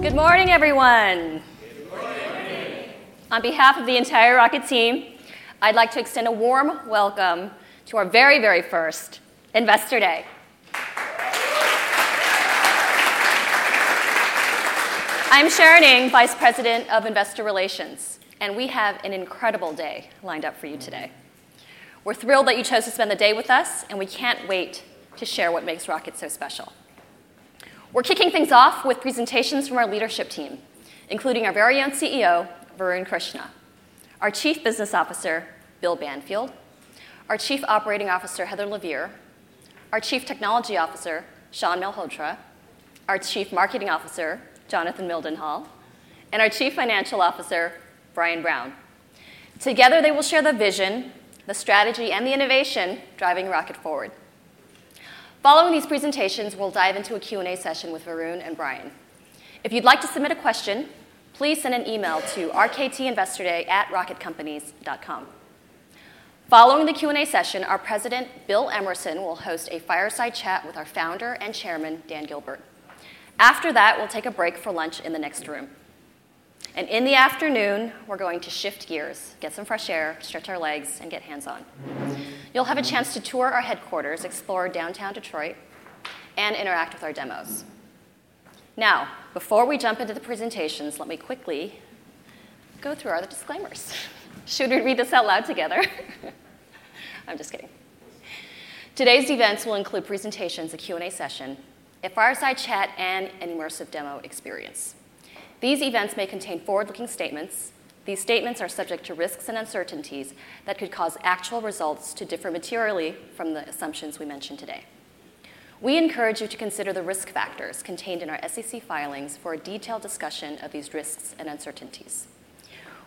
Good morning, everyone! Good morning. On behalf of the entire Rocket team, I'd like to extend a warm welcome to our very, very first Investor Day. I'm Sharon Ng, Vice President of Investor Relations, and we have an incredible day lined up for you today. We're thrilled that you chose to spend the day with us, and we can't wait to share what makes Rocket so special. We're kicking things off with presentations from our leadership team, including our very own CEO, Varun Krishna, our Chief Business Officer, Bill Banfield, our Chief Operating Officer, Heather Lovier, our Chief Technology Officer, Shawn Malhotra, our Chief Marketing Officer, Jonathan Mildenhall, and our Chief Financial Officer, Brian Brown. Together, they will share the vision, the strategy, and the innovation driving Rocket forward. Following these presentations, we'll dive into a Q&A session with Varun and Brian. If you'd like to submit a question, please send an email to rktinvestorday@rocketcompanies.com. Following the Q&A session, our President, Bill Emerson, will host a fireside chat with our Founder and Chairman, Dan Gilbert. After that, we'll take a break for lunch in the next room, and in the afternoon, we're going to shift gears, get some fresh air, stretch our legs, and get hands-on. You'll have a chance to tour our headquarters, explore downtown Detroit, and interact with our demos. Now, before we jump into the presentations, let me quickly go through our disclaimers. Should we read this out loud together? I'm just kidding. Today's events will include presentations, a Q&A session, a fireside chat, and an immersive demo experience. These events may contain forward-looking statements. These statements are subject to risks and uncertainties that could cause actual results to differ materially from the assumptions we mention today. We encourage you to consider the risk factors contained in our SEC filings for a detailed discussion of these risks and uncertainties.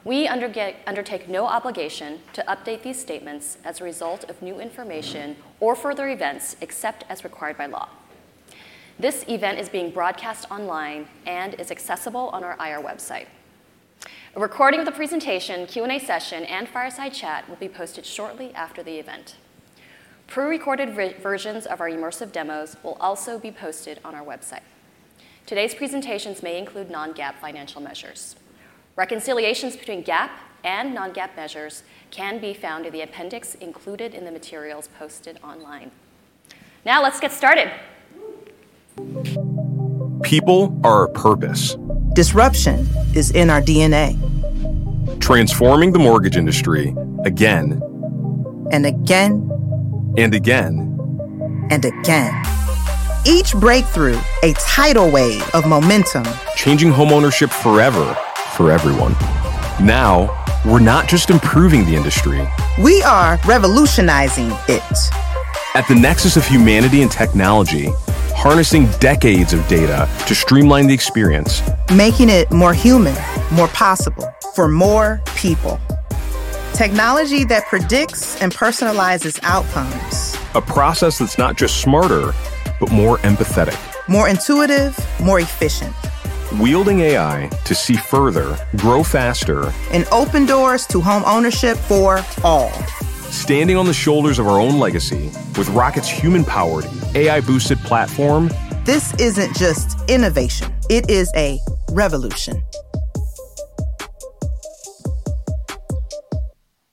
We undertake no obligation to update these statements as a result of new information or further events, except as required by law. This event is being broadcast online and is accessible on our IR website. A recording of the presentation, Q&A session, and fireside chat will be posted shortly after the event. Pre-recorded versions of our immersive demos will also be posted on our website. Today's presentations may include non-GAAP financial measures. Reconciliations between GAAP and non-GAAP measures can be found in the appendix included in the materials posted online. Now, let's get started! Whoo! People are our purpose. Disruption is in our DNA. Transforming the mortgage industry again... And again. And again. Again. Each breakthrough, a tidal wave of momentum. Changing homeownership forever for everyone. Now, we're not just improving the industry. We are revolutionizing it. At the nexus of humanity and technology, harnessing decades of data to streamline the experience. Making it more human, more possible for more people. Technology that predicts and personalizes outcomes. A process that's not just smarter, but more empathetic. More intuitive, more efficient. Wielding AI to see further, grow faster. Open doors to homeownership for all. Standing on the shoulders of our own legacy with Rocket's human-powered, AI-boosted platform. This isn't just innovation, it is a revolution.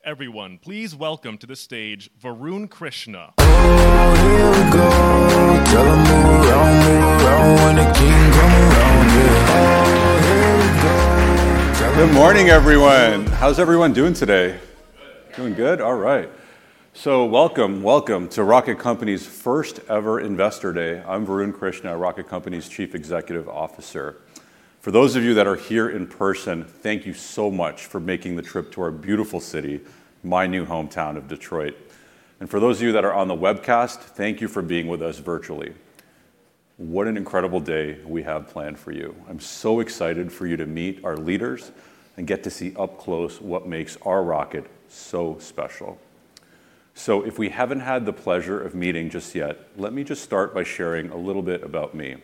Everyone, please welcome to the stage, Varun Krishna. Oh, here we go. Tell 'em round and round like a kingdom come. Oh, here we go. Good morning, everyone. How's everyone doing today? Good. Doing good? All right, so welcome, welcome to Rocket Companies' first-ever Investor Day. I'm Varun Krishna, Rocket Companies' Chief Executive Officer. For those of you that are here in person, thank you so much for making the trip to our beautiful city, my new hometown of Detroit, and for those of you that are on the webcast, thank you for being with us virtually. What an incredible day we have planned for you. I'm so excited for you to meet our leaders and get to see up close what makes our Rocket so special, so if we haven't had the pleasure of meeting just yet, let me just start by sharing a little bit about me.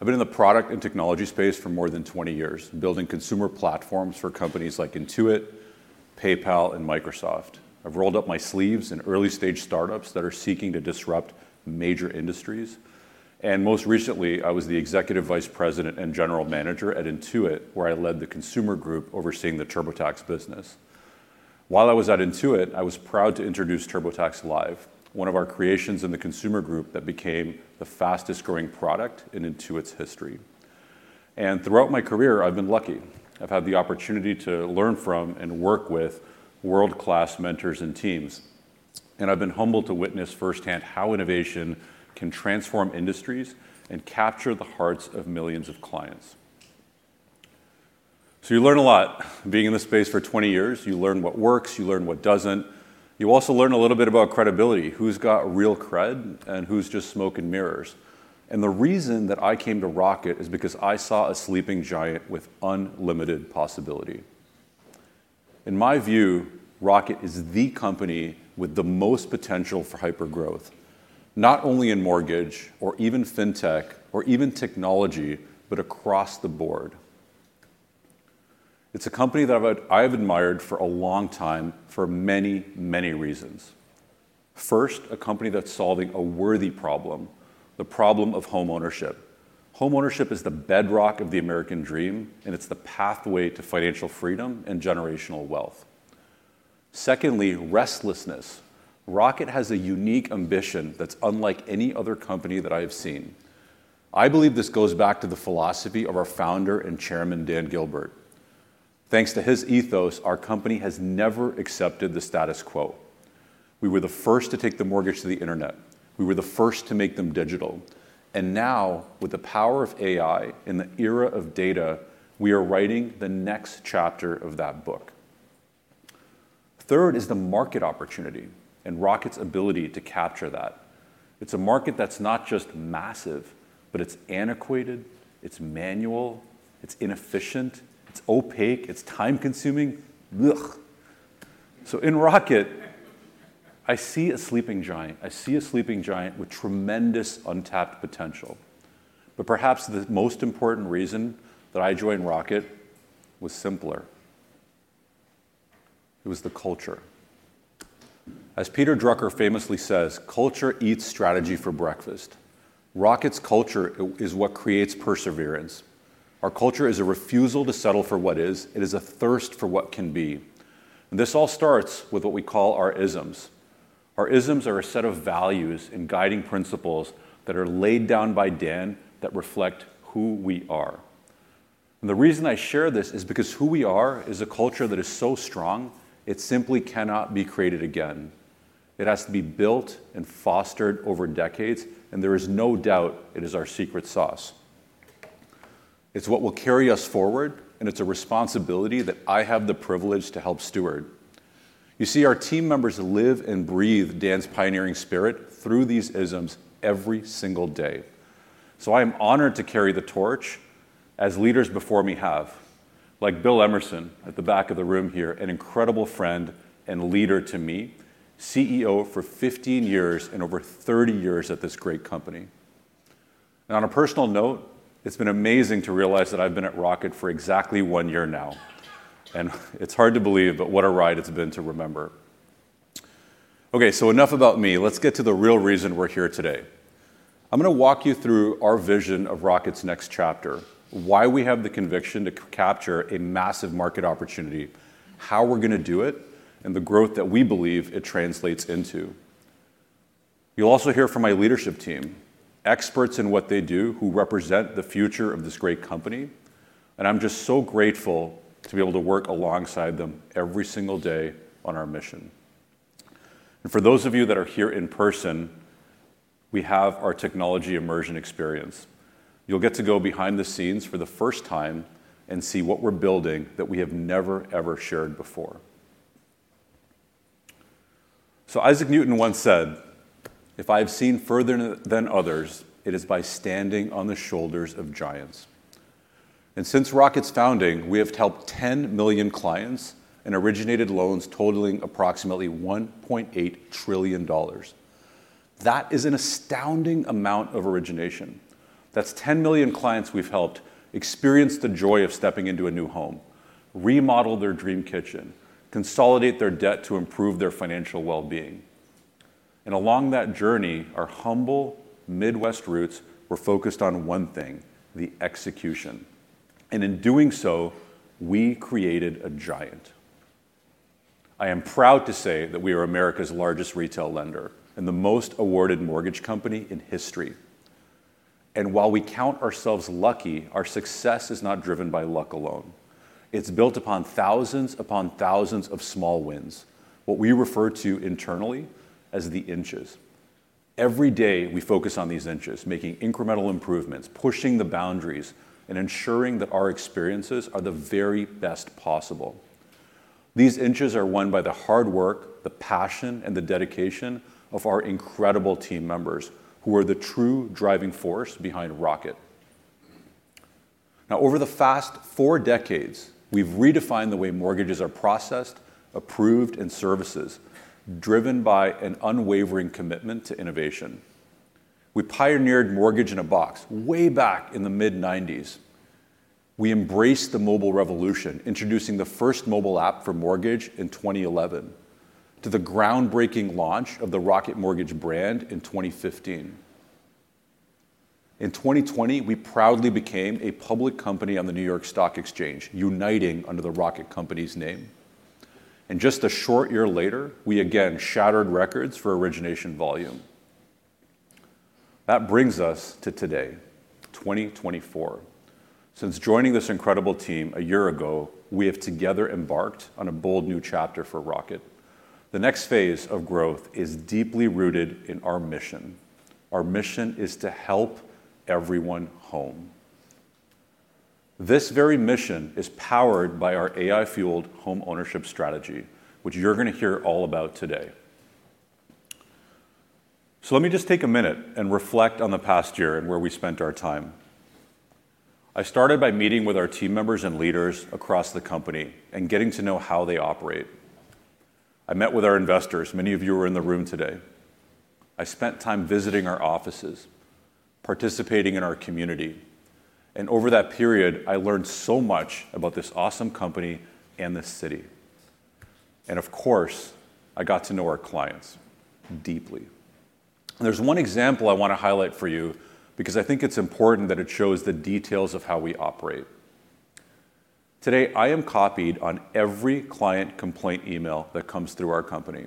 I've been in the product and technology space for more than 20 years, building consumer platforms for companies like Intuit, PayPal, and Microsoft. I've rolled up my sleeves in early-stage startups that are seeking to disrupt major industries, and most recently, I was the Executive Vice President and General Manager at Intuit, where I led the consumer group overseeing the TurboTax business. While I was at Intuit, I was proud to introduce TurboTax Live, one of our creations in the consumer group that became the fastest-growing product in Intuit's history. And throughout my career, I've been lucky. I've had the opportunity to learn from and work with world-class mentors and teams, and I've been humbled to witness firsthand how innovation can transform industries and capture the hearts of millions of clients. So you learn a lot being in this space for 20 years. You learn what works, you learn what doesn't. You also learn a little bit about credibility, who's got real cred and who's just smoke and mirrors. And the reason that I came to Rocket is because I saw a sleeping giant with unlimited possibility. In my view, Rocket is the company with the most potential for hypergrowth, not only in mortgage or even fintech or even technology, but across the board. ... It's a company that I've admired for a long time for many, many reasons. First, a company that's solving a worthy problem, the problem of homeownership. Homeownership is the bedrock of the American dream, and it's the pathway to financial freedom and generational wealth. Secondly, restlessness. Rocket has a unique ambition that's unlike any other company that I have seen. I believe this goes back to the philosophy of our founder and chairman, Dan Gilbert. Thanks to his ethos, our company has never accepted the status quo. We were the first to take the mortgage to the internet. We were the first to make them digital. And now, with the power of AI and the era of data, we are writing the next chapter of that book. Third is the market opportunity and Rocket's ability to capture that. It's a market that's not just massive, but it's antiquated, it's manual, it's inefficient, it's opaque, it's time-consuming. Ugh! So in Rocket, I see a sleeping giant. I see a sleeping giant with tremendous untapped potential. But perhaps the most important reason that I joined Rocket was simpler. It was the culture. As Peter Drucker famously says, "Culture eats strategy for breakfast." Rocket's culture is what creates perseverance. Our culture is a refusal to settle for what is. It is a thirst for what can be. This all starts with what we call our ISMs. Our ISMs are a set of values and guiding principles that are laid down by Dan that reflect who we are. And the reason I share this is because who we are is a culture that is so strong, it simply cannot be created again. It has to be built and fostered over decades, and there is no doubt it is our secret sauce. It's what will carry us forward, and it's a responsibility that I have the privilege to help steward. You see, our team members live and breathe Dan's pioneering spirit through these ISMs every single day. So I am honored to carry the torch as leaders before me have, like Bill Emerson at the back of the room here, an incredible friend and leader to me, CEO for 15 years and over 30 years at this great company. And on a personal note, it's been amazing to realize that I've been at Rocket for exactly one year now, and it's hard to believe, but what a ride it's been to remember. Okay, so enough about me. Let's get to the real reason we're here today. I'm gonna walk you through our vision of Rocket's next chapter, why we have the conviction to capture a massive market opportunity, how we're gonna do it, and the growth that we believe it translates into. You'll also hear from my leadership team, experts in what they do, who represent the future of this great company, and I'm just so grateful to be able to work alongside them every single day on our mission, and for those of you that are here in person, we have our technology immersion experience. You'll get to go behind the scenes for the first time and see what we're building that we have never, ever shared before. Isaac Newton once said, "If I have seen further than others, it is by standing on the shoulders of giants." And since Rocket's founding, we have helped 10 million clients and originated loans totaling approximately $1.8 trillion. That is an astounding amount of origination. That's 10 million clients we've helped experience the joy of stepping into a new home, remodel their dream kitchen, consolidate their debt to improve their financial well-being. And along that journey, our humble Midwest roots were focused on one thing, the execution, and in doing so, we created a giant. I am proud to say that we are America's largest retail lender and the most awarded mortgage company in history. And while we count ourselves lucky, our success is not driven by luck alone. It's built upon thousands upon thousands of small wins, what we refer to internally as the inches. Every day, we focus on these inches, making incremental improvements, pushing the boundaries, and ensuring that our experiences are the very best possible. These inches are won by the hard work, the passion, and the dedication of our incredible team members, who are the true driving force behind Rocket. Now, over the past four decades, we've redefined the way mortgages are processed, approved, and serviced, driven by an unwavering commitment to innovation. We pioneered Mortgage in a Box way back in the mid-1990s. We embraced the mobile revolution, introducing the first mobile app for mortgage in 2011, to the groundbreaking launch of the Rocket Mortgage brand in 2015. In 2020, we proudly became a public company on the New York Stock Exchange, uniting under the Rocket Companies name, and just a short year later, we again shattered records for origination volume. That brings us to today 2024. Since joining this incredible team a year ago, we have together embarked on a bold new chapter for Rocket. The next phase of growth is deeply rooted in our mission. Our mission is to help everyone home. This very mission is powered by our AI-fueled homeownership strategy, which you're gonna hear all about today. So let me just take a minute and reflect on the past year and where we spent our time. I started by meeting with our team members and leaders across the company and getting to know how they operate. I met with our investors. Many of you are in the room today. I spent time visiting our offices, participating in our community, and over that period, I learned so much about this awesome company and this city. And of course, I got to know our clients deeply. There's one example I wanna highlight for you because I think it's important that it shows the details of how we operate. Today, I am copied on every client complaint email that comes through our company.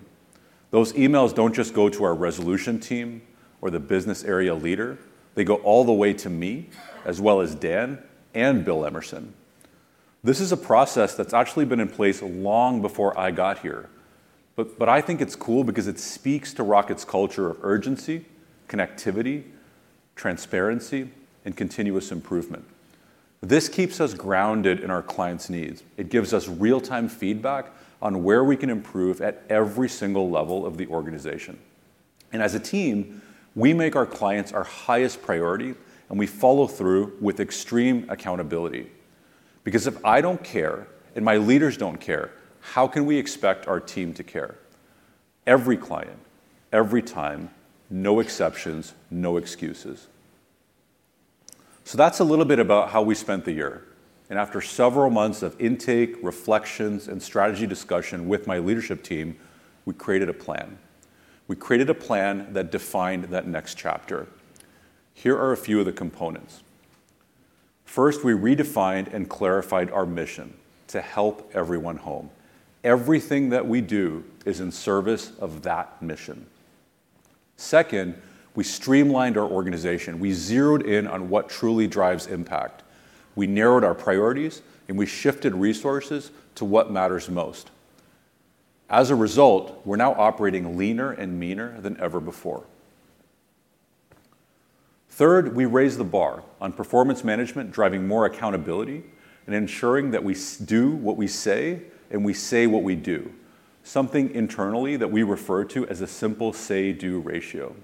Those emails don't just go to our resolution team or the business area leader, they go all the way to me, as well as Dan and Bill Emerson. This is a process that's actually been in place long before I got here, but I think it's cool because it speaks to Rocket's culture of urgency, connectivity, transparency, and continuous improvement. This keeps us grounded in our clients' needs. It gives us real-time feedback on where we can improve at every single level of the organization. As a team, we make our clients our highest priority, and we follow through with extreme accountability. Because if I don't care and my leaders don't care, how can we expect our team to care? Every client, every time, no exceptions, no excuses. So that's a little bit about how we spent the year, and after several months of intake, reflections, and strategy discussion with my leadership team, we created a plan. We created a plan that defined that next chapter. Here are a few of the components. First, we redefined and clarified our mission: to help everyone home. Everything that we do is in service of that mission. Second, we streamlined our organization. We zeroed in on what truly drives impact. We narrowed our priorities, and we shifted resources to what matters most. As a result, we're now operating leaner and meaner than ever before. Third, we raised the bar on performance management, driving more accountability and ensuring that we do what we say and we say what we do, something internally that we refer to as a simple say-do ratio.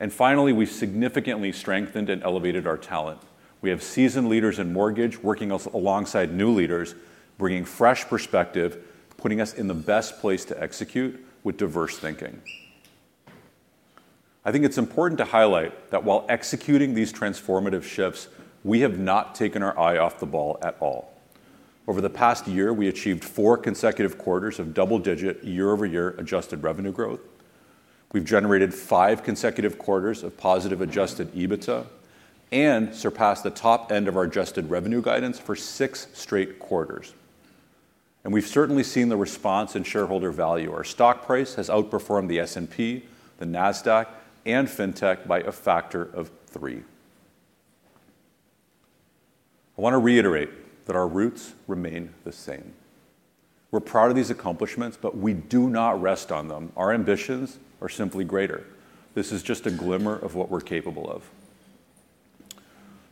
And finally, we significantly strengthened and elevated our talent. We have seasoned leaders in mortgage working alongside new leaders, bringing fresh perspective, putting us in the best place to execute with diverse thinking. I think it's important to highlight that while executing these transformative shifts, we have not taken our eye off the ball at all. Over the past year, we achieved four consecutive quarters of double-digit, year-over-year adjusted revenue growth. We've generated five consecutive quarters of positive adjusted EBITDA and surpassed the top end of our adjusted revenue guidance for six straight quarters, and we've certainly seen the response in shareholder value. Our stock price has outperformed the S&P, the Nasdaq, and Fintech by a factor of three. I wanna reiterate that our roots remain the same. We're proud of these accomplishments, but we do not rest on them. Our ambitions are simply greater. This is just a glimmer of what we're capable of.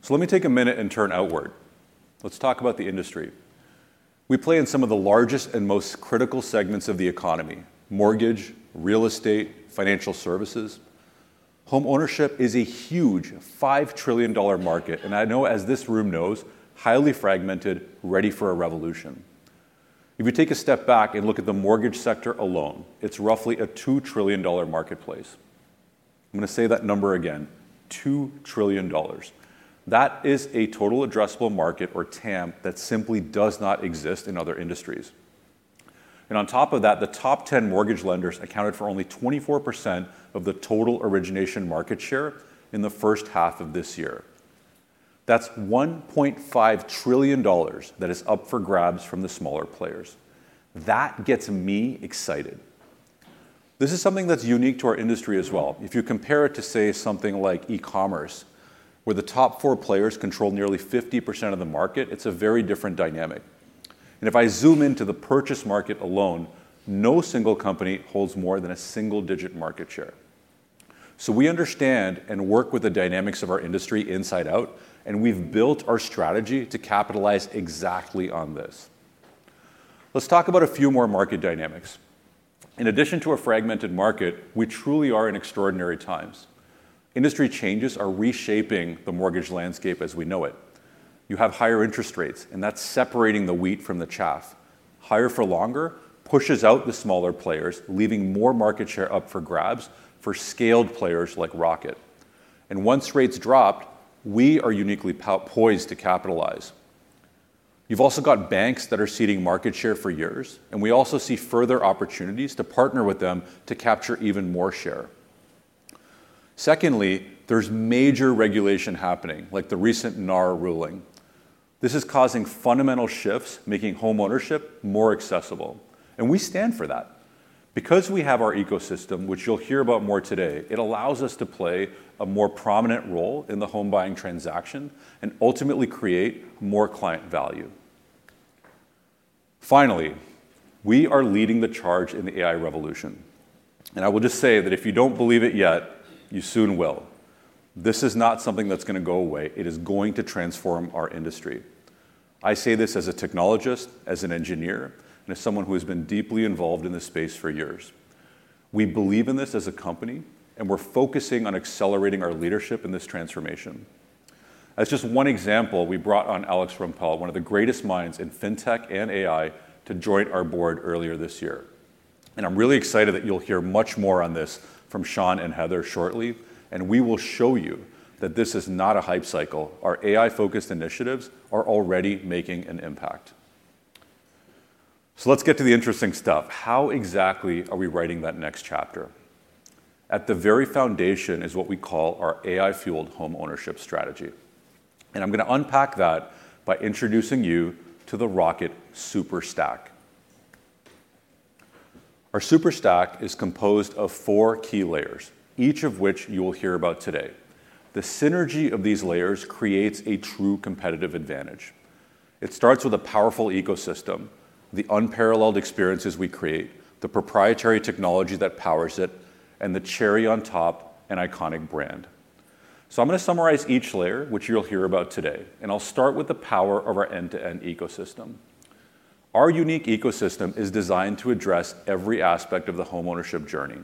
So let me take a minute and turn outward. Let's talk about the industry. We play in some of the largest and most critical segments of the economy: mortgage, real estate, financial services. Homeownership is a huge $5 trillion market, and I know, as this room knows, highly fragmented, ready for a revolution. If you take a step back and look at the mortgage sector alone, it's roughly a $2 trillion marketplace. I'm gonna say that number again, $2 trillion. That is a total addressable market, or TAM, that simply does not exist in other industries. And on top of that, the top ten mortgage lenders accounted for only 24% of the total origination market share in the first half of this year. That's $1.5 trillion that is up for grabs from the smaller players. That gets me excited. This is something that's unique to our industry as well. If you compare it to, say, something like e-commerce, where the top four players control nearly 50% of the market, it's a very different dynamic. And if I zoom into the purchase market alone, no single company holds more than a single-digit market share. So we understand and work with the dynamics of our industry inside out, and we've built our strategy to capitalize exactly on this. Let's talk about a few more market dynamics. In addition to a fragmented market, we truly are in extraordinary times. Industry changes are reshaping the mortgage landscape as we know it. You have higher interest rates, and that's separating the wheat from the chaff. Higher for longer pushes out the smaller players, leaving more market share up for grabs for scaled players like Rocket, and once rates drop, we are uniquely poised to capitalize. You've also got banks that are ceding market share for years, and we also see further opportunities to partner with them to capture even more share. Secondly, there's major regulation happening, like the recent NAR ruling. This is causing fundamental shifts, making homeownership more accessible, and we stand for that. Because we have our ecosystem, which you'll hear about more today, it allows us to play a more prominent role in the home buying transaction and ultimately create more client value. Finally, we are leading the charge in the AI revolution, and I will just say that if you don't believe it yet, you soon will. This is not something that's gonna go away. It is going to transform our industry. I say this as a technologist, as an engineer, and as someone who has been deeply involved in this space for years. We believe in this as a company, and we're focusing on accelerating our leadership in this transformation. That's just one example. We brought on Alex Rampell, one of the greatest minds in fintech and AI, to join our board earlier this year. And I'm really excited that you'll hear much more on this from Shawn and Heather shortly, and we will show you that this is not a hype cycle. Our AI-focused initiatives are already making an impact. So let's get to the interesting stuff. How exactly are we writing that next chapter? At the very foundation is what we call our AI-fueled homeownership strategy, and I'm gonna unpack that by introducing you to the Rocket Superstack. Our Superstack is composed of four key layers, each of which you will hear about today. The synergy of these layers creates a true competitive advantage. It starts with a powerful ecosystem, the unparalleled experiences we create, the proprietary technology that powers it, and the cherry on top, an iconic brand. So I'm gonna summarize each layer, which you'll hear about today, and I'll start with the power of our end-to-end ecosystem. Our unique ecosystem is designed to address every aspect of the homeownership journey,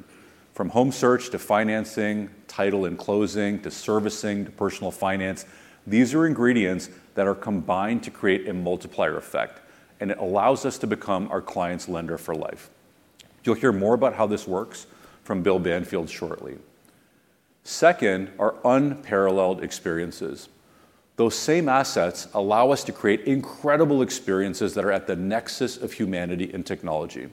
from home search, to financing, title and closing, to servicing, to personal finance. These are ingredients that are combined to create a multiplier effect, and it allows us to become our client's lender for life. You'll hear more about how this works from Bill Banfield shortly. Second, our unparalleled experiences. Those same assets allow us to create incredible experiences that are at the nexus of humanity and technology.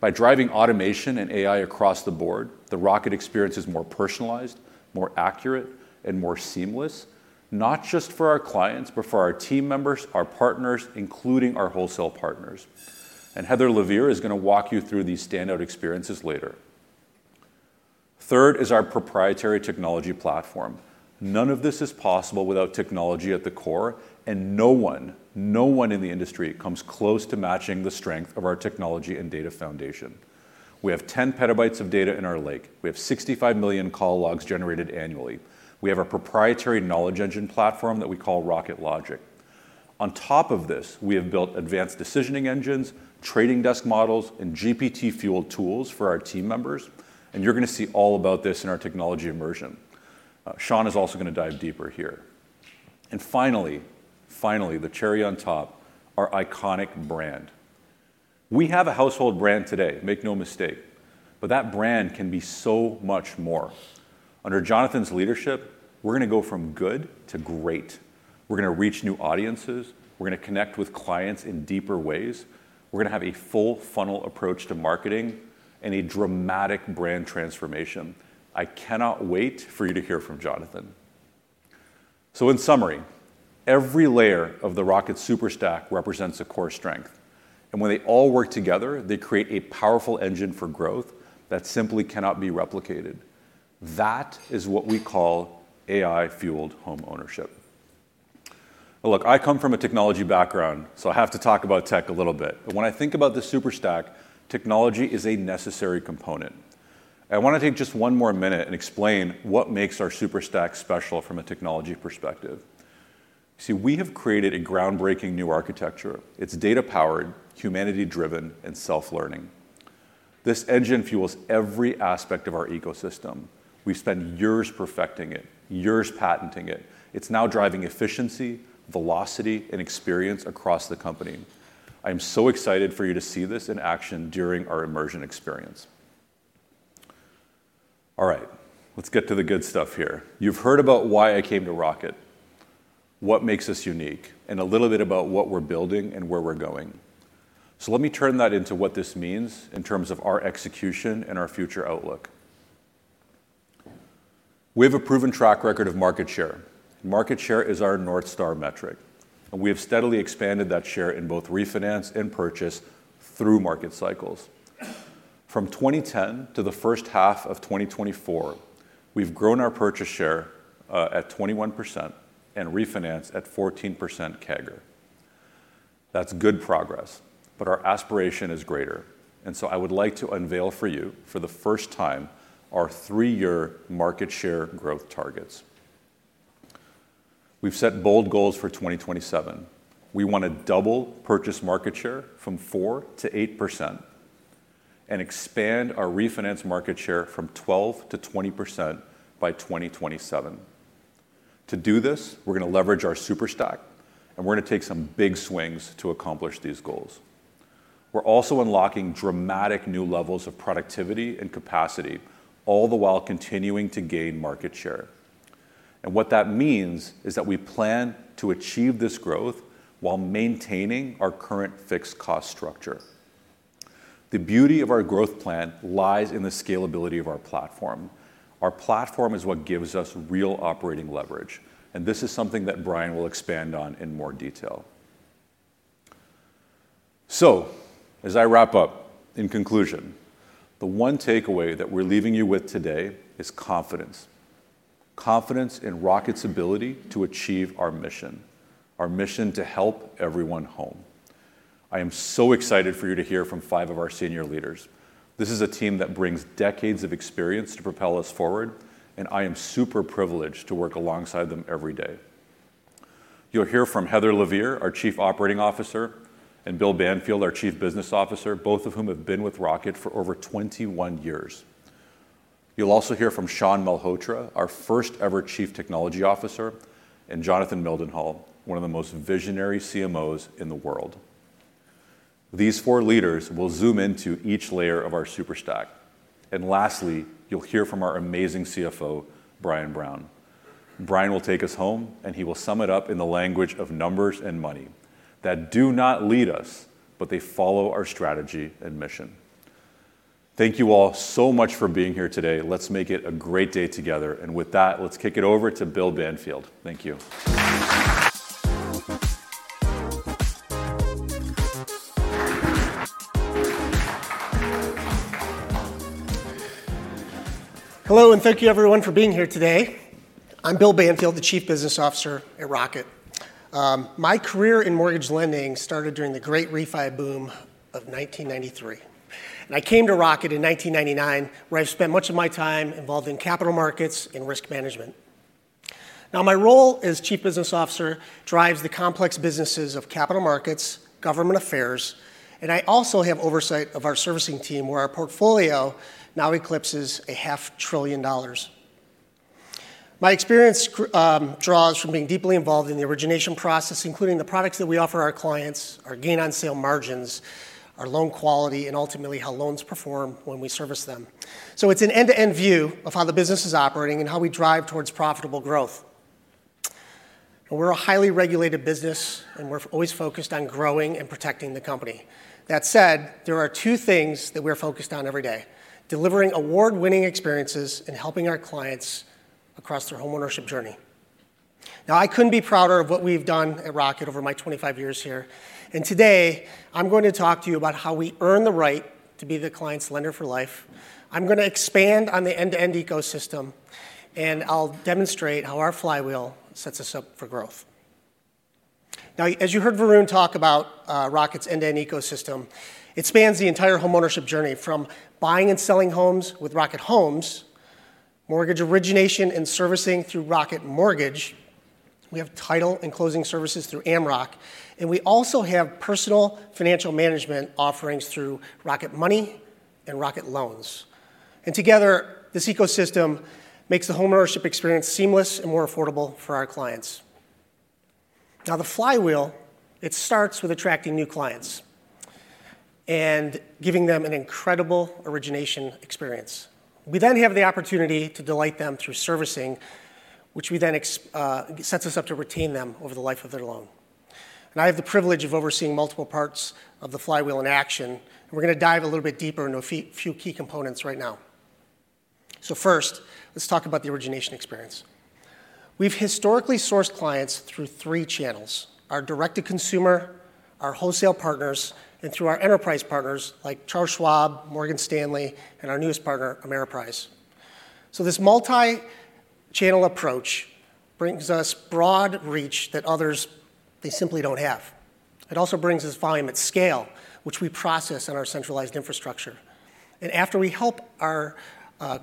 By driving automation and AI across the board, the Rocket experience is more personalized, more accurate, and more seamless, not just for our clients, but for our team members, our partners, including our wholesale partners, and Heather Lovier is gonna walk you through these standout experiences later. Third is our proprietary technology platform. None of this is possible without technology at the core, and no one, no one in the industry comes close to matching the strength of our technology and data foundation. We have 10 petabytes of data in our data lake. We have 65 million call logs generated annually. We have a proprietary knowledge engine platform that we call Rocket Logic. On top of this, we have built advanced decisioning engines, trading desk models, and GPT-fueled tools for our team members, and you're gonna see all about this in our technology immersion. Shawn is also gonna dive deeper here. And finally, finally, the cherry on top, our iconic brand. We have a household brand today, make no mistake, but that brand can be so much more. Under Jonathan's leadership, we're gonna go from good to great. We're gonna reach new audiences, we're gonna connect with clients in deeper ways. We're gonna have a full funnel approach to marketing and a dramatic brand transformation. I cannot wait for you to hear from Jonathan. So in summary, every layer of the Rocket Superstack represents a core strength, and when they all work together, they create a powerful engine for growth that simply cannot be replicated. That is what we call AI-fueled homeownership. Well, look, I come from a technology background, so I have to talk about tech a little bit. But when I think about the Superstack, technology is a necessary component. I wanna take just one more minute and explain what makes our Superstack special from a technology perspective. See, we have created a groundbreaking new architecture. It's data-powered, humanity-driven, and self-learning. This engine fuels every aspect of our ecosystem. We spent years perfecting it, years patenting it. It's now driving efficiency, velocity, and experience across the company. I'm so excited for you to see this in action during our immersion experience. All right, let's get to the good stuff here. You've heard about why I came to Rocket, what makes us unique, and a little bit about what we're building and where we're going. So let me turn that into what this means in terms of our execution and our future outlook. We have a proven track record of market share. Market share is our North Star metric, and we have steadily expanded that share in both refinance and purchase through market cycles. From 2010 to the first half of 2024, we've grown our purchase share at 21% and refinance at 14% CAGR. That's good progress, but our aspiration is greater, and so I would like to unveil for you, for the first time, our three-year market share growth targets. We've set bold goals for 2027. We want to double purchase market share from 4% to 8% and expand our refinance market share from 12% to 20% by 2027. To do this, we're gonna leverage our Superstack, and we're gonna take some big swings to accomplish these goals. We're also unlocking dramatic new levels of productivity and capacity, all the while continuing to gain market share. What that means is that we plan to achieve this growth while maintaining our current fixed cost structure. The beauty of our growth plan lies in the scalability of our platform. Our platform is what gives us real operating leverage, and this is something that Brian will expand on in more detail. So as I wrap up, in conclusion, the one takeaway that we're leaving you with today is confidence. Confidence in Rocket's ability to achieve our mission, our mission to help everyone home. I am so excited for you to hear from five of our senior leaders. This is a team that brings decades of experience to propel us forward, and I am super privileged to work alongside them every day.... You'll hear from Heather Lovier, our Chief Operating Officer, and Bill Banfield, our Chief Business Officer, both of whom have been with Rocket for over 2021 years. You'll also hear from Shawn Malhotra, our first ever Chief Technology Officer, and Jonathan Mildenhall, one of the most visionary CMOs in the world. These four leaders will zoom into each layer of our Superstack. And lastly, you'll hear from our amazing CFO, Brian Brown. Brian will take us home, and he will sum it up in the language of numbers and money, that do not lead us, but they follow our strategy and mission. Thank you all so much for being here today. Let's make it a great day together, and with that, let's kick it over to Bill Banfield. Thank you. Hello, and thank you everyone for being here today. I'm Bill Banfield, the Chief Business Officer at Rocket. My career in mortgage lending started during the great refi boom of nineteen ninety-three, and I came to Rocket in nineteen ninety-nine, where I've spent much of my time involved in capital markets and risk management. Now, my role as Chief Business Officer drives the complex businesses of capital markets, government affairs, and I also have oversight of our servicing team, where our portfolio now eclipses $500 billion. My experience draws from being deeply involved in the origination process, including the products that we offer our clients, our gain on sale margins, our loan quality, and ultimately, how loans perform when we service them. So it's an end-to-end view of how the business is operating and how we drive towards profitable growth. We're a highly regulated business, and we're always focused on growing and protecting the company. That said, there are two things that we're focused on every day: delivering award-winning experiences and helping our clients across their homeownership journey. Now, I couldn't be prouder of what we've done at Rocket over my 25 years here, and today, I'm going to talk to you about how we earn the right to be the client's lender for life. I'm gonna expand on the end-to-end ecosystem, and I'll demonstrate how our flywheel sets us up for growth. Now, as you heard Varun talk about, Rocket's end-to-end ecosystem, it spans the entire homeownership journey, from buying and selling homes with Rocket Homes, mortgage origination and servicing through Rocket Mortgage. We have title and closing services through Amrock, and we also have personal financial management offerings through Rocket Money and Rocket Loans. Together, this ecosystem makes the homeownership experience seamless and more affordable for our clients. Now, the flywheel, it starts with attracting new clients and giving them an incredible origination experience. We then have the opportunity to delight them through servicing, which then sets us up to retain them over the life of their loan. I have the privilege of overseeing multiple parts of the flywheel in action, and we're gonna dive a little bit deeper into a few key components right now. First, let's talk about the origination experience. We've historically sourced clients through three channels: our direct-to-consumer, our wholesale partners, and through our enterprise partners like Charles Schwab, Morgan Stanley, and our newest partner, Ameriprise. This multi-channel approach brings us broad reach that others, they simply don't have. It also brings us volume at scale, which we process in our centralized infrastructure. And after we help our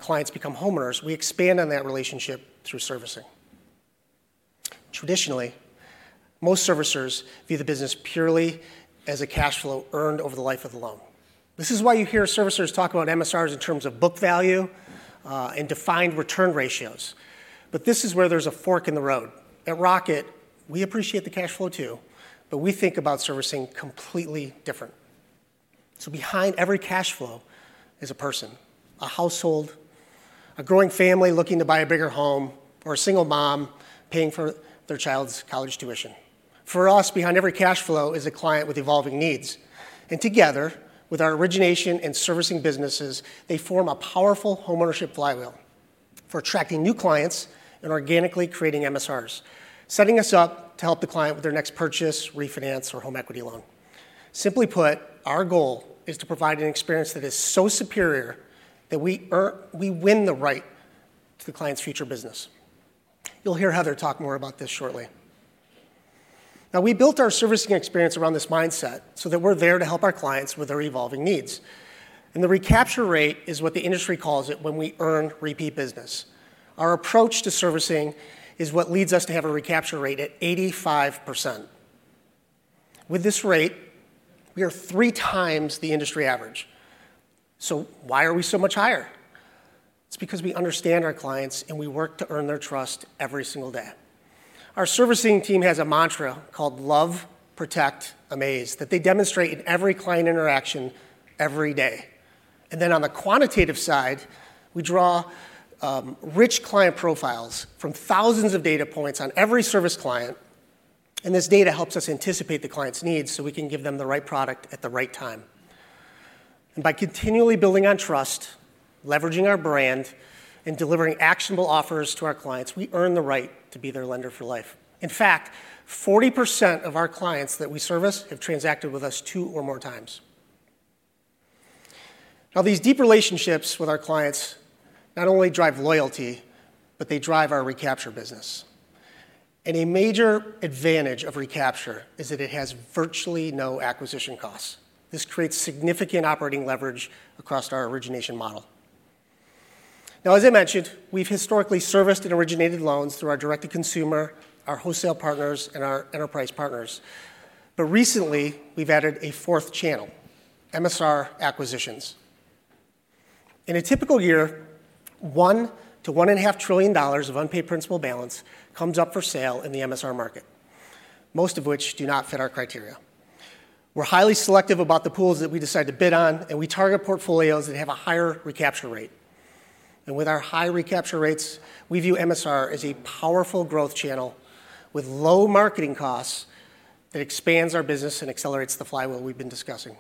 clients become homeowners, we expand on that relationship through servicing. Traditionally, most servicers view the business purely as a cash flow earned over the life of the loan. This is why you hear servicers talk about MSRs in terms of book value and defined return ratios. But this is where there's a fork in the road. At Rocket, we appreciate the cash flow too, but we think about servicing completely different. So behind every cash flow is a person, a household, a growing family looking to buy a bigger home, or a single mom paying for their child's college tuition. For us, behind every cash flow is a client with evolving needs, and together, with our origination and servicing businesses, they form a powerful homeownership flywheel for attracting new clients and organically creating MSRs, setting us up to help the client with their next purchase, refinance, or home equity loan. Simply put, our goal is to provide an experience that is so superior that we win the right to the client's future business. You'll hear Heather talk more about this shortly. Now, we built our servicing experience around this mindset so that we're there to help our clients with their evolving needs. The recapture rate is what the industry calls it when we earn repeat business. Our approach to servicing is what leads us to have a recapture rate at 85%. With this rate, we are three times the industry average. So why are we so much higher? It's because we understand our clients, and we work to earn their trust every single day. Our servicing team has a mantra called Love, Protect, Amaze, that they demonstrate in every client interaction every day, and then on the quantitative side, we draw rich client profiles from thousands of data points on every service client, and this data helps us anticipate the client's needs, so we can give them the right product at the right time, and by continually building on trust, leveraging our brand, and delivering actionable offers to our clients, we earn the right to be their lender for life. In fact, 40% of our clients that we service have transacted with us two or more times. Now, these deep relationships with our clients not only drive loyalty, but they drive our recapture business. A major advantage of recapture is that it has virtually no acquisition costs. This creates significant operating leverage across our origination model. Now, as I mentioned, we've historically serviced and originated loans through our direct-to-consumer, our wholesale partners, and our enterprise partners. But recently, we've added a fourth channel: MSR acquisitions. In a typical year, $1-$1.5 trillion of unpaid principal balance comes up for sale in the MSR market, most of which do not fit our criteria. We're highly selective about the pools that we decide to bid on, and we target portfolios that have a higher recapture rate. With our high recapture rates, we view MSR as a powerful growth channel with low marketing costs that expands our business and accelerates the flywheel we've been discussing.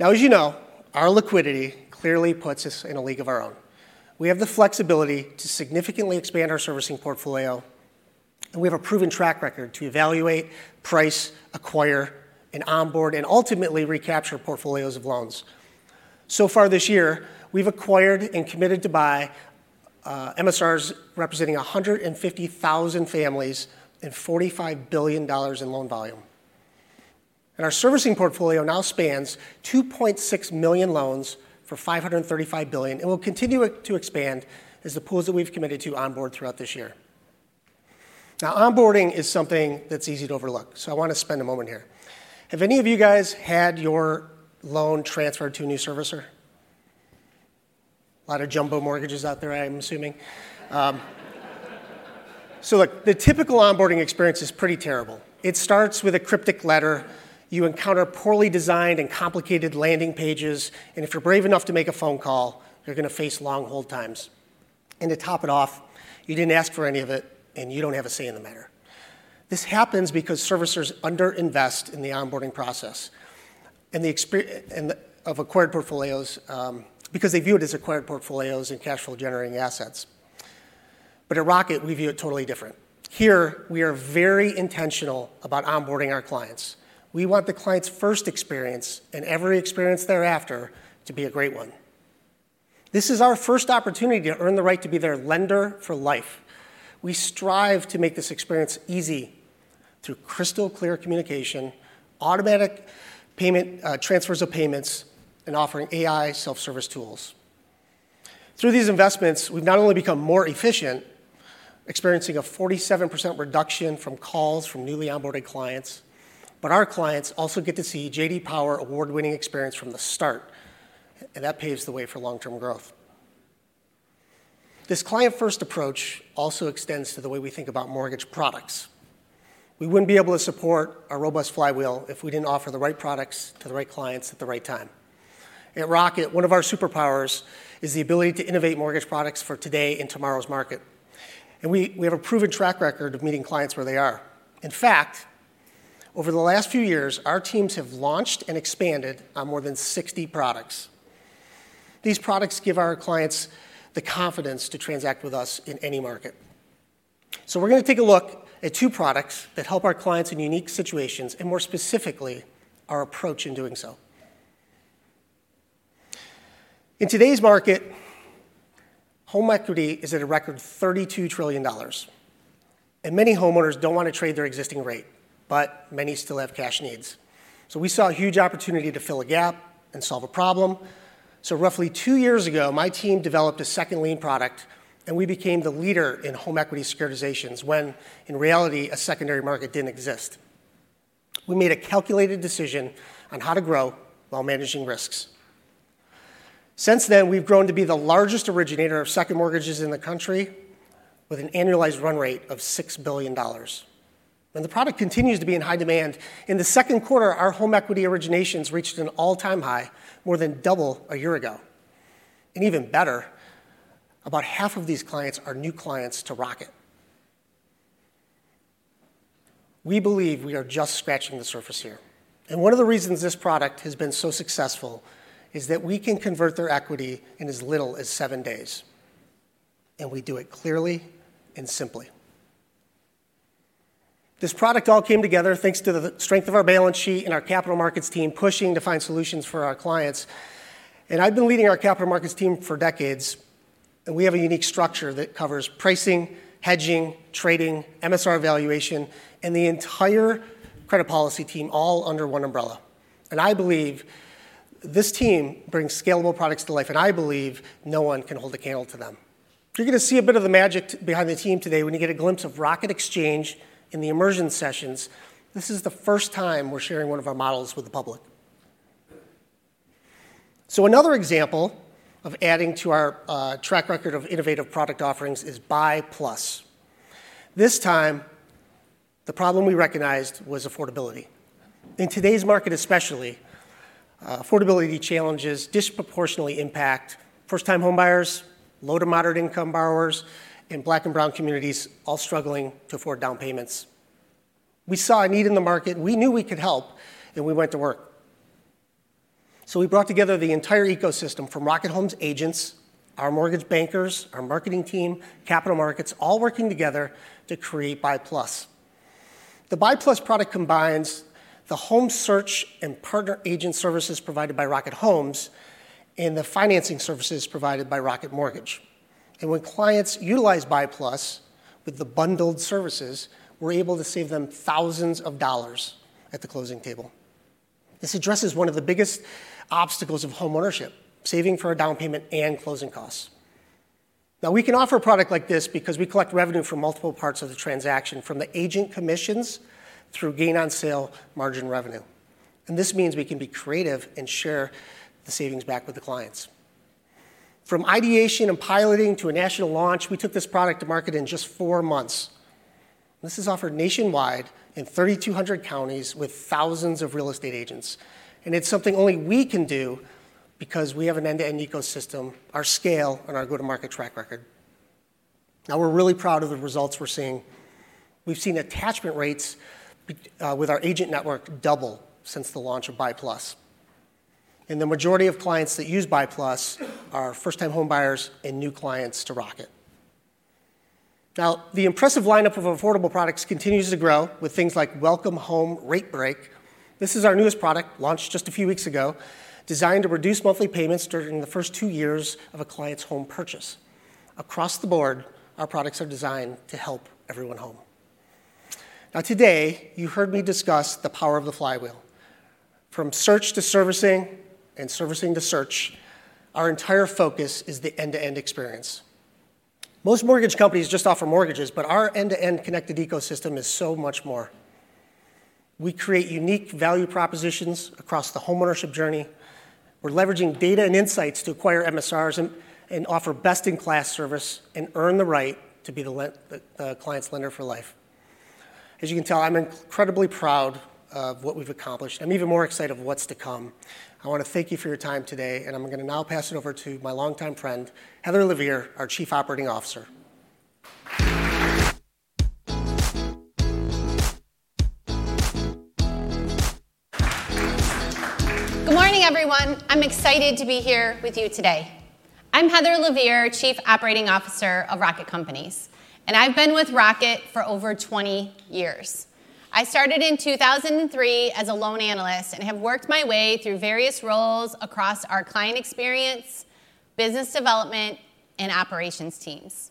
Now, as you know, our liquidity clearly puts us in a league of our own. We have the flexibility to significantly expand our servicing portfolio, and we have a proven track record to evaluate, price, acquire, and onboard, and ultimately recapture portfolios of loans. So far this year, we've acquired and committed to buy MSRs representing 150 thousand families and $45 billion in loan volume. And our servicing portfolio now spans 2.6 million loans for $535 billion and will continue to expand as the pools that we've committed to onboard throughout this year. Now, onboarding is something that's easy to overlook, so I wanna spend a moment here. Have any of you guys had your loan transferred to a new servicer? A lot of jumbo mortgages out there, I'm assuming. So look, the typical onboarding experience is pretty terrible. It starts with a cryptic letter. You encounter poorly designed and complicated landing pages, and if you're brave enough to make a phone call, you're gonna face long hold times. And to top it off, you didn't ask for any of it, and you don't have a say in the matter. This happens because servicers under invest in the onboarding process, and the experience of acquired portfolios, because they view it as acquired portfolios and cash flow generating assets. But at Rocket, we view it totally different. Here, we are very intentional about onboarding our clients. We want the client's first experience, and every experience thereafter, to be a great one. This is our first opportunity to earn the right to be their lender for life. We strive to make this experience easy through crystal-clear communication, automatic payment transfers of payments, and offering AI self-service tools. Through these investments, we've not only become more efficient, experiencing a 47% reduction from calls from newly onboarded clients, but our clients also get to see J.D. Power award-winning experience from the start, and that paves the way for long-term growth. This client-first approach also extends to the way we think about mortgage products. We wouldn't be able to support our robust flywheel if we didn't offer the right products to the right clients at the right time. At Rocket, one of our superpowers is the ability to innovate mortgage products for today and tomorrow's market, and we, we have a proven track record of meeting clients where they are. In fact, over the last few years, our teams have launched and expanded on more than 60 products. These products give our clients the confidence to transact with us in any market. We're gonna take a look at two products that help our clients in unique situations, and more specifically, our approach in doing so. In today's market, home equity is at a record $32 trillion, and many homeowners don't want to trade their existing rate, but many still have cash needs. We saw a huge opportunity to fill a gap and solve a problem. Roughly two years ago, my team developed a second lien product, and we became the leader in home equity securitizations, when in reality, a secondary market didn't exist. We made a calculated decision on how to grow while managing risks. Since then, we've grown to be the largest originator of second mortgages in the country, with an annualized run rate of $6 billion. The product continues to be in high demand. In the second quarter, our home equity originations reached an all-time high, more than double a year ago. And even better, about half of these clients are new clients to Rocket. We believe we are just scratching the surface here, and one of the reasons this product has been so successful is that we can convert their equity in as little as seven days, and we do it clearly and simply. This product all came together thanks to the strength of our balance sheet and our capital markets team pushing to find solutions for our clients. And I've been leading our capital markets team for decades, and we have a unique structure that covers pricing, hedging, trading, MSR valuation, and the entire credit policy team, all under one umbrella. And I believe this team brings scalable products to life, and I believe no one can hold a candle to them. You're gonna see a bit of the magic behind the team today when you get a glimpse of Rocket Exchange in the immersion sessions. This is the first time we're sharing one of our models with the public. So another example of adding to our track record of innovative product offerings is Buy+. This time, the problem we recognized was affordability. In today's market especially, affordability challenges disproportionately impact first-time homebuyers, low-to-moderate-income borrowers, and Black and brown communities, all struggling to afford down payments. We saw a need in the market, we knew we could help, and we went to work. So we brought together the entire ecosystem, from Rocket Homes agents, our mortgage bankers, our marketing team, capital markets, all working together to create Buy+. The Buy+ product combines the home search and partner agent services provided by Rocket Homes and the financing services provided by Rocket Mortgage. When clients utilize Buy+ with the bundled services, we're able to save them thousands of dollars at the closing table. This addresses one of the biggest obstacles of homeownership, saving for a down payment and closing costs. Now, we can offer a product like this because we collect revenue from multiple parts of the transaction, from the agent commissions through gain on sale margin revenue, and this means we can be creative and share the savings back with the clients. From ideation and piloting to a national launch, we took this product to market in just four months. This is offered nationwide in thirty-two hundred counties with thousands of real estate agents, and it's something only we can do because we have an end-to-end ecosystem, our scale, and our go-to-market track record. Now, we're really proud of the results we're seeing. We've seen attachment rates with our agent network double since the launch of Buy+, and the majority of clients that use Buy+ are first-time home buyers and new clients to Rocket. Now, the impressive lineup of affordable products continues to grow with things like Welcome Home RateBreak. This is our newest product, launched just a few weeks ago, designed to reduce monthly payments during the first two years of a client's home purchase. Across the board, our products are designed to help everyone home. Now, today, you heard me discuss the power of the flywheel. From search to servicing and servicing to search, our entire focus is the end-to-end experience. Most mortgage companies just offer mortgages, but our end-to-end connected ecosystem is so much more. We create unique value propositions across the homeownership journey. We're leveraging data and insights to acquire MSRs and offer best-in-class service and earn the right to be the client's lender for life. As you can tell, I'm incredibly proud of what we've accomplished, and even more excited of what's to come. I want to thank you for your time today, and I'm gonna now pass it over to my longtime friend, Heather Lovier, our Chief Operating Officer. Good morning, everyone. I'm excited to be here with you today. I'm Heather Lovier, Chief Operating Officer of Rocket Companies, and I've been with Rocket for over 20 years. I started in two thousand and three as a loan analyst and have worked my way through various roles across our client experience, business development, and operations teams.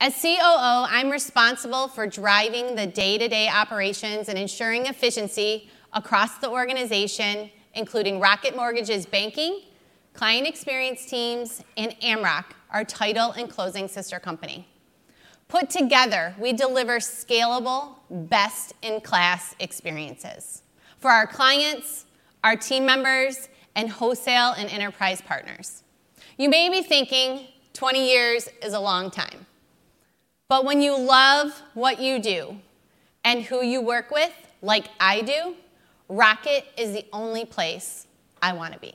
As COO, I'm responsible for driving the day-to-day operations and ensuring efficiency across the organization, including Rocket Mortgage's banking, client experience teams, and Amrock, our title and closing sister company. Put together, we deliver scalable, best-in-class experiences for our clients, our team members, and wholesale and enterprise partners. You may be thinking, 20 years is a long time, but when you love what you do and who you work with, like I do, Rocket is the only place I wanna be.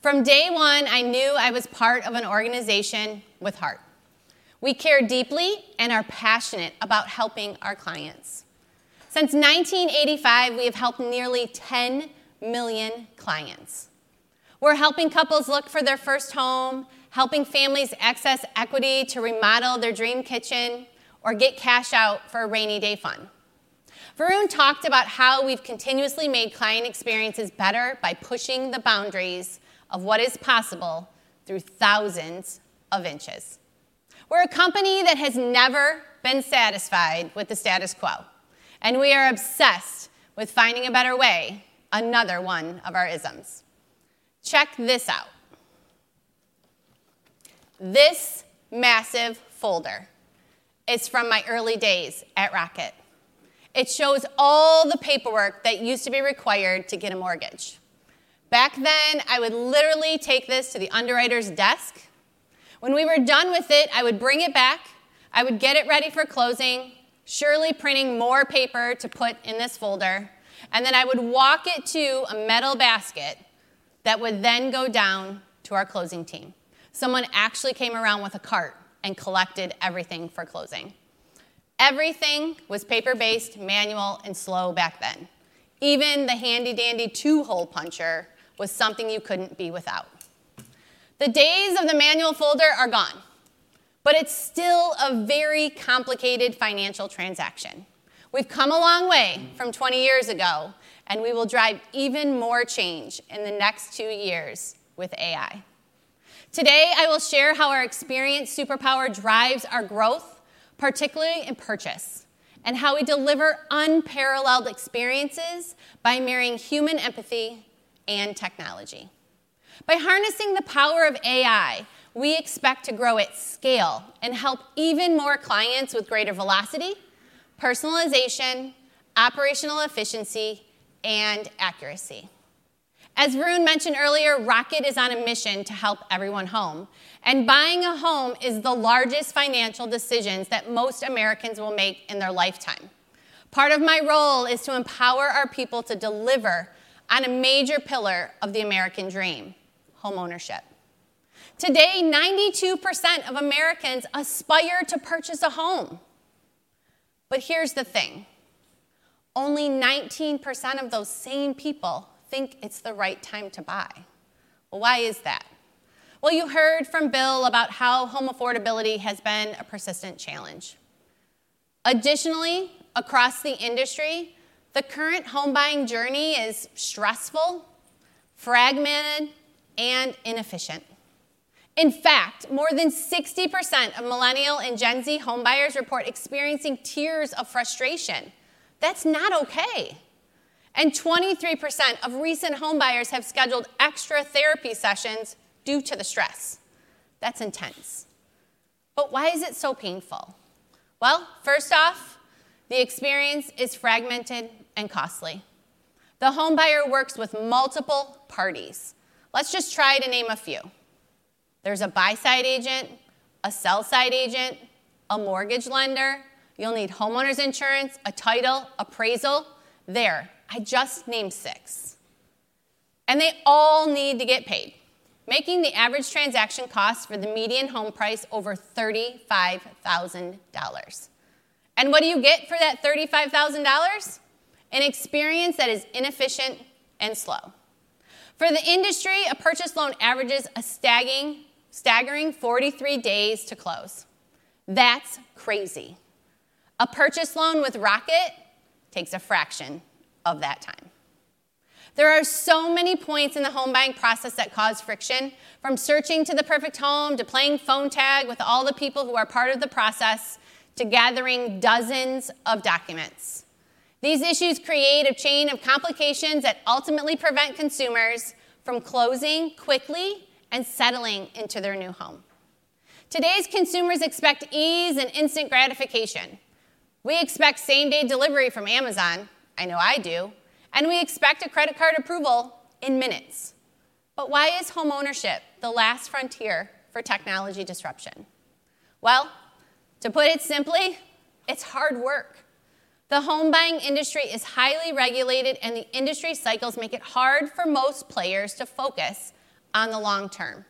From day one, I knew I was part ofan organization with heart. We care deeply and are passionate about helping our clients. Since nineteen eighty-five, we have helped nearly 10 million clients. We're helping couples look for their first home, helping families access equity to remodel their dream kitchen, or get cash out for a rainy day fund. Varun talked about how we've continuously made client experiences better by pushing the boundaries of what is possible through thousands of inches. We're a company that has never been satisfied with the status quo, and we are obsessed with finding a better way, another one of our ISMs. Check this out. This massive folder is from my early days at Rocket. It shows all the paperwork that used to be required to get a mortgage. Back then, I would literally take this to the underwriter's desk. When we were done with it, I would bring it back, I would get it ready for closing, surely printing more paper to put in this folder, and then I would walk it to a metal basket that would then go down to our closing team. Someone actually came around with a cart and collected everything for closing. Everything was paper-based, manual, and slow back then. Even the handy dandy two-hole puncher was something you couldn't be without. The days of the manual folder are gone, but it's still a very complicated financial transaction. We've come a long way from 20 years ago, and we will drive even more change in the next two years with AI. Today, I will share how our experience superpower drives our growth, particularly in purchase, and how we deliver unparalleled experiences by marrying human empathy and technology. By harnessing the power of AI, we expect to grow at scale and help even more clients with greater velocity, personalization, operational efficiency, and accuracy. As Varun mentioned earlier, Rocket is on a mission to help everyone home, and buying a home is the largest financial decisions that most Americans will make in their lifetime. Part of my role is to empower our people to deliver on a major pillar of the American dream: homeownership. Today, 92% of Americans aspire to purchase a home. But here's the thing, only 19% of those same people think it's the right time to buy. Why is that? Well, you heard from Bill about how home affordability has been a persistent challenge. Additionally, across the industry, the current home buying journey is stressful, fragmented, and inefficient.... In fact, more than 60% of Millennial and Gen Z homebuyers report experiencing tears of frustration. That's not okay, and 23% of recent homebuyers have scheduled extra therapy sessions due to the stress. That's intense, but why is it so painful? Well, first off, the experience is fragmented and costly. The homebuyer works with multiple parties. Let's just try to name a few. There's a buy-side agent, a sell-side agent, a mortgage lender. You'll need homeowner's insurance, a title, appraisal. There, I just named six, and they all need to get paid, making the average transaction cost for the median home price over $35,000. And what do you get for that $35,000? An experience that is inefficient and slow. For the industry, a purchase loan averages a staggering 43 days to close. That's crazy. A purchase loan with Rocket takes a fraction of that time. There are so many points in the home buying process that cause friction, from searching to the perfect home, to playing phone tag with all the people who are part of the process, to gathering dozens of documents. These issues create a chain of complications that ultimately prevent consumers from closing quickly and settling into their new home. Today's consumers expect ease and instant gratification. We expect same-day delivery from Amazon, I know I do, and we expect a credit card approval in minutes. But why is homeownership the last frontier for technology disruption? Well, to put it simply, it's hard work. The home buying industry is highly regulated, and the industry cycles make it hard for most players to focus on the long term.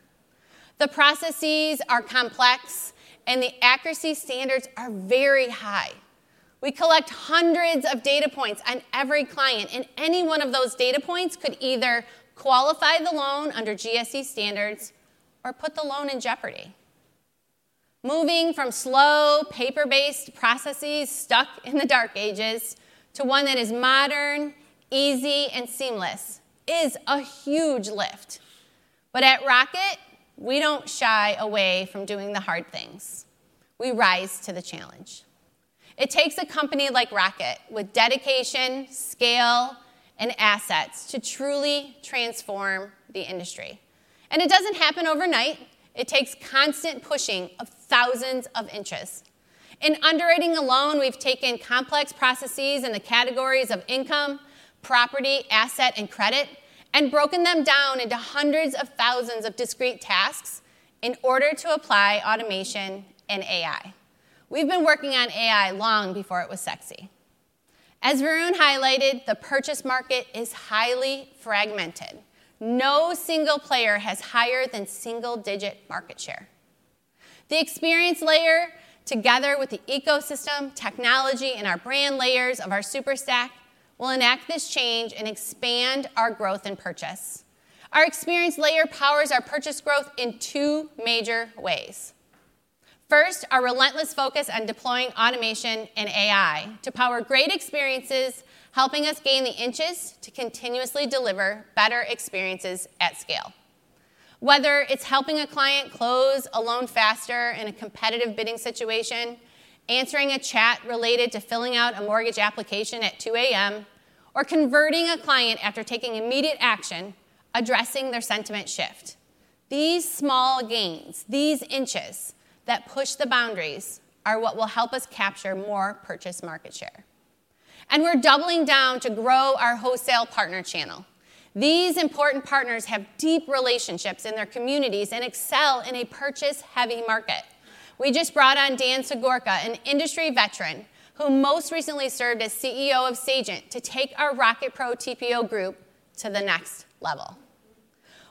The processes are complex, and the accuracy standards are very high. We collect hundreds of data points on every client, and any one of those data points could either qualify the loan under GSE standards or put the loan in jeopardy. Moving from slow, paper-based processes stuck in the dark ages to one that is modern, easy, and seamless is a huge lift. But at Rocket, we don't shy away from doing the hard things. We rise to the challenge. It takes a company like Rocket, with dedication, scale, and assets, to truly transform the industry. And it doesn't happen overnight. It takes constant pushing of thousands of inches. In underwriting a loan, we've taken complex processes in the categories of income, property, asset, and credit, and broken them down into hundreds of thousands of discrete tasks in order to apply automation and AI. We've been working on AI long before it was sexy. As Varun highlighted, the purchase market is highly fragmented. No single player has higher than single-digit market share. The experience layer, together with the ecosystem, technology, and our brand layers of our Superstack, will enact this change and expand our growth and purchase. Our experience layer powers our purchase growth in two major ways. First, our relentless focus on deploying automation and AI to power great experiences, helping us gain the inches to continuously deliver better experiences at scale. Whether it's helping a client close a loan faster in a competitive bidding situation, answering a chat related to filling out a mortgage application at 2:00 A.M., or converting a client after taking immediate action, addressing their sentiment shift. These small gains, these inches that push the boundaries, are what will help us capture more purchase market share. And we're doubling down to grow our wholesale partner channel. These important partners have deep relationships in their communities and excel in a purchase-heavy market. We just brought on Dan Sogorka, an industry veteran, who most recently served as CEO of Sagent, to take our Rocket Pro TPO group to the next level.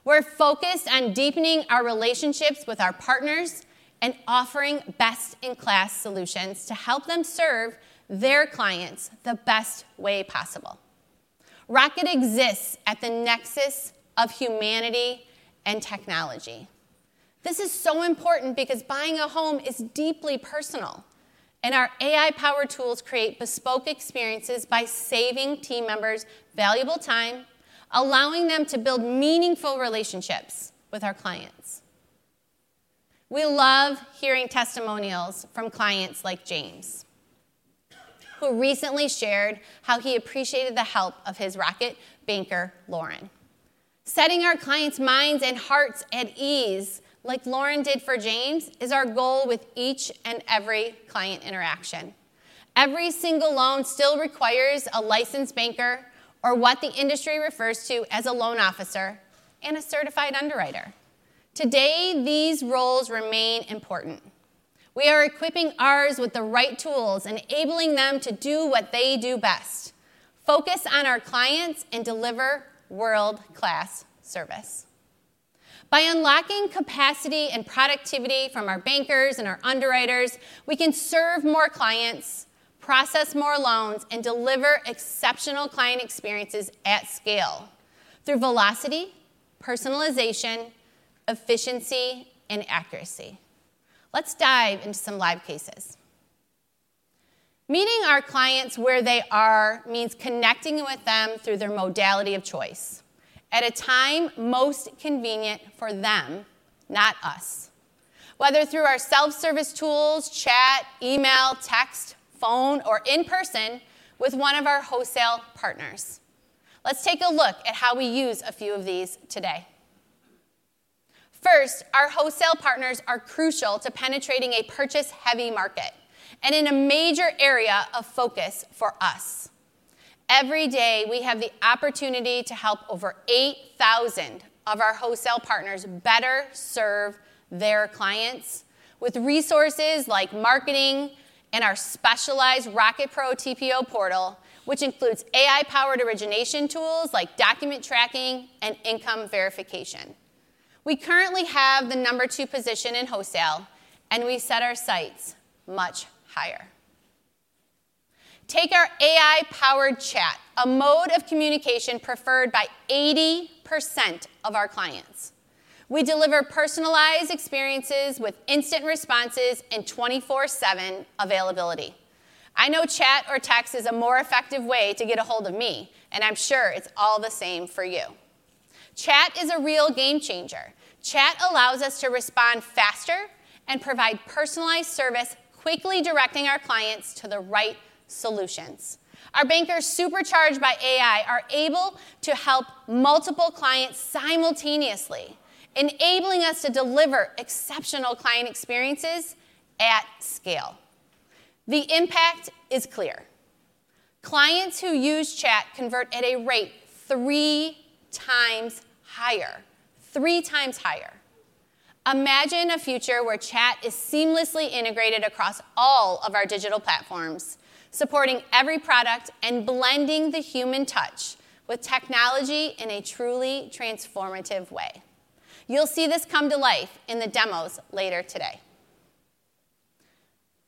We're focused on deepening our relationships with our partners and offering best-in-class solutions to help them serve their clients the best way possible. Rocket exists at the nexus of humanity and technology. This is so important because buying a home is deeply personal, and our AI-powered tools create bespoke experiences by saving team members valuable time, allowing them to build meaningful relationships with our clients. We love hearing testimonials from clients like James, who recently shared how he appreciated the help of his Rocket banker, Lauren. Setting our clients' minds and hearts at ease, like Lauren did for James, is our goal with each and every client interaction. Every single loan still requires a licensed banker or what the industry refers to as a loan officer and a certified underwriter. Today, these roles remain important. We are equipping ours with the right tools, enabling them to do what they do best: focus on our clients and deliver world-class service. By unlocking capacity and productivity from our bankers and our underwriters, we can serve more clients, process more loans, and deliver exceptional client experiences at scale through velocity, personalization, efficiency, and accuracy. Let's dive into some live cases... Meeting our clients where they are means connecting with them through their modality of choice, at a time most convenient for them, not us. Whether through our self-service tools, chat, email, text, phone, or in person with one of our wholesale partners. Let's take a look at how we use a few of these today. First, our wholesale partners are crucial to penetrating a purchase-heavy market, and in a major area of focus for us. Every day, we have the opportunity to help over eight thousand of our wholesale partners better serve their clients with resources like marketing and our specialized Rocket Pro TPO portal, which includes AI-powered origination tools like document tracking and income verification. We currently have the number two position in wholesale, and we set our sights much higher. Take our AI-powered chat, a mode of communication preferred by 80% of our clients. We deliver personalized experiences with instant responses and 24/7 availability. I know chat or text is a more effective way to get ahold of me, and I'm sure it's all the same for you. Chat is a real game changer. Chat allows us to respond faster and provide personalized service, quickly directing our clients to the right solutions. Our bankers, supercharged by AI, are able to help multiple clients simultaneously, enabling us to deliver exceptional client experiences at scale. The impact is clear. Clients who use chat convert at a rate three times higher, three times higher. Imagine a future where chat is seamlessly integrated across all of our digital platforms, supporting every product and blending the human touch with technology in a truly transformative way. You'll see this come to life in the demos later today.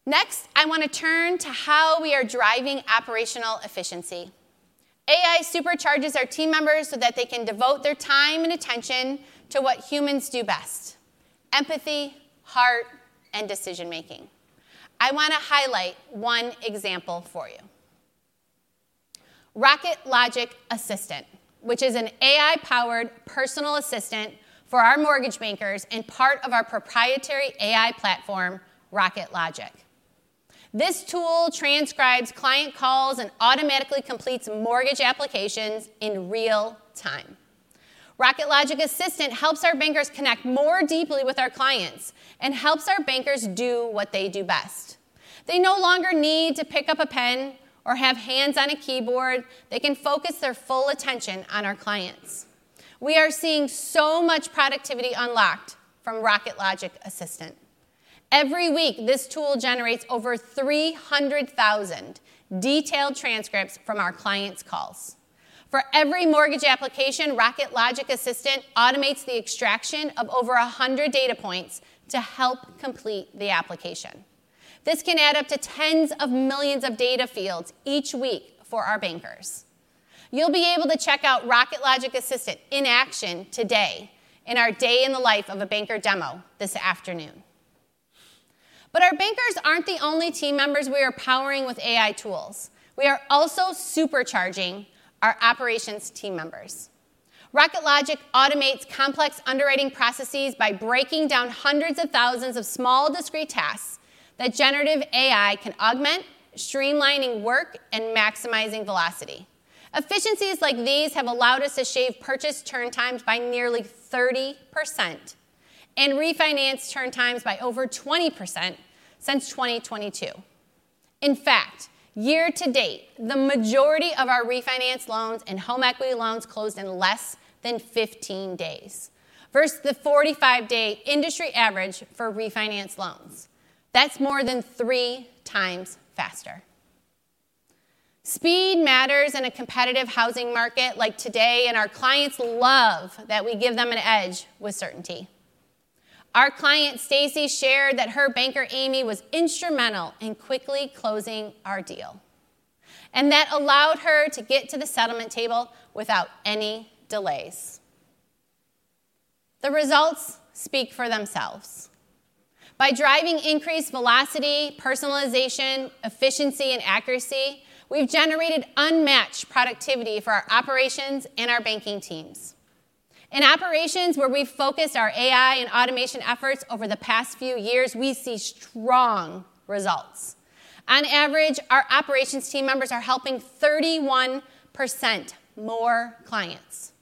Next, I want to turn to how we are driving operational efficiency. AI supercharges our team members so that they can devote their time and attention to what humans do best: empathy, heart, and decision-making. I want to highlight one example for you. Rocket Logic Assistant, which is an AI-powered personal assistant for our mortgage bankers and part of our proprietary AI platform, Rocket Logic. This tool transcribes client calls and automatically completes mortgage applications in real time. Rocket Logic Assistant helps our bankers connect more deeply with our clients and helps our bankers do what they do best. They no longer need to pick up a pen or have hands on a keyboard. They can focus their full attention on our clients. We are seeing so much productivity unlocked from Rocket Logic Assistant. Every week, this tool generates over 300,000 detailed transcripts from our clients' calls. For every mortgage application, Rocket Logic Assistant automates the extraction of over a hundred data points to help complete the application. This can add up to tens of millions of data fields each week for our bankers. You'll be able to check out Rocket Logic Assistant in action today in our Day in the Life of a Banker demo this afternoon. But our bankers aren't the only team members we are powering with AI tools. We are also supercharging our operations team members. Rocket Logic automates complex underwriting processes by breaking down hundreds of thousands of small, discrete tasks that generative AI can augment, streamlining work and maximizing velocity. Efficiencies like these have allowed us to shave purchase turn times by nearly 30% and refinance turn times by over 20% since 2022. In fact, year to date, the majority of our refinance loans and home equity loans closed in less than 15 days, versus the 45-day industry average for refinance loans. That's more than three times faster. Speed matters in a competitive housing market like today, and our clients love that we give them an edge with certainty. Our client, Stacy, shared that her banker, Amy, "was instrumental in quickly closing our deal," and that allowed her to get to the settlement table without any delays. The results speak for themselves. By driving increased velocity, personalization, efficiency, and accuracy, we've generated unmatched productivity for our operations and our banking teams. In operations where we've focused our AI and automation efforts over the past few years, we see strong results. On average, our operations team members are helping 31% more clients.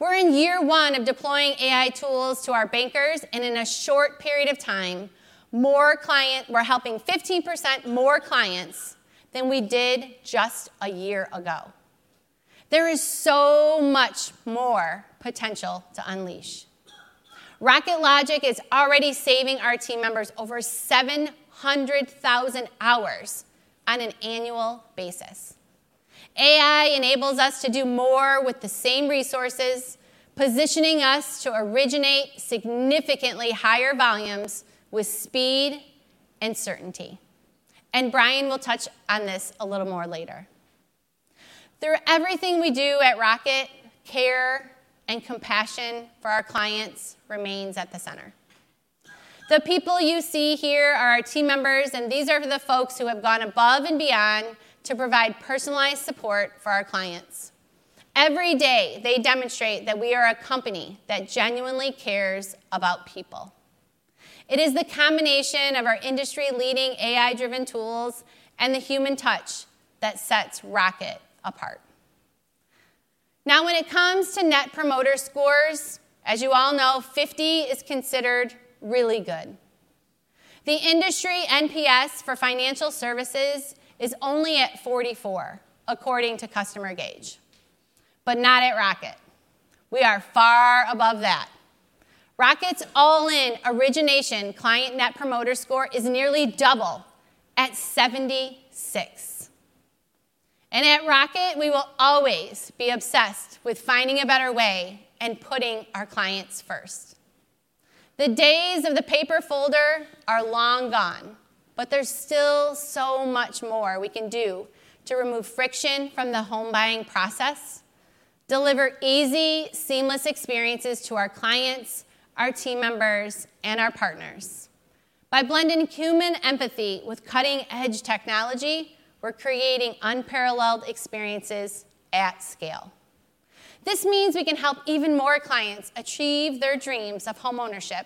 We're in year one of deploying AI tools to our bankers, and in a short period of time, we're helping 15% more clients than we did just a year ago. There is so much more potential to unleash. Rocket Logic is already saving our team members over 700,000 hours on an annual basis. AI enables us to do more with the same resources, positioning us to originate significantly higher volumes with speed and certainty, and Brian will touch on this a little more later. Through everything we do at Rocket, care and compassion for our clients remains at the center. The people you see here are our team members, and these are the folks who have gone above and beyond to provide personalized support for our clients. Every day, they demonstrate that we are a company that genuinely cares about people. It is the combination of our industry-leading, AI-driven tools and the human touch that sets Rocket apart. Now, when it comes to net promoter scores, as you all know, 50 is considered really good. The industry NPS for financial services is only at 44, according to CustomerGauge, but not at Rocket. We are far above that. Rocket's all-in origination client net promoter score is nearly double, at 76. And at Rocket, we will always be obsessed with finding a better way and putting our clients first. The days of the paper folder are long gone, but there's still so much more we can do to remove friction from the home buying process, deliver easy, seamless experiences to our clients, our team members, and our partners. By blending human empathy with cutting-edge technology, we're creating unparalleled experiences at scale. This means we can help even more clients achieve their dreams of homeownership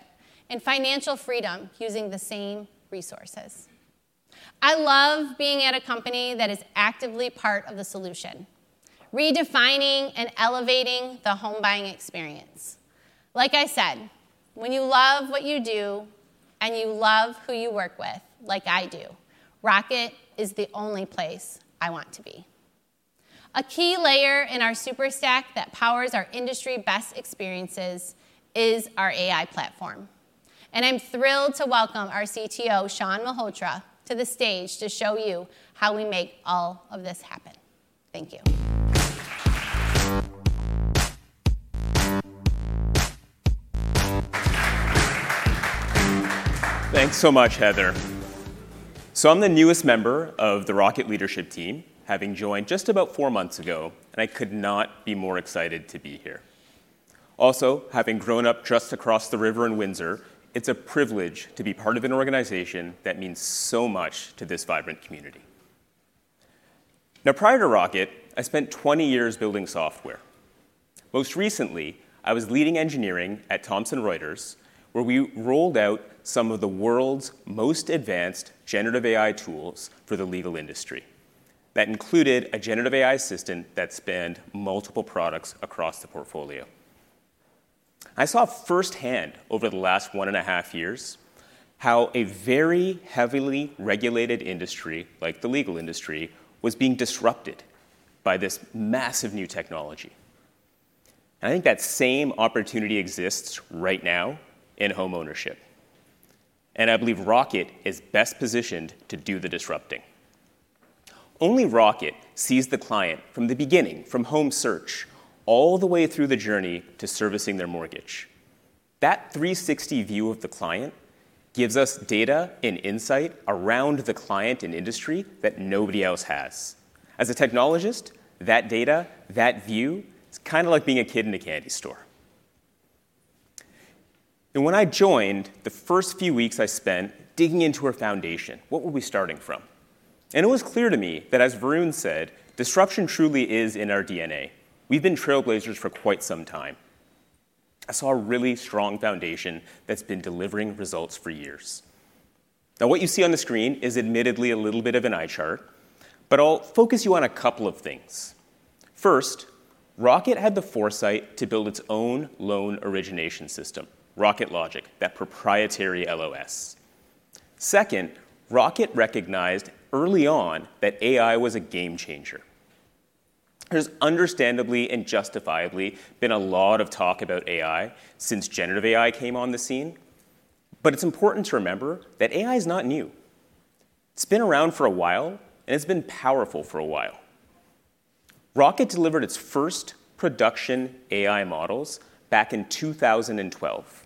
and financial freedom using the same resources. I love being at a company that is actively part of the solution, redefining and elevating the home buying experience. Like I said, when you love what you do and you love who you work with, like I do, Rocket is the only place I want to be. A key layer in our Superstack that powers our industry best experiences is our AI platform, and I'm thrilled to welcome our CTO, Shawn Malhotra, to the stage to show you how we make all of this happen. Thank you. Thanks so much, Heather. So I'm the newest member of the Rocket leadership team, having joined just about four months ago, and I could not be more excited to be here. Also, having grown up just across the river in Windsor, it's a privilege to be part of an organization that means so much to this vibrant community. Now, prior to Rocket, I spent 20 years building software. Most recently, I was leading engineering at Thomson Reuters, where we rolled out some of the world's most advanced generative AI tools for the legal industry. That included a generative AI assistant that spanned multiple products across the portfolio. I saw firsthand, over the last one and a half years, how a very heavily regulated industry, like the legal industry, was being disrupted by this massive new technology. I think that same opportunity exists right now in homeownership, and I believe Rocket is best positioned to do the disrupting. Only Rocket sees the client from the beginning, from home search, all the way through the journey to servicing their mortgage. That three sixty view of the client gives us data and insight around the client and industry that nobody else has. As a technologist, that data, that view, it's kinda like being a kid in a candy store. And when I joined, the first few weeks I spent digging into our foundation. What were we starting from? And it was clear to me that, as Varun said, disruption truly is in our DNA. We've been trailblazers for quite some time. I saw a really strong foundation that's been delivering results for years. Now, what you see on the screen is admittedly a little bit of an eye chart, but I'll focus you on a couple of things. First, Rocket had the foresight to build its own loan origination system, Rocket Logic, that proprietary LOS. Second, Rocket recognized early on that AI was a game changer. There's understandably and justifiably been a lot of talk about AI since generative AI came on the scene, but it's important to remember that AI is not new. It's been around for a while, and it's been powerful for a while. Rocket delivered its first production AI models back in 2012.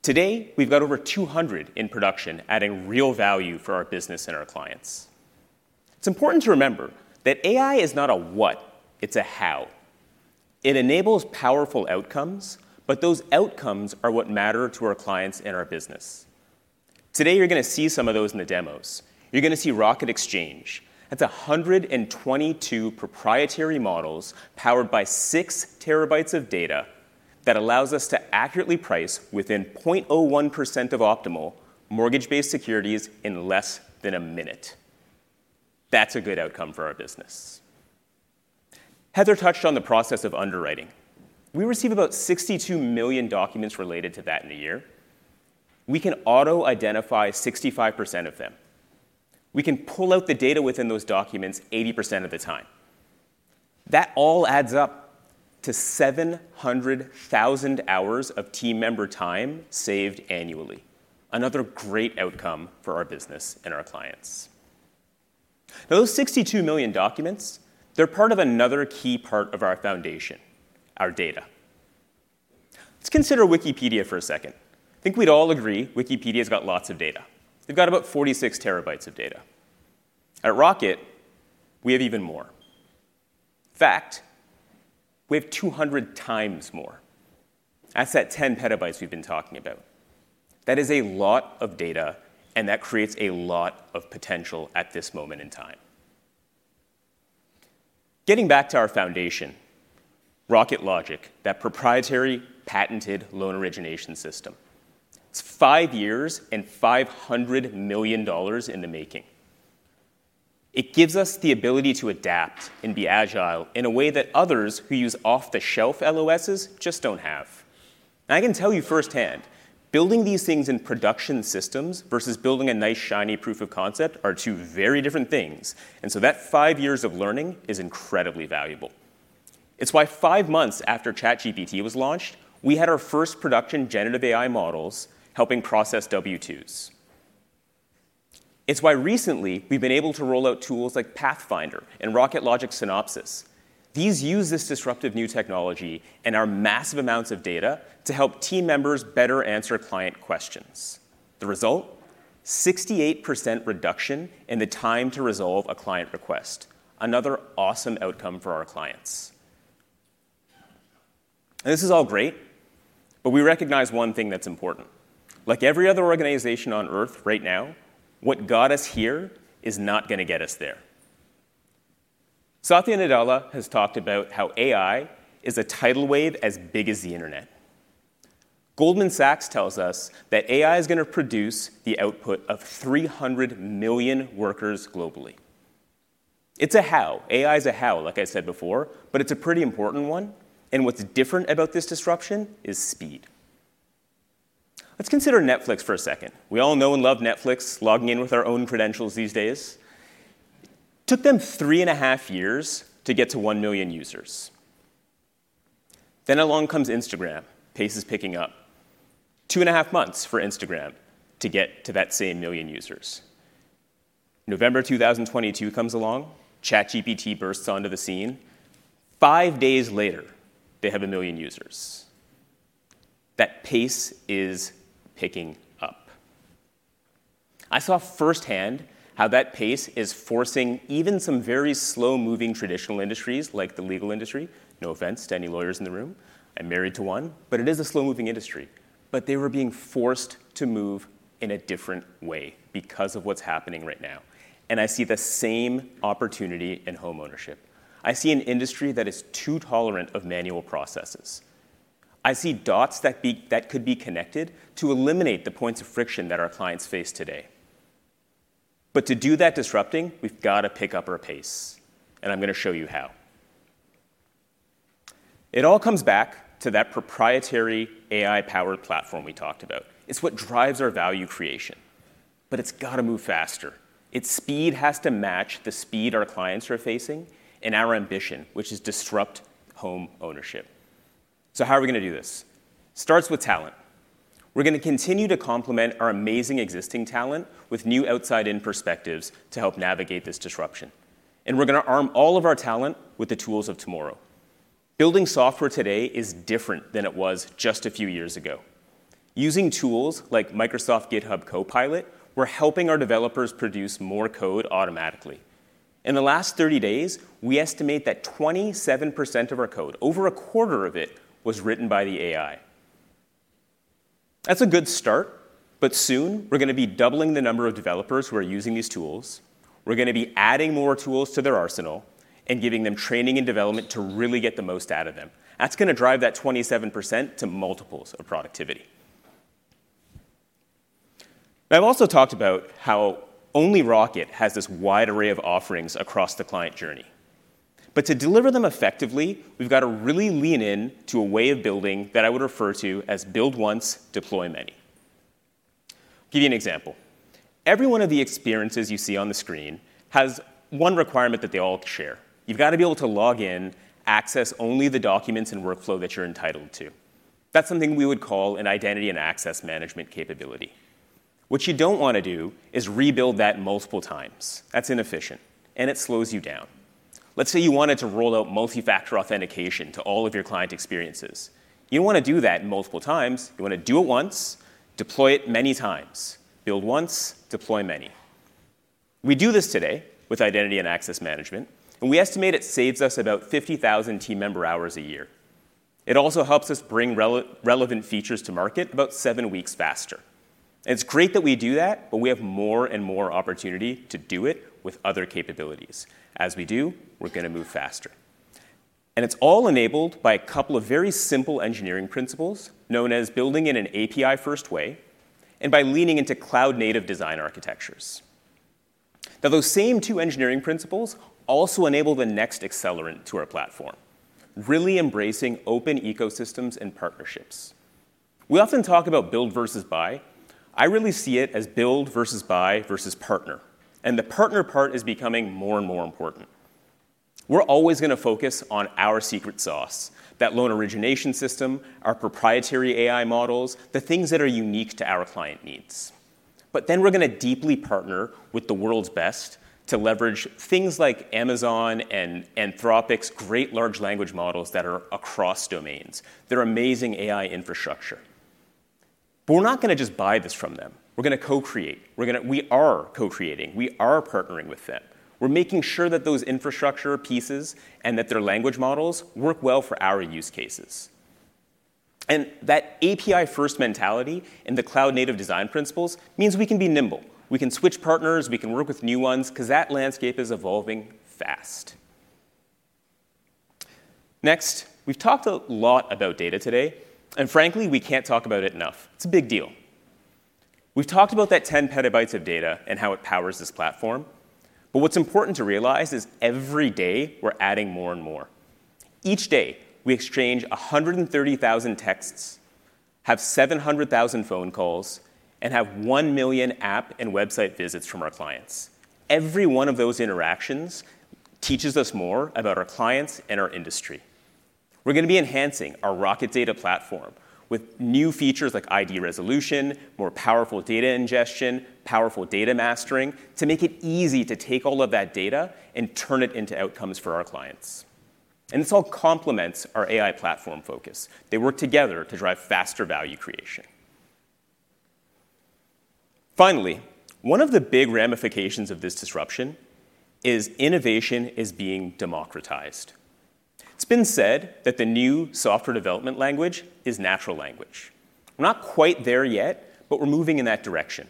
Today, we've got over 200 in production, adding real value for our business and our clients. It's important to remember that AI is not a what, it's a how. It enables powerful outcomes, but those outcomes are what matter to our clients and our business. Today, you're gonna see some of those in the demos. You're gonna see Rocket Exchange. That's 122 proprietary models, powered by 6 terabytes of data, that allows us to accurately price within 0.01% of optimal mortgage-backed securities in less than a minute. That's a good outcome for our business. Heather touched on the process of underwriting. We receive about 62 million documents related to that in a year. We can auto-identify 65% of them. We can pull out the data within those documents 80% of the time. That all adds up to 700,000 hours of team member time saved annually. Another great outcome for our business and our clients. Now, those 62 million documents, they're part of another key part of our foundation, our data. Let's consider Wikipedia for a second. I think we'd all agree Wikipedia's got lots of data. They've got about 46 terabytes of data. At Rocket, we have even more. In fact, we have 200 times more. That's that 10 petabytes we've been talking about. That is a lot of data, and that creates a lot of potential at this moment in time. Getting back to our foundation, Rocket Logic, that proprietary, patented loan origination system. It's 5 years and $500 million in the making. It gives us the ability to adapt and be agile in a way that others who use off-the-shelf LOSs just don't have. And I can tell you firsthand, building these things in production systems versus building a nice, shiny proof of concept are two very different things, and so that five years of learning is incredibly valuable. It's why five months after ChatGPT was launched, we had our first production generative AI models helping process W-2s. It's why recently, we've been able to roll out tools like Pathfinder and Rocket Logic Synopsis. These use this disruptive new technology and our massive amounts of data to help team members better answer client questions. The result? 68% reduction in the time to resolve a client request. Another awesome outcome for our clients. And this is all great, but we recognize one thing that's important. Like every other organization on Earth right now, what got us here is not gonna get us there. Satya Nadella has talked about how AI is a tidal wave as big as the internet. Goldman Sachs tells us that AI is gonna produce the output of 300 million workers globally. It's a how. AI is a how, like I said before, but it's a pretty important one, and what's different about this disruption is speed. Let's consider Netflix for a second. We all know and love Netflix, logging in with our own credentials these days. Took them three and a half years to get to 1 million users. Then along comes Instagram, pace is picking up. Two and a half months for Instagram to get to that same 1 million users. November 2022 comes along, ChatGPT bursts onto the scene. 5 days later, they have 1 million users. That pace is picking up. I saw firsthand how that pace is forcing even some very slow-moving traditional industries, like the legal industry, no offense to any lawyers in the room, I'm married to one, but it is a slow-moving industry, but they were being forced to move in a different way because of what's happening right now, and I see the same opportunity in homeownership. I see an industry that is too tolerant of manual processes. I see dots that could be connected to eliminate the points of friction that our clients face today. But to do that disrupting, we've got to pick up our pace, and I'm gonna show you how. It all comes back to that proprietary AI-powered platform we talked about. It's what drives our value creation, but it's gotta move faster. It's speed has to match the speed our clients are facing and our ambition, which is disrupt homeownership. So how are we gonna do this? Starts with talent. We're gonna continue to complement our amazing existing talent with new outside-in perspectives to help navigate this disruption, and we're gonna arm all of our talent with the tools of tomorrow. Building software today is different than it was just a few years ago. Using tools like Microsoft GitHub Copilot, we're helping our developers produce more code automatically. In the last thirty days, we estimate that 27% of our code, over a quarter of it, was written by the AI. That's a good start, but soon, we're gonna be doubling the number of developers who are using these tools. We're gonna be adding more tools to their arsenal and giving them training and development to really get the most out of them. That's gonna drive that 27% to multiples of productivity. I've also talked about how only Rocket has this wide array of offerings across the client journey. But to deliver them effectively, we've got to really lean in to a way of building that I would refer to as build once, deploy many. Give you an example. Every one of the experiences you see on the screen has one requirement that they all share. You've got to be able to log in, access only the documents and workflow that you're entitled to. That's something we would call an identity and access management capability. What you don't wanna do is rebuild that multiple times. That's inefficient, and it slows you down. Let's say you wanted to roll out multi-factor authentication to all of your client experiences. You don't wanna do that multiple times. You wanna do it once, deploy it many times. Build once, deploy many. We do this today with identity and access management, and we estimate it saves us about 50,000 team member hours a year. It also helps us bring relevant features to market about seven weeks faster. It's great that we do that, but we have more and more opportunity to do it with other capabilities. As we do, we're gonna move faster. It's all enabled by a couple of very simple engineering principles, known as building in an API-first way, and by leaning into cloud-native design architectures. Now, those same two engineering principles also enable the next accelerant to our platform, really embracing open ecosystems and partnerships. We often talk about build versus buy. I really see it as build versus buy versus partner, and the partner part is becoming more and more important. We're always gonna focus on our secret sauce, that loan origination system, our proprietary AI models, the things that are unique to our client needs... But then we're gonna deeply partner with the world's best to leverage things like Amazon and Anthropic's great large language models that are across domains. They're amazing AI infrastructure. But we're not gonna just buy this from them. We're gonna co-create. We are co-creating. We are partnering with them. We're making sure that those infrastructure pieces and that their language models work well for our use cases, and that API-first mentality and the cloud-native design principles means we can be nimble. We can switch partners, we can work with new ones, 'cause that landscape is evolving fast. Next, we've talked a lot about data today, and frankly, we can't talk about it enough. It's a big deal. We've talked about that 10 petabytes of data and how it powers this platform, but what's important to realize is every day, we're adding more and more. Each day, we exchange 130,000 texts, have 700,000 phone calls, and have 1 million app and website visits from our clients. Every one of those interactions teaches us more about our clients and our industry. We're gonna be enhancing our Rocket Data platform with new features like ID resolution, more powerful data ingestion, powerful data mastering, to make it easy to take all of that data and turn it into outcomes for our clients. And this all complements our AI platform focus. They work together to drive faster value creation. Finally, one of the big ramifications of this disruption is innovation is being democratized. It's been said that the new software development language is natural language. We're not quite there yet, but we're moving in that direction.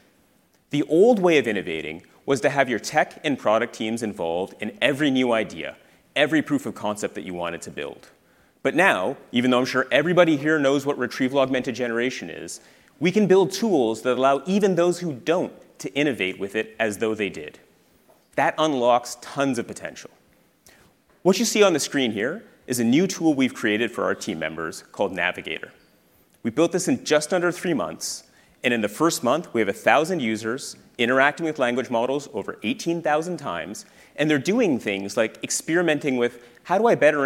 The old way of innovating was to have your tech and product teams involved in every new idea, every proof of concept that you wanted to build. But now, even though I'm sure everybody here knows what retrieval augmented generation is, we can build tools that allow even those who don't to innovate with it as though they did. That unlocks tons of potential. What you see on the screen here is a new tool we've created for our team members called Navigator. We built this in just under three months, and in the first month, we have 1,000 users interacting with language models over 18,000 times, and they're doing things like experimenting with, "How do I better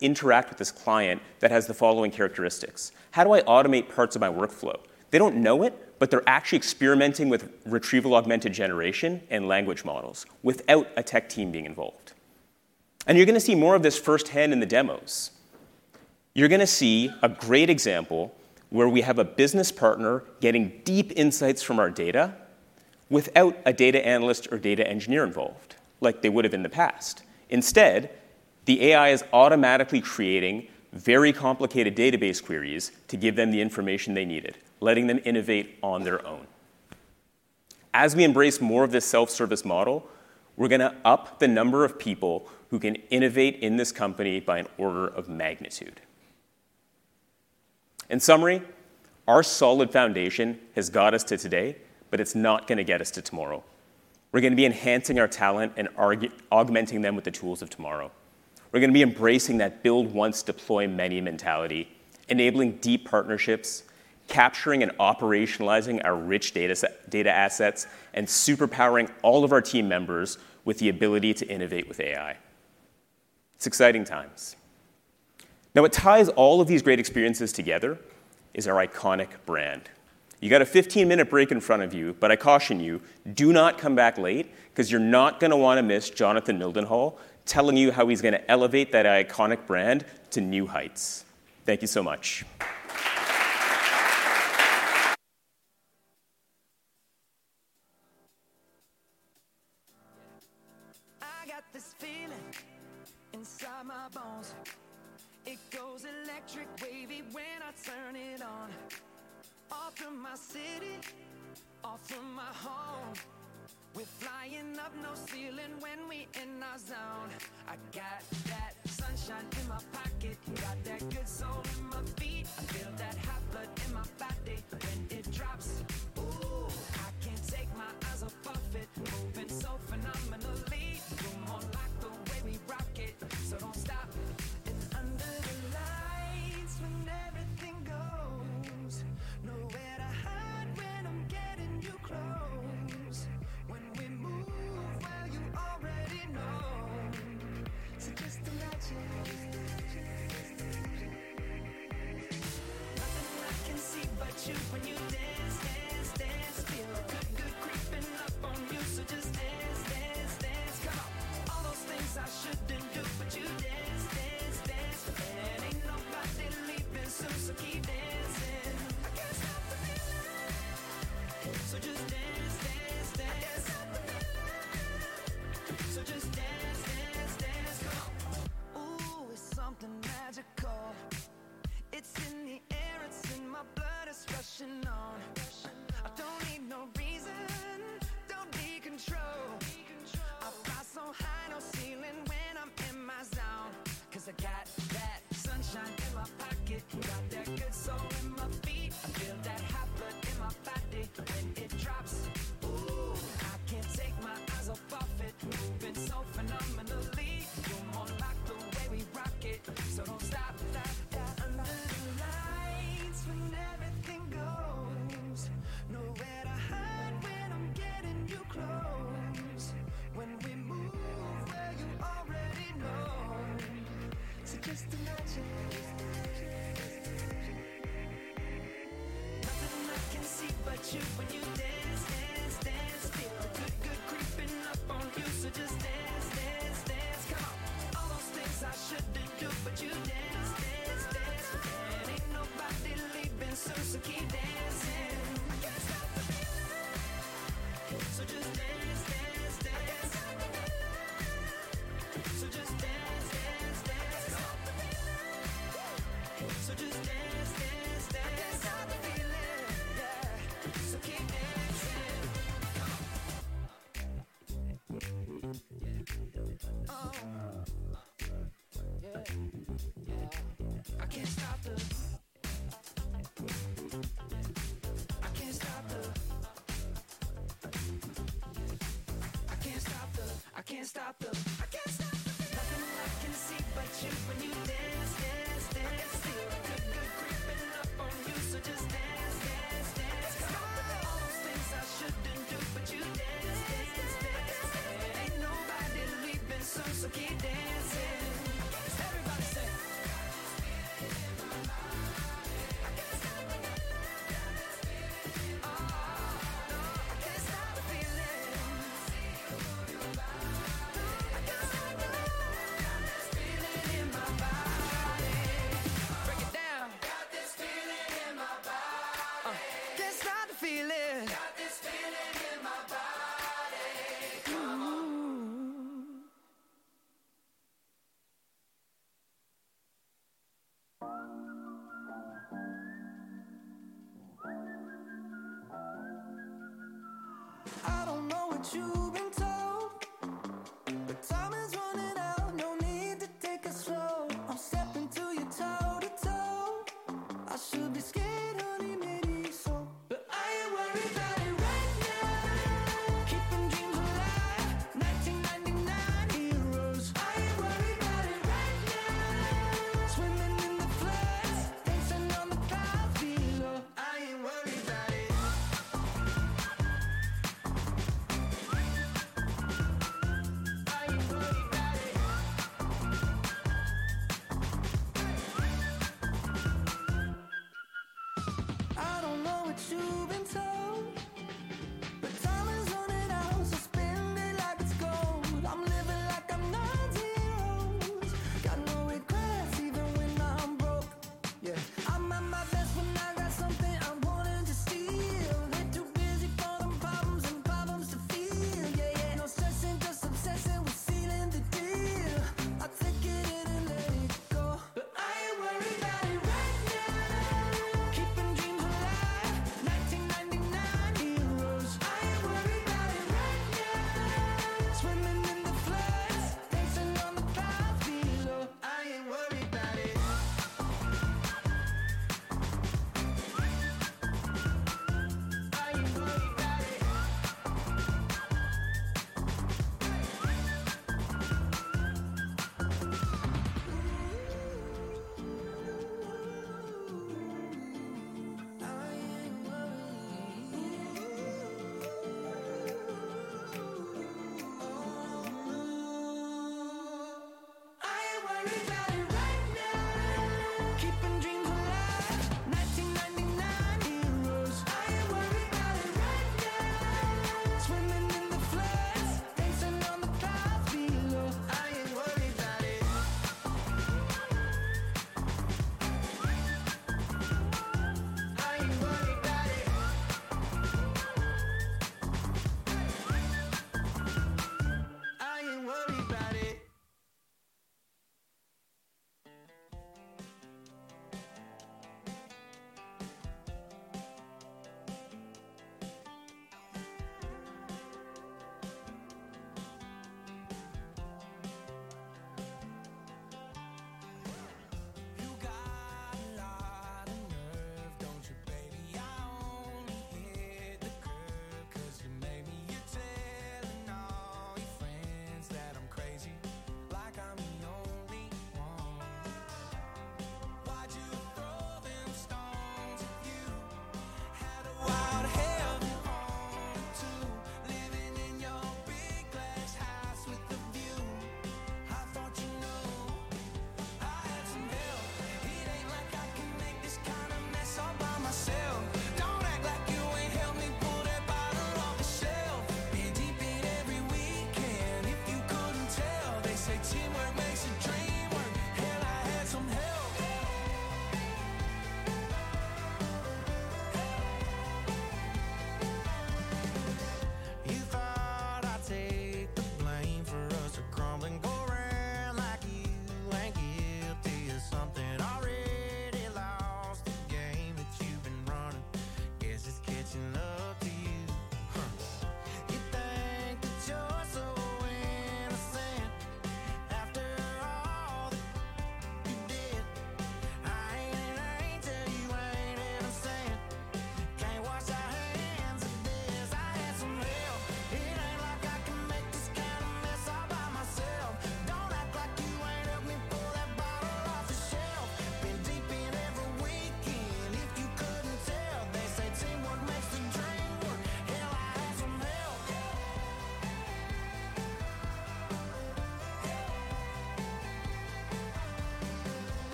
interact with this client that has the following characteristics? How do I automate parts of my workflow?" They don't know it, but they're actually experimenting with retrieval augmented generation and language models without a tech team being involved. And you're gonna see more of this firsthand in the demos. You're gonna see a great example where we have a business partner getting deep insights from our data without a data analyst or data engineer involved, like they would have in the past. Instead, the AI is automatically creating very complicated database queries to give them the information they needed, letting them innovate on their own. As we embrace more of this self-service model, we're gonna up the number of people who can innovate in this company by an order of magnitude. In summary, our solid foundation has got us to today, but it's not gonna get us to tomorrow. We're gonna be enhancing our talent and augmenting them with the tools of tomorrow. We're gonna be embracing that build once, deploy many mentality, enabling deep partnerships, capturing and operationalizing our rich data set, data assets, and super powering all of our team members with the ability to innovate with AI. It's exciting times. Now, what ties all of these great experiences together is our iconic brand. You got a fifteen-minute break in front of you, but I caution you, do not come back late 'cause you're not gonna wanna miss Jonathan Mildenhall telling you how he's gonna elevate that iconic brand to new heights. Thank you so much. I got this feeling inside my bones. It goes electric, wavy when I turn it on. All through my city, all through my home. We're flying up, no ceiling when we in our zone. I got that sunshine in my pocket, got that good soul in my feet. I feel that hot blood in my body when it drops. Ooh, I can't take my eyes up off it, moving so phenomenally. You might like the way we rock it, so don't stop, and under the lights when everything goes, nowhere to hide when I'm getting you close. When we move, well, you already know, so just imagine, just imagine, just imagine. Nothing I can see but you when you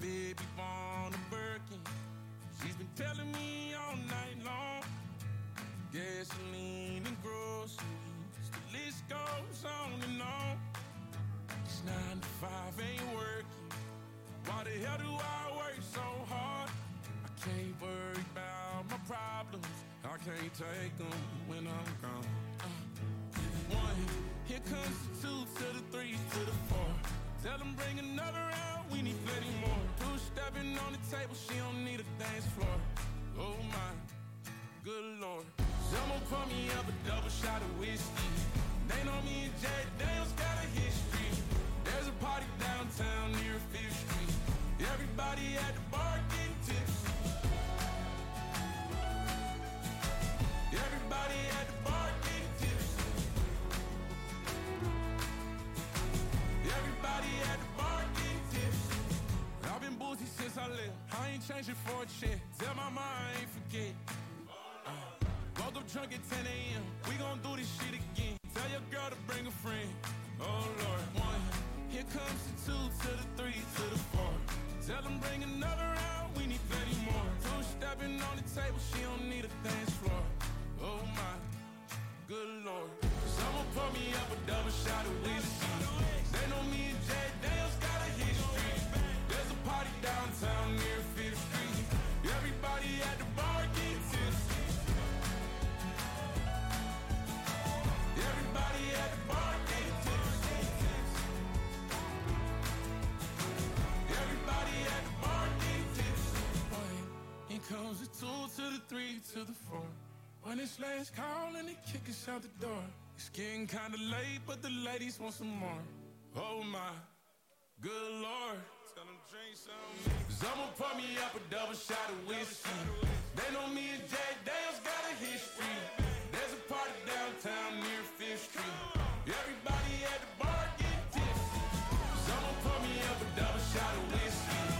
the feeling. So just dance, dance, dance. I can't stop the feeling. So just dance, dance, dance, come on. Ooh, it's something magical. It's in the air, it's in my blood, it's rushing on, rushing on. I don't need no reason, don't need control, don't need control. I fly so high, no ceiling when I'm in my zone. 'Cause I got that sunshine in my pocket, got that good soul in my feet. I feel that hot blood in my body when it drops. Ooh, I can't take my eyes up Jack Daniel's got a history. We go way back. There's a party downtown near Fifth Street. Everybody at the bar getting tipsy. One, here comes the two to the three to the four. When it's last call and they kick us out the door, it's getting kinda late, but the ladies want some more. Oh, my good Lord. Tell 'em drink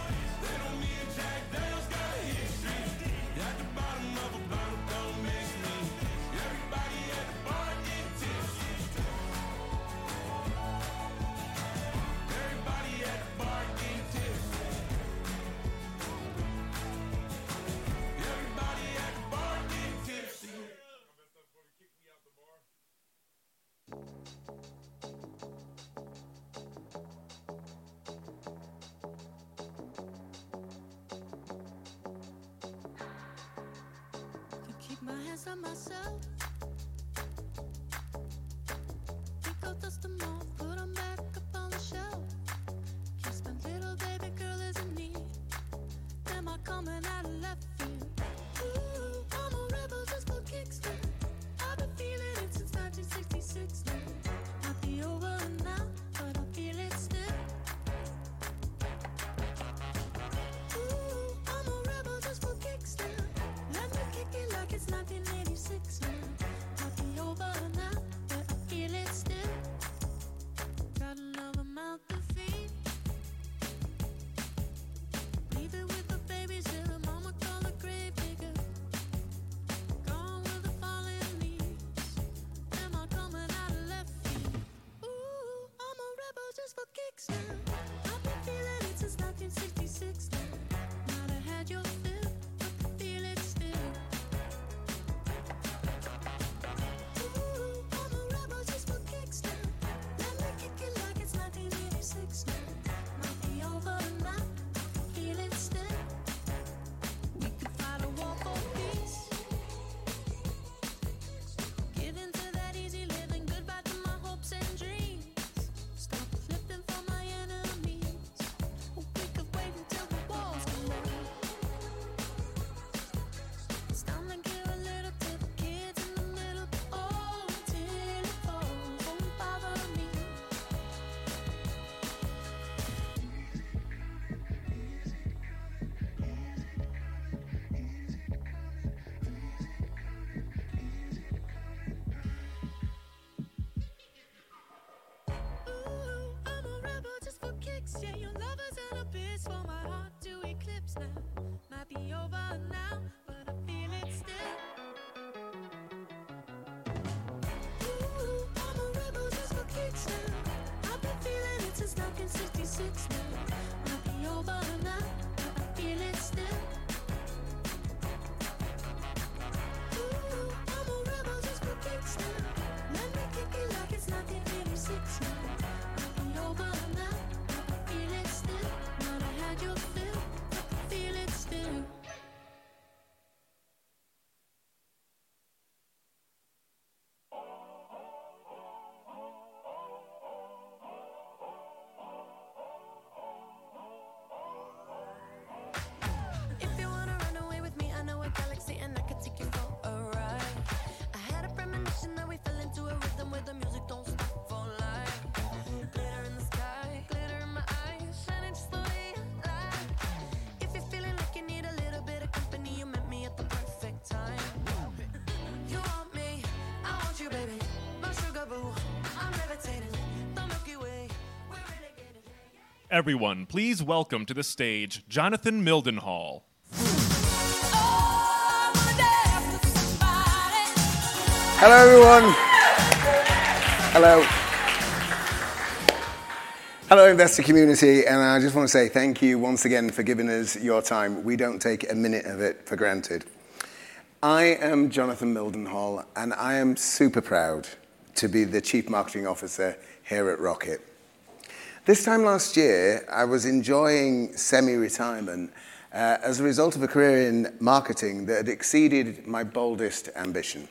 some more. 'Cause someone pour me up a double shot of whiskey. This time last year, I was enjoying semi-retirement as a result of a career in marketing that had exceeded my boldest ambition.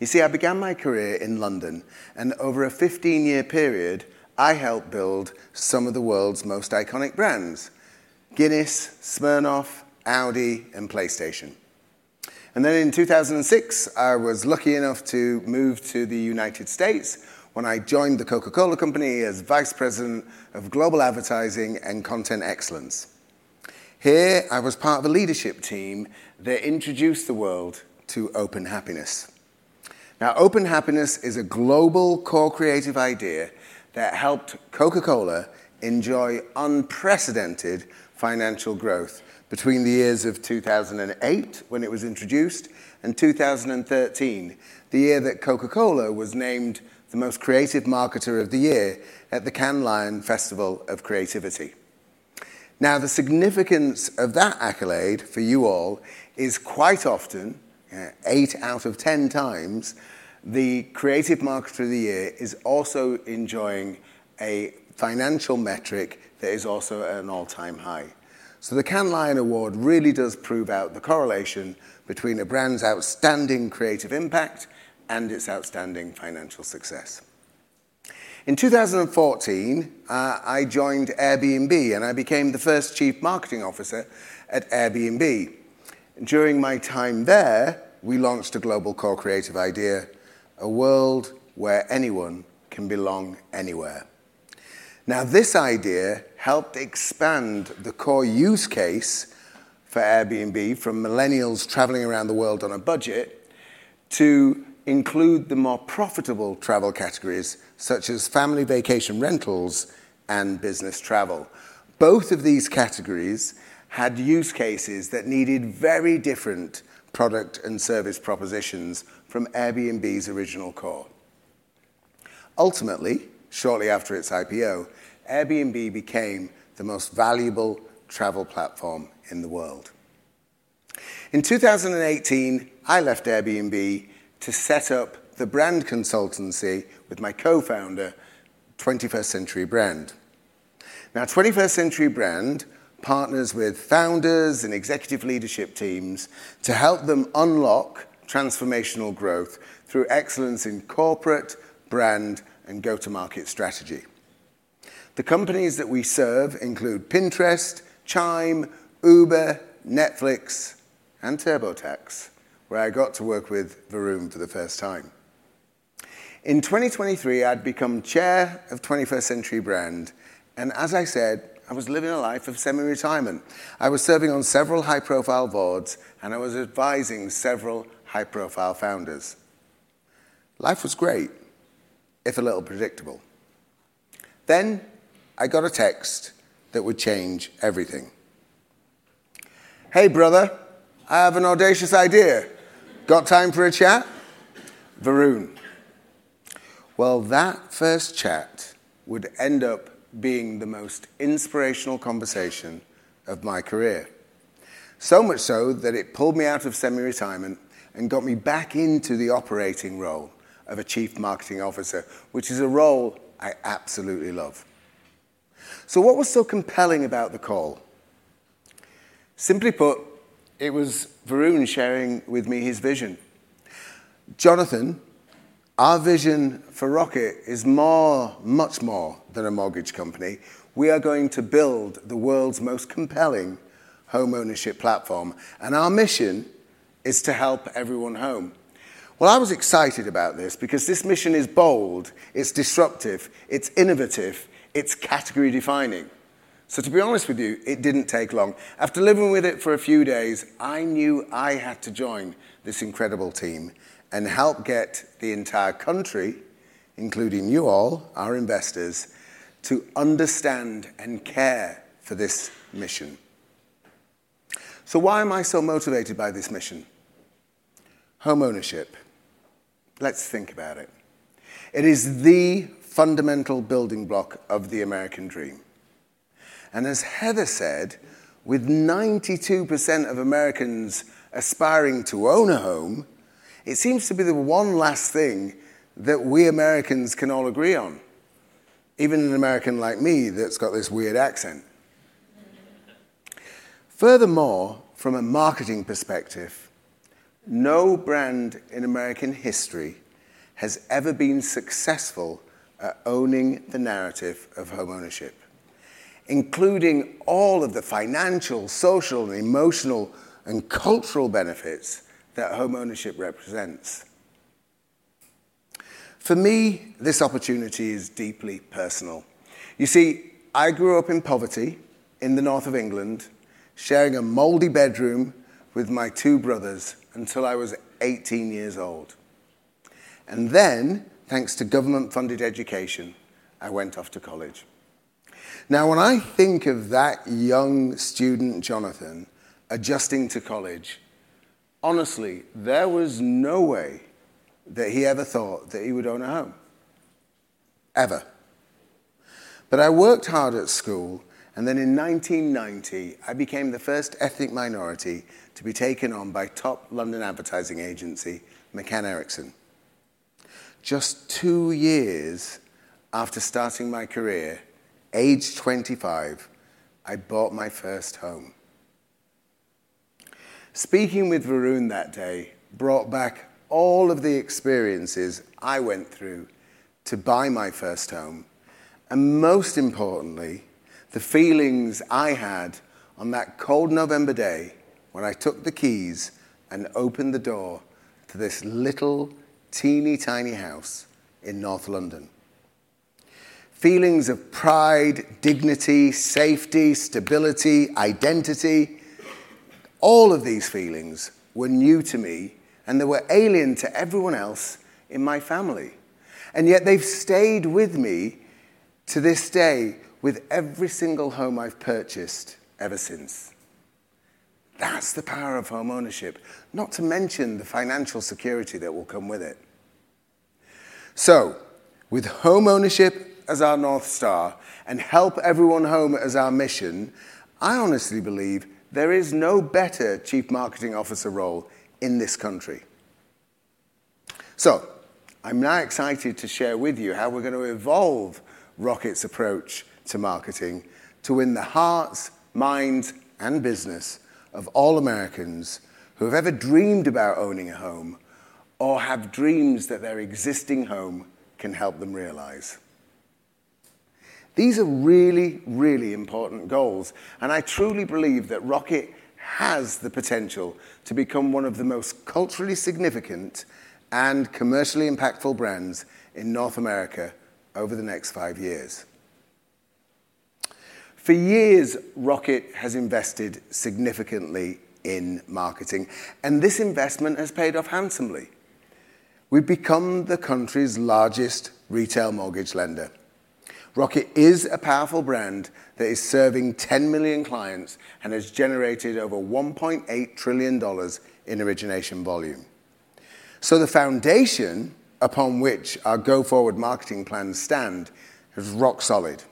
You see, I began my career in London, and over a fifteen-year period, I helped build some of the world's most iconic brands: Guinness, Smirnoff, Audi, and PlayStation. And then in two thousand and six, I was lucky enough to move to the United States when I joined the Coca-Cola Company as Vice President of Global Advertising and Content Excellence. Here, I was part of a leadership team that introduced the world to Open Happiness. Now, Open Happiness is a global core creative idea that helped Coca-Cola enjoy unprecedented financial growth between the years of two thousand and eight, when it was introduced, and two thousand and thirteen, the year that Coca-Cola was named the Most Creative Marketer of the Year at the Cannes Lions Festival of Creativity. Now, the significance of that accolade for you all is quite often, eight out of ten times, the creative marketer of the year is also enjoying a financial metric that is also at an all-time high. So the Cannes Lion Award really does prove out the correlation between a brand's outstanding creative impact and its outstanding financial success. In two thousand and fourteen, I joined Airbnb, and I became the first Chief Marketing Officer at Airbnb. During my time there, we launched a global core creative idea, a world where anyone can belong anywhere. Now, this idea helped expand the core use case for Airbnb from millennials traveling around the world on a budget to include the more profitable travel categories, such as family vacation rentals and business travel. Both of these categories had use cases that needed very different product and service propositions from Airbnb's original core. Ultimately, shortly after its IPO, Airbnb became the most valuable travel platform in the world. In 2018, I left Airbnb to set up the brand consultancy with my co-founder, 21st Century Brand. Now, 21st Century Brand partners with founders and executive leadership teams to help them unlock transformational growth through excellence in corporate, brand, and go-to-market strategy. The companies that we serve include Pinterest, Chime, Uber, Netflix, and TurboTax, where I got to work with Varun for the first time. In 2023, I'd become chair of 21st Century Brand, and as I said, I was living a life of semi-retirement. I was serving on several high-profile boards, and I was advising several high-profile founders. Life was great, if a little predictable. Then, I got a text that would change everything. "Hey, brother, I have an audacious idea. Got time for a chat? Varun." Well, that first chat would end up being the most inspirational conversation of my career. So much so that it pulled me out of semi-retirement and got me back into the operating role of a chief marketing officer, which is a role I absolutely love. So what was so compelling about the call? Simply put, it was Varun sharing with me his vision. "Jonathan, our vision for Rocket is more, much more than a mortgage company. We are going to build the world's most compelling homeownership platform, and our mission is to help everyone home." Well, I was excited about this because this mission is bold, it's disruptive, it's innovative, it's category-defining. So to be honest with you, it didn't take long. After living with it for a few days, I knew I had to join this incredible team and help get the entire country, including you all, our investors, to understand and care for this mission. So why am I so motivated by this mission? Homeownership. Let's think about it. It is the fundamental building block of the American dream, and as Heather said, with 92% of Americans aspiring to own a home, it seems to be the one last thing that we Americans can all agree on, even an American like me that's got this weird accent. Furthermore, from a marketing perspective, no brand in American history has ever been successful at owning the narrative of homeownership, including all of the financial, social, emotional, and cultural benefits that homeownership represents. For me, this opportunity is deeply personal. You see, I grew up in poverty in the north of England, sharing a moldy bedroom with my two brothers until I was eighteen years old, and then, thanks to government-funded education, I went off to college. Now, when I think of that young student, Jonathan, adjusting to college, honestly, there was no way that he ever thought that he would own a home, ever, but I worked hard at school, and then in nineteen ninety, I became the first ethnic minority to be taken on by top London advertising agency, McCann Erickson. Just two years after starting my career, age 25, I bought my first home. Speaking with Varun that day brought back all of the experiences I went through to buy my first home, and most importantly, the feelings I had on that cold November day when I took the keys and opened the door to this little, teeny, tiny house in North London. Feelings of pride, dignity, safety, stability, identity, all of these feelings were new to me, and they were alien to everyone else in my family, and yet they've stayed with me to this day with every single home I've purchased ever since. That's the power of homeownership, not to mention the financial security that will come with it, so with homeownership as our North Star and help everyone home as our mission, I honestly believe there is no better Chief Marketing Officer role in this country. I'm now excited to share with you how we're gonna evolve Rocket's approach to marketing to win the hearts, minds, and business of all Americans who have ever dreamed about owning a home or have dreams that their existing home can help them realize. These are really, really important goals, and I truly believe that Rocket has the potential to become one of the most culturally significant and commercially impactful brands in North America over the next five years. For years, Rocket has invested significantly in marketing, and this investment has paid off handsomely. We've become the country's largest retail mortgage lender. Rocket is a powerful brand that is serving 10 million clients and has generated over $1.8 trillion in origination volume. The foundation upon which our go-forward marketing plans stand is rock solid.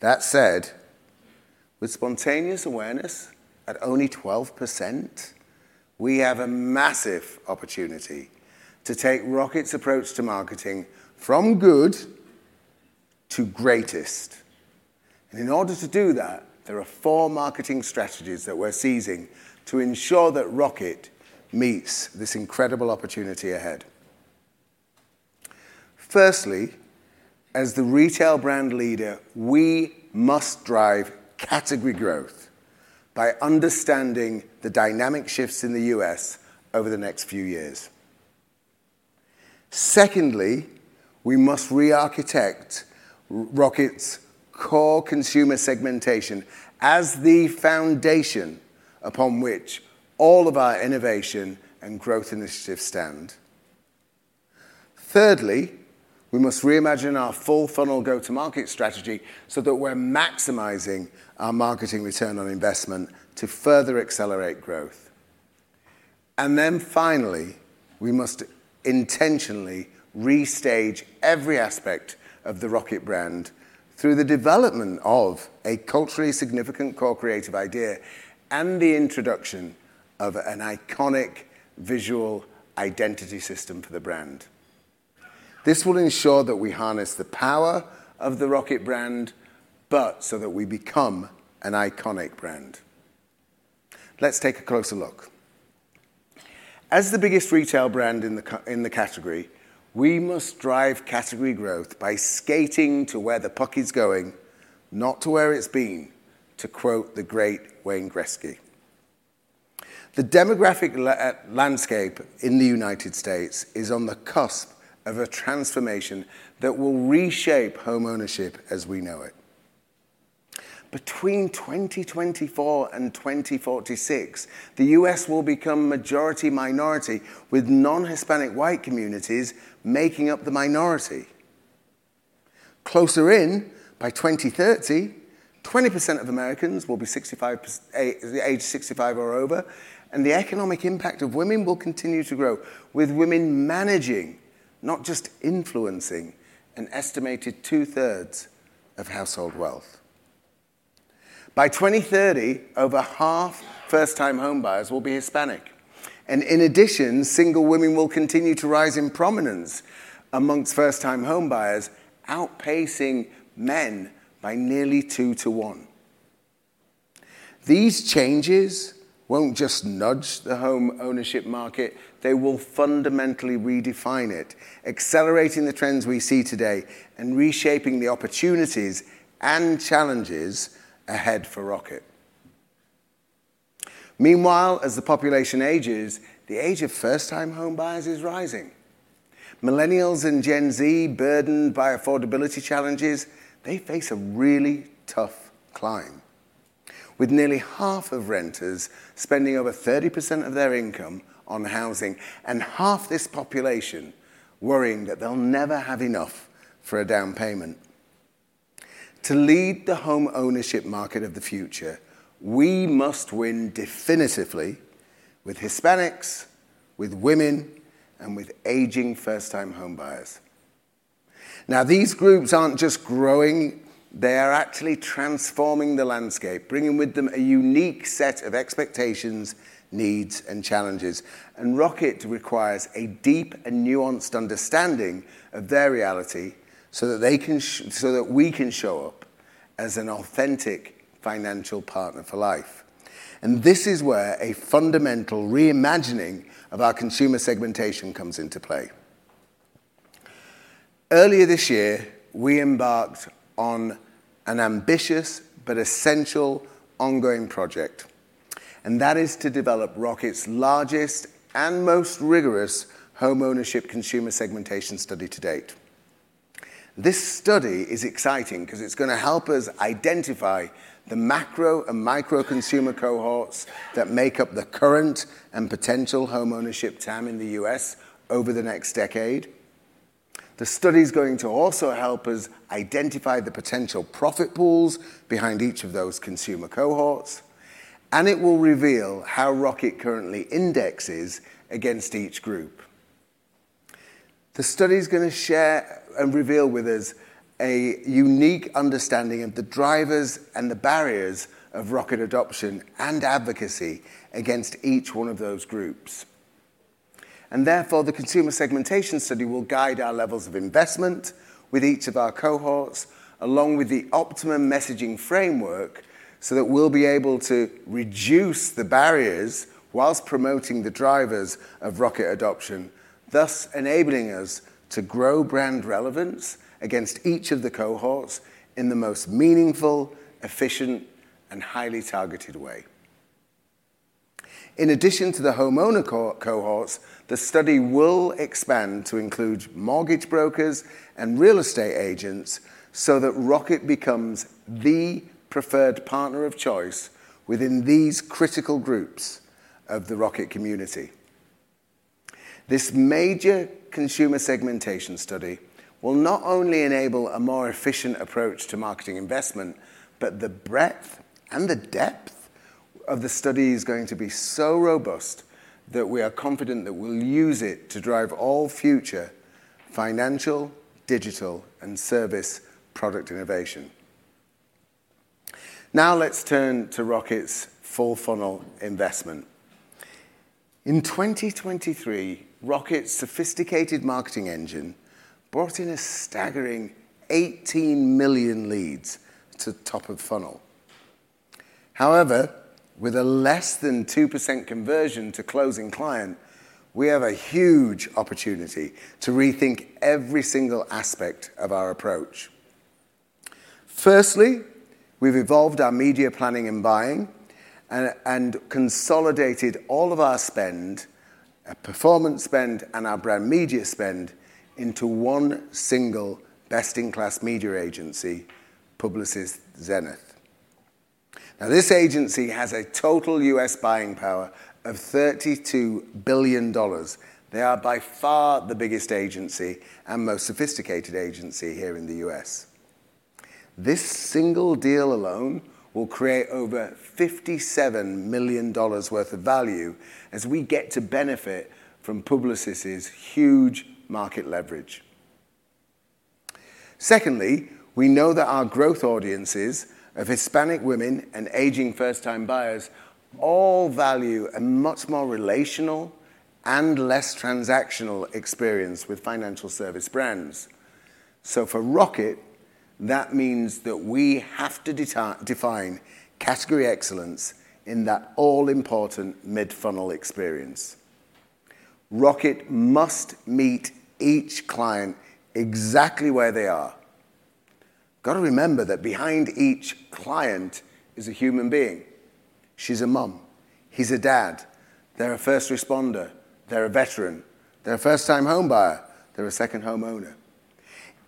That said, with spontaneous awareness at only 12%, we have a massive opportunity to take Rocket's approach to marketing from good to greatest, and in order to do that, there are four marketing strategies that we're seizing to ensure that Rocket meets this incredible opportunity ahead. Firstly, as the retail brand leader, we must drive category growth by understanding the dynamic shifts in the U.S. over the next few years. Secondly, we must rearchitect Rocket's core consumer segmentation as the foundation upon which all of our innovation and growth initiatives stand. Thirdly, we must reimagine our full-funnel go-to-market strategy so that we're maximizing our marketing return on investment to further accelerate growth, and then finally, we must intentionally restage every aspect of the Rocket brand through the development of a culturally significant core creative idea and the introduction of an iconic visual identity system for the brand. This will ensure that we harness the power of the Rocket brand, but so that we become an iconic brand. Let's take a closer look. As the biggest retail brand in the category, we must drive category growth by skating to where the puck is going, not to where it's been, to quote the great Wayne Gretzky. The demographic landscape in the United States is on the cusp of a transformation that will reshape homeownership as we know it. Between 2024 and 2046, the U.S. will become majority minority, with non-Hispanic white communities making up the minority. Closer in, by 2030, 20% of Americans will be the age of sixty-five or over, and the economic impact of women will continue to grow, with women managing, not just influencing, an estimated two-thirds of household wealth. By 2030, over half first-time home buyers will be Hispanic. In addition, single women will continue to rise in prominence among first-time home buyers, outpacing men by nearly two to one. These changes won't just nudge the home ownership market; they will fundamentally redefine it, accelerating the trends we see today and reshaping the opportunities and challenges ahead for Rocket. Meanwhile, as the population ages, the age of first-time home buyers is rising. Millennials and Gen Z, burdened by affordability challenges, face a really tough climb, with nearly half of renters spending over 30% of their income on housing, and half this population worrying that they'll never have enough for a down payment. To lead the home ownership market of the future, we must win definitively with Hispanics, with women, and with aging first-time home buyers. Now, these groups aren't just growing, they are actually transforming the landscape, bringing with them a unique set of expectations, needs, and challenges. And Rocket requires a deep and nuanced understanding of their reality so that we can show up as an authentic financial partner for life. And this is where a fundamental reimagining of our consumer segmentation comes into play. Earlier this year, we embarked on an ambitious but essential ongoing project, and that is to develop Rocket's largest and most rigorous homeownership consumer segmentation study to date. This study is exciting 'cause it's gonna help us identify the macro and micro consumer cohorts that make up the current and potential homeownership TAM in the U.S. over the next decade. The study's going to also help us identify the potential profit pools behind each of those consumer cohorts, and it will reveal how Rocket currently indexes against each group. The study's gonna share and reveal with us a unique understanding of the drivers and the barriers of Rocket adoption and advocacy against each one of those groups. And therefore, the consumer segmentation study will guide our levels of investment with each of our cohorts, along with the optimum messaging framework, so that we'll be able to reduce the barriers whilst promoting the drivers of Rocket adoption, thus enabling us to grow brand relevance against each of the cohorts in the most meaningful, efficient, and highly targeted way. In addition to the homeowner cohorts, the study will expand to include mortgage brokers and real estate agents, so that Rocket becomes the preferred partner of choice within these critical groups of the Rocket community. This major consumer segmentation study will not only enable a more efficient approach to marketing investment, but the breadth and the depth of the study is going to be so robust that we are confident that we'll use it to drive all future financial, digital, and service product innovation. Now let's turn to Rocket's full funnel investment. In 2023, Rocket's sophisticated marketing engine brought in a staggering 18 million leads to top of funnel. However, with a less than 2% conversion to closing client, we have a huge opportunity to rethink every single aspect of our approach. Firstly, we've evolved our media planning and buying and consolidated all of our spend, our performance spend, and our brand media spend into one single best-in-class media agency, Publicis Zenith. Now, this agency has a total US buying power of $32 billion. They are by far the biggest agency and most sophisticated agency here in the US. This single deal alone will create over $57 million worth of value as we get to benefit from Publicis' huge market leverage. Secondly, we know that our growth audiences of Hispanic women and aging first-time buyers all value a much more relational and less transactional experience with financial service brands. So for Rocket, that means that we have to define category excellence in that all-important mid-funnel experience. Rocket must meet each client exactly where they are. Gotta remember that behind each client is a human being. She's a mom. He's a dad. They're a first responder. They're a veteran. They're a first-time home buyer. They're a second homeowner.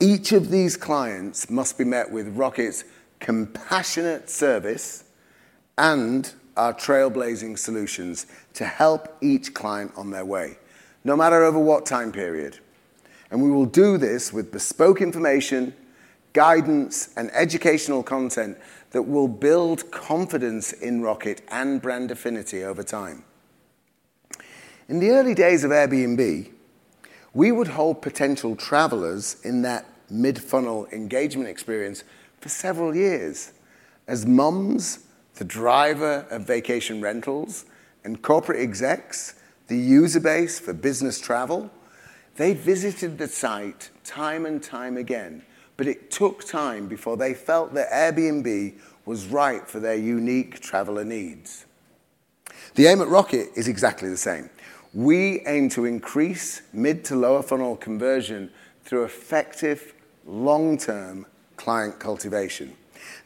Each of these clients must be met with Rocket's compassionate service, and our trailblazing solutions to help each client on their way, no matter over what time period, and we will do this with bespoke information, guidance, and educational content that will build confidence in Rocket and brand affinity over time. In the early days of Airbnb, we would hold potential travelers in that mid-funnel engagement experience for several years. As moms, the driver of vacation rentals, and corporate execs, the user base for business travel, they visited the site time and time again, but it took time before they felt that Airbnb was right for their unique traveler needs. The aim at Rocket is exactly the same. We aim to increase mid to lower funnel conversion through effective long-term client cultivation.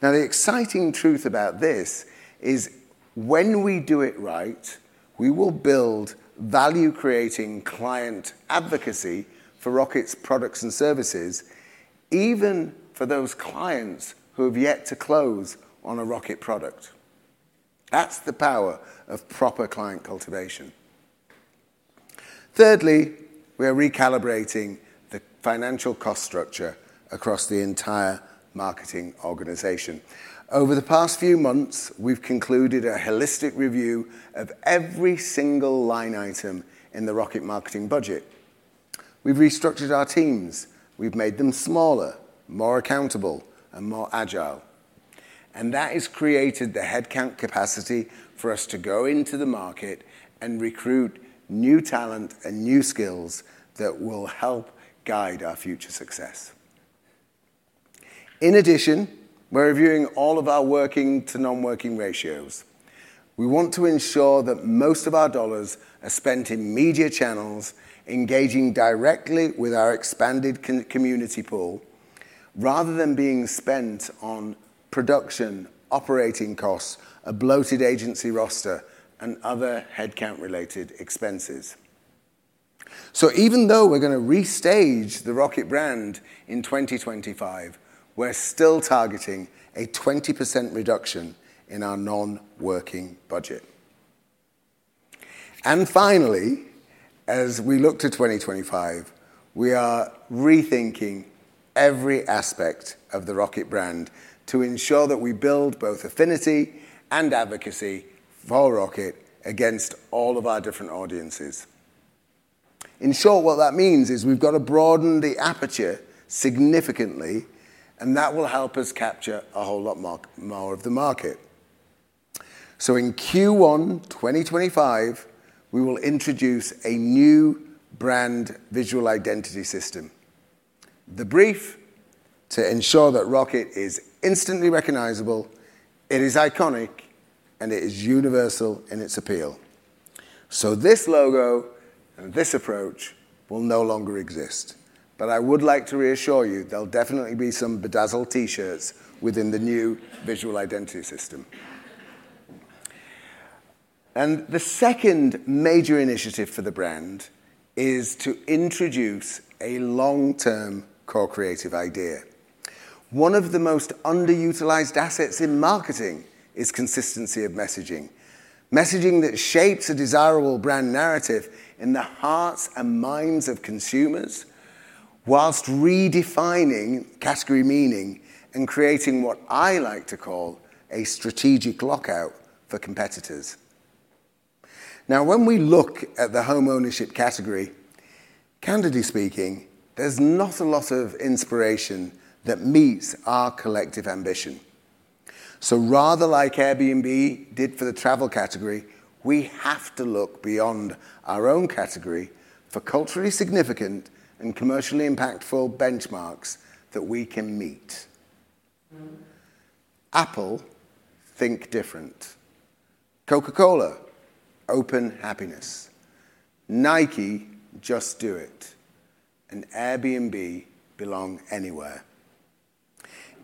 Now, the exciting truth about this is when we do it right, we will build value-creating client advocacy for Rocket's products and services, even for those clients who have yet to close on a Rocket product. That's the power of proper client cultivation. Thirdly, we are recalibrating the financial cost structure across the entire marketing organization. Over the past few months, we've concluded a holistic review of every single line item in the Rocket marketing budget. We've restructured our teams. We've made them smaller, more accountable, and more agile. And that has created the headcount capacity for us to go into the market and recruit new talent and new skills that will help guide our future success. In addition, we're reviewing all of our working to non-working ratios. We want to ensure that most of our dollars are spent in media channels, engaging directly with our expanded consumer community pool, rather than being spent on production, operating costs, a bloated agency roster, and other headcount-related expenses. Even though we're gonna restage the Rocket brand in 2025, we're still targeting a 20% reduction in our non-working budget. Finally, as we look to 2025, we are rethinking every aspect of the Rocket brand to ensure that we build both affinity and advocacy for Rocket against all of our different audiences. In short, what that means is we've got to broaden the aperture significantly, and that will help us capture a whole lot more of the market. In Q1 2025, we will introduce a new brand visual identity system. The brief, to ensure that Rocket is instantly recognizable, it is iconic, and it is universal in its appeal. So this logo and this approach will no longer exist. But I would like to reassure you, there'll definitely be some bedazzled T-shirts within the new visual identity system. And the second major initiative for the brand is to introduce a long-term core creative idea. One of the most underutilized assets in marketing is consistency of messaging, messaging that shapes a desirable brand narrative in the hearts and minds of consumers, while redefining category meaning and creating what I like to call a strategic lockout for competitors. Now, when we look at the homeownership category, candidly speaking, there's not a lot of inspiration that meets our collective ambition. So rather like Airbnb did for the travel category, we have to look beyond our own category for culturally significant and commercially impactful benchmarks that we can meet. Apple, think different. Coca-Cola, open happiness. Nike, just do it. And Airbnb, belong anywhere.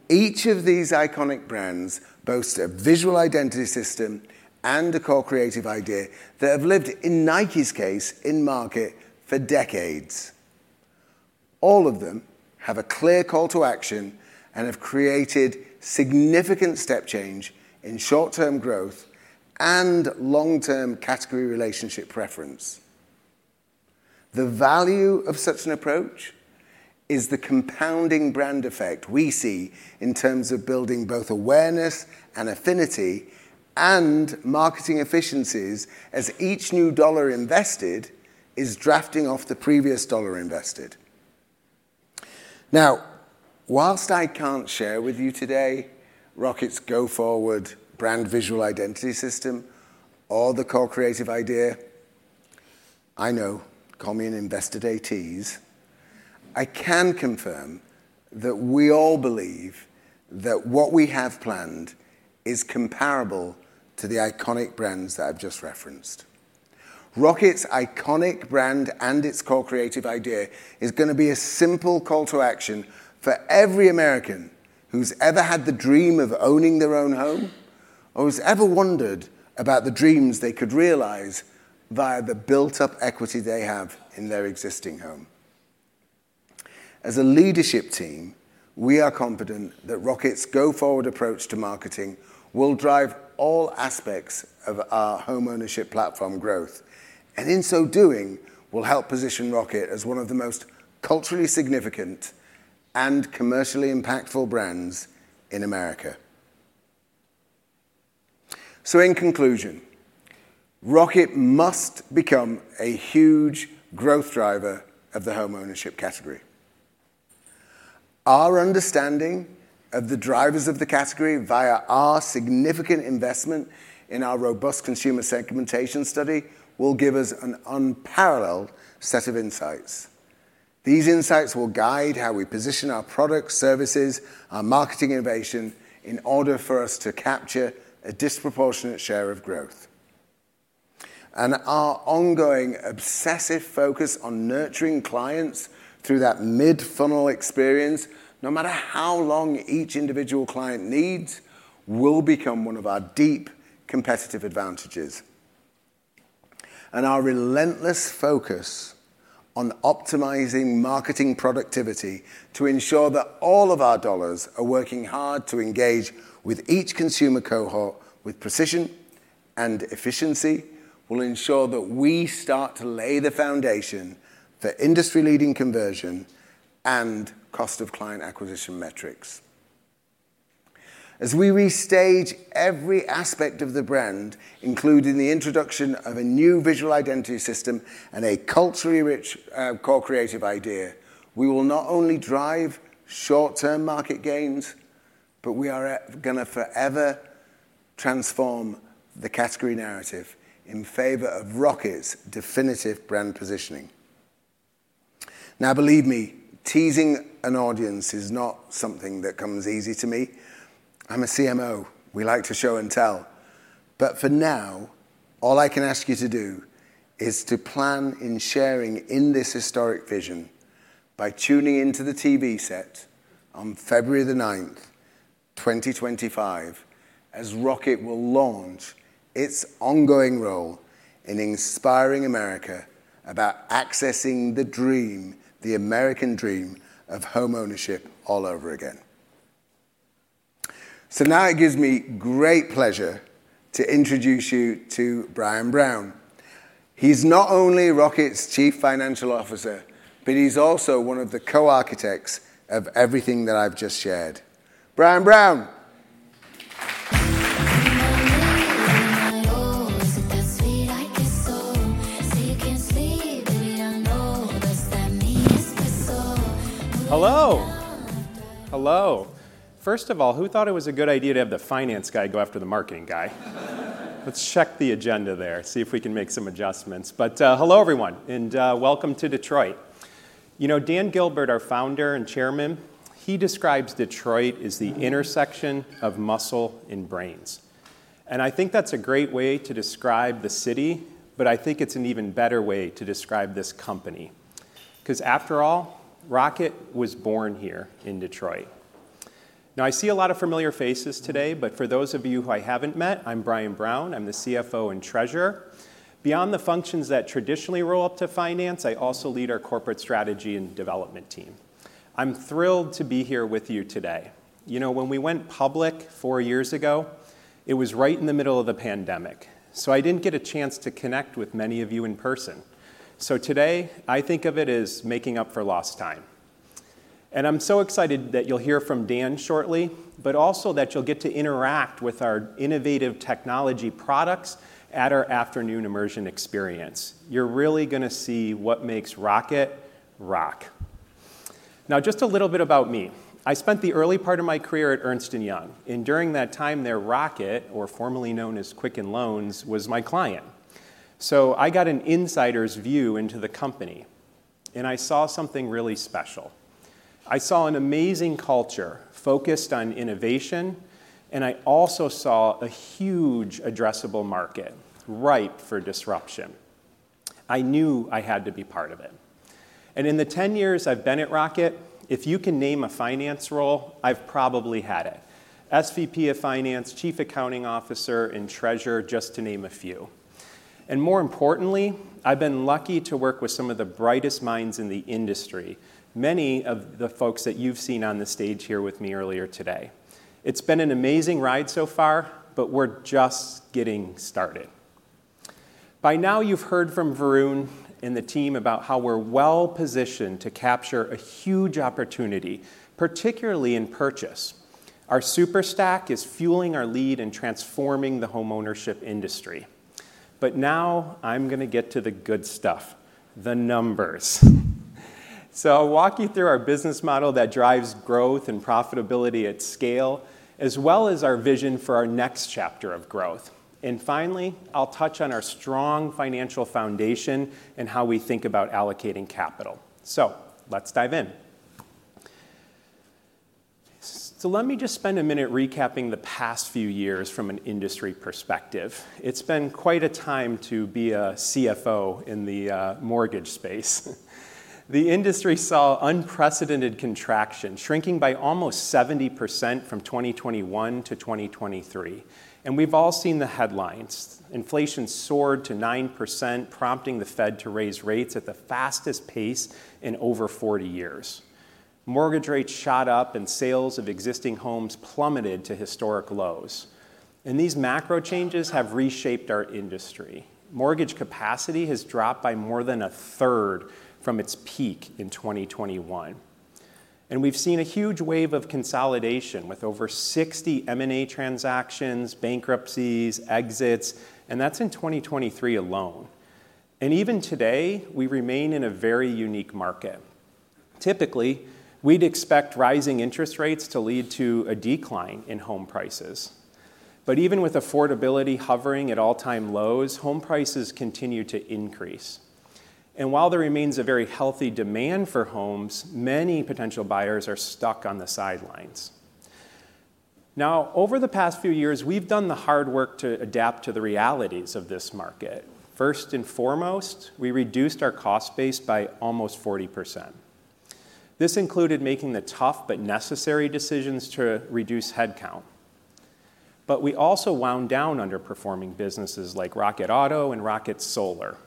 Each of these iconic brands boast a visual identity system and a core creative idea that have lived, in Nike's case, in market for decades. All of them have a clear call to action and have created significant step change in short-term growth and long-term category relationship preference. The value of such an approach is the compounding brand effect we see in terms of building both awareness and affinity and marketing efficiencies, as each new dollar invested is drafting off the previous dollar invested. Now, while I can't share with you today, Rocket's go-forward brand visual identity system or the core creative idea, I know, call me an invested eighties, I can confirm that we all believe that what we have planned is comparable to the iconic brands that I've just referenced. Rocket's iconic brand and its core creative idea is gonna be a simple call to action for every American who's ever had the dream of owning their own home or who's ever wondered about the dreams they could realize via the built-up equity they have in their existing home... As a leadership team, we are confident that Rocket's go-forward approach to marketing will drive all aspects of our homeownership platform growth, and in so doing, will help position Rocket as one of the most culturally significant and commercially impactful brands in America. So in conclusion, Rocket must become a huge growth driver of the homeownership category. Our understanding of the drivers of the category via our significant investment in our robust consumer segmentation study will give us an unparalleled set of insights. These insights will guide how we position our products, services, our marketing innovation, in order for us to capture a disproportionate share of growth. And our ongoing obsessive focus on nurturing clients through that mid-funnel experience, no matter how long each individual client needs, will become one of our deep competitive advantages. And our relentless focus on optimizing marketing productivity to ensure that all of our dollars are working hard to engage with each consumer cohort with precision and efficiency will ensure that we start to lay the foundation for industry-leading conversion and cost of client acquisition metrics. As we restage every aspect of the brand, including the introduction of a new visual identity system and a culturally rich, core creative idea, we will not only drive short-term market gains, but we are gonna forever transform the category narrative in favor of Rocket's definitive brand positioning. Now, believe me, teasing an audience is not something that comes easy to me. I'm a CMO. We like to show and tell. But for now, all I can ask you to do is to participate in sharing in this historic vision by tuning in to the TV set on February the ninth, 2025, as Rocket will launch its ongoing role in inspiring America about accessing the dream, the American dream of homeownership all over again. So now it gives me great pleasure to introduce you to Brian Brown. He's not only Rocket's Chief Financial Officer, but he's also one of the co-architects of everything that I've just shared. Brian Brown! Hello. Hello. First of all, who thought it was a good idea to have the finance guy go after the marketing guy? Let's check the agenda there, see if we can make some adjustments. But hello, everyone, and welcome to Detroit. You know, Dan Gilbert, our Founder and Chairman, he describes Detroit as the intersection of muscle and brains. And I think that's a great way to describe the city, but I think it's an even better way to describe this company. 'Cause after all, Rocket was born here in Detroit. Now, I see a lot of familiar faces today, but for those of you who I haven't met, I'm Brian Brown. I'm the CFO and Treasurer. Beyond the functions that traditionally roll up to finance, I also lead our corporate strategy and development team. I'm thrilled to be here with you today. You know, when we went public four years ago, it was right in the middle of the pandemic, so I didn't get a chance to connect with many of you in person. So today, I think of it as making up for lost time, and I'm so excited that you'll hear from Dan shortly, but also that you'll get to interact with our innovative technology products at our afternoon immersion experience. You're really gonna see what makes Rocket rock. Now, just a little bit about me. I spent the early part of my career at Ernst & Young, and during that time, there Rocket, or formerly known as Quicken Loans, was my client. So I got an insider's view into the company, and I saw something really special. I saw an amazing culture focused on innovation, and I also saw a huge addressable market ripe for disruption. I knew I had to be part of it, and in the 10 years I've been at Rocket, if you can name a finance role, I've probably had it. SVP of Finance, Chief Accounting Officer, and Treasurer, just to name a few. And more importantly, I've been lucky to work with some of the brightest minds in the industry, many of the folks that you've seen on the stage here with me earlier today. It's been an amazing ride so far, but we're just getting started. By now, you've heard from Varun and the team about how we're well-positioned to capture a huge opportunity, particularly in purchase. Our super stack is fueling our lead in transforming the homeownership industry, but now I'm gonna get to the good stuff, the numbers. So I'll walk you through our business model that drives growth and profitability at scale, as well as our vision for our next chapter of growth. And finally, I'll touch on our strong financial foundation and how we think about allocating capital. So let's dive in. So let me just spend a minute recapping the past few years from an industry perspective. It's been quite a time to be a CFO in the mortgage space. The industry saw unprecedented contraction, shrinking by almost 70% from 2021 to 2023. And we've all seen the headlines. Inflation soared to 9%, prompting the Fed to raise rates at the fastest pace in over 40 years. Mortgage rates shot up and sales of existing homes plummeted to historic lows. And these macro changes have reshaped our industry. Mortgage capacity has dropped by more than a third from its peak in 2021. And we've seen a huge wave of consolidation, with over 60 M&A transactions, bankruptcies, exits, and that's in 2023 alone. And even today, we remain in a very unique market. Typically, we'd expect rising interest rates to lead to a decline in home prices. But even with affordability hovering at all-time lows, home prices continue to increase. And while there remains a very healthy demand for homes, many potential buyers are stuck on the sidelines. Now, over the past few years, we've done the hard work to adapt to the realities of this market. First and foremost, we reduced our cost base by almost 40%. This included making the tough but necessary decisions to reduce headcount. But we also wound down underperforming businesses like Rocket Auto and Rocket Solar.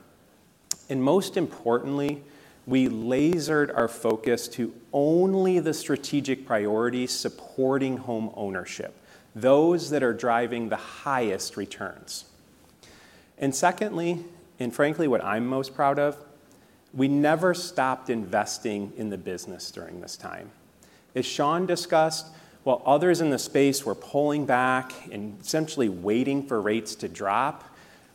Most importantly, we lasered our focus to only the strategic priorities supporting homeownership, those that are driving the highest returns. Secondly, and frankly, what I'm most proud of, we never stopped investing in the business during this time. As Shawn discussed, while others in the space were pulling back and essentially waiting for rates to drop,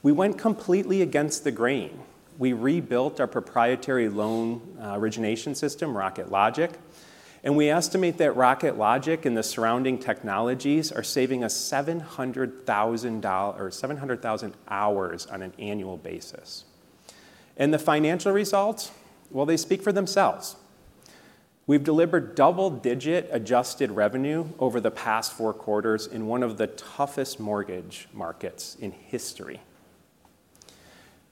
we went completely against the grain. We rebuilt our proprietary loan origination system, Rocket Logic, and we estimate that Rocket Logic and the surrounding technologies are saving us 700,000 hours on an annual basis. And the financial results, well, they speak for themselves. We've delivered double-digit adjusted revenue over the past four quarters in one of the toughest mortgage markets in history.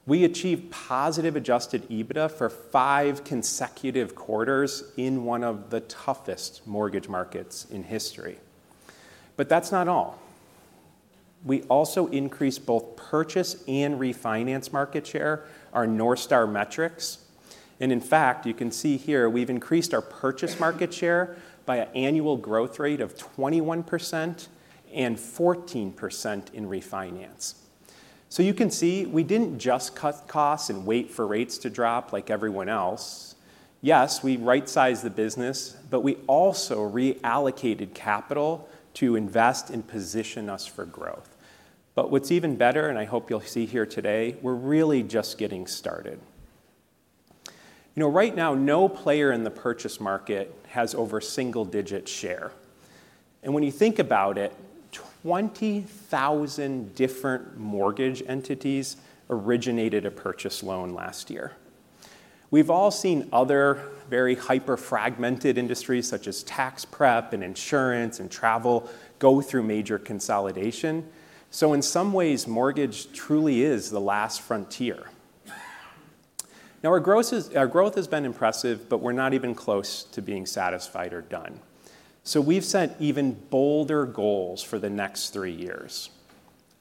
We achieved positive adjusted EBITDA for five consecutive quarters in one of the toughest mortgage markets in history. That's not all. We also increased both purchase and refinance market share, our North Star metrics, and in fact, you can see here, we've increased our purchase market share by an annual growth rate of 21% and 14% in refinance, so you can see, we didn't just cut costs and wait for rates to drop like everyone else. Yes, we right-sized the business, but we also reallocated capital to invest and position us for growth, but what's even better, and I hope you'll see here today, we're really just getting started. You know, right now, no player in the purchase market has over single-digit share, and when you think about it, 20,000 different mortgage entities originated a purchase loan last year. We've all seen other very hyper-fragmented industries, such as tax prep and insurance and travel, go through major consolidation, so in some ways, mortgage truly is the last frontier. Now, our growth has been impressive, but we're not even close to being satisfied or done. So we've set even bolder goals for the next three years.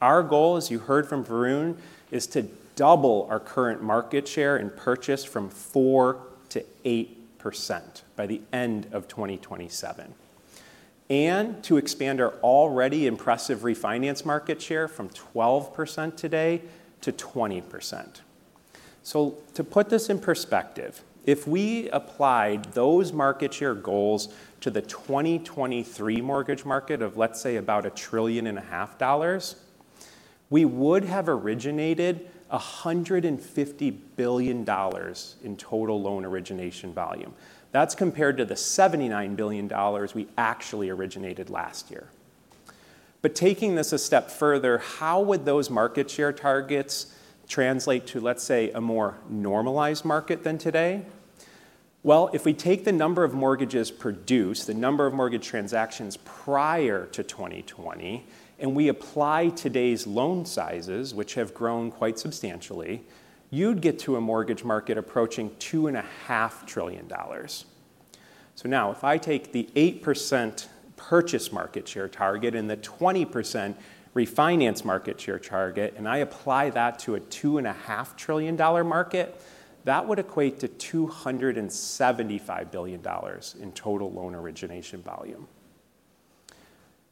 Our goal, as you heard from Varun, is to double our current purchase market share from 4% to 8% by the end of 2027, and to expand our already impressive refinance market share from 12% today to 20%. So to put this in perspective, if we applied those market share goals to the 2023 mortgage market of, let's say, about $1.5 trillion, we would have originated $150 billion in total loan origination volume. That's compared to the $79 billion we actually originated last year. But taking this a step further, how would those market share targets translate to, let's say, a more normalized market than today? Well, if we take the number of mortgages produced, the number of mortgage transactions prior to 2020, and we apply today's loan sizes, which have grown quite substantially, you'd get to a mortgage market approaching $2.5 trillion. So now, if I take the 8% purchase market share target and the 20% refinance market share target, and I apply that to a $2.5 trillion-dollar market, that would equate to $275 billion in total loan origination volume.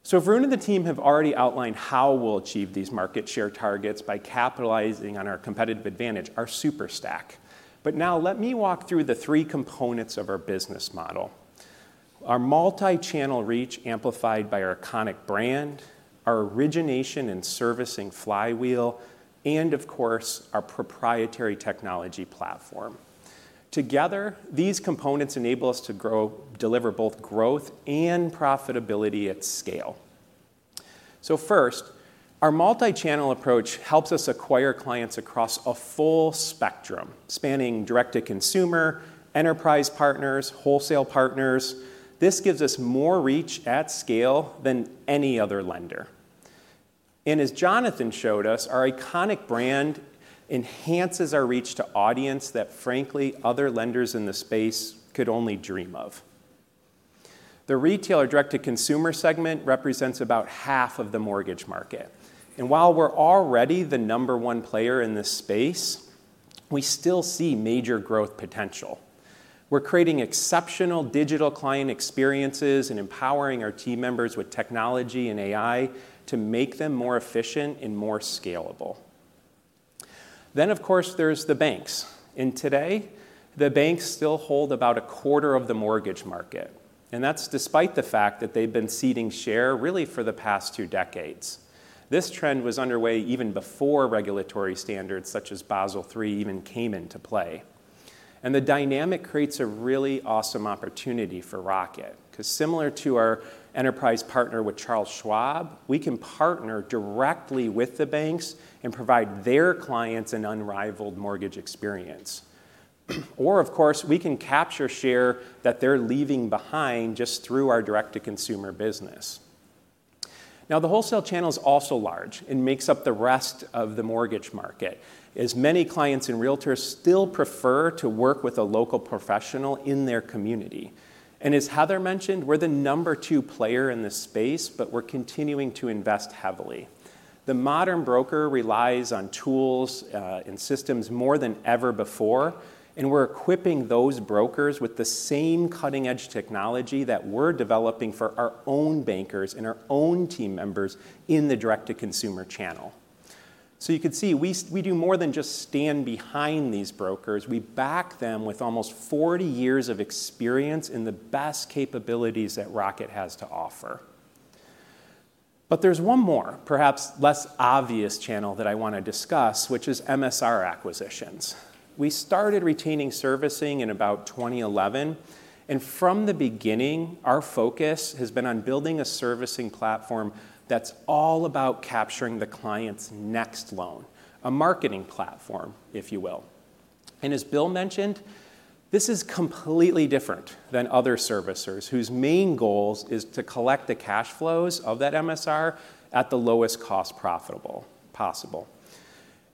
So Varun and the team have already outlined how we'll achieve these market share targets by capitalizing on our competitive advantage, our super stack. But now let me walk through the three components of our business model. Our multi-channel reach, amplified by our iconic brand, our origination and servicing flywheel, and of course, our proprietary technology platform. Together, these components enable us to grow, deliver both growth and profitability at scale. So first, our multi-channel approach helps us acquire clients across a full spectrum, spanning direct-to-consumer, enterprise partners, wholesale partners. This gives us more reach at scale than any other lender. And as Jonathan showed us, our iconic brand enhances our reach to an audience that, frankly, other lenders in the space could only dream of... The retail direct-to-consumer segment represents about half of the mortgage market. And while we're already the number one player in this space, we still see major growth potential. We're creating exceptional digital client experiences and empowering our team members with technology and AI to make them more efficient and more scalable. Then, of course, there's the banks, and today, the banks still hold about a quarter of the mortgage market, and that's despite the fact that they've been ceding share really for the past two decades. This trend was underway even before regulatory standards such as Basel III even came into play. And the dynamic creates a really awesome opportunity for Rocket, 'cause similar to our enterprise partner with Charles Schwab, we can partner directly with the banks and provide their clients an unrivaled mortgage experience. Or, of course, we can capture share that they're leaving behind just through our direct-to-consumer business. Now, the wholesale channel is also large and makes up the rest of the mortgage market, as many clients and realtors still prefer to work with a local professional in their community. As Heather mentioned, we're the number two player in this space, but we're continuing to invest heavily. The modern broker relies on tools and systems more than ever before, and we're equipping those brokers with the same cutting-edge technology that we're developing for our own bankers and our own team members in the direct-to-consumer channel. You can see, we do more than just stand behind these brokers. We back them with almost forty years of experience and the best capabilities that Rocket has to offer. There's one more, perhaps less obvious channel that I want to discuss, which is MSR acquisitions. We started retaining servicing in about twenty eleven, and from the beginning, our focus has been on building a servicing platform that's all about capturing the client's next loan, a marketing platform, if you will. As Bill mentioned, this is completely different than other servicers, whose main goals is to collect the cash flows of that MSR at the lowest cost profitable possible.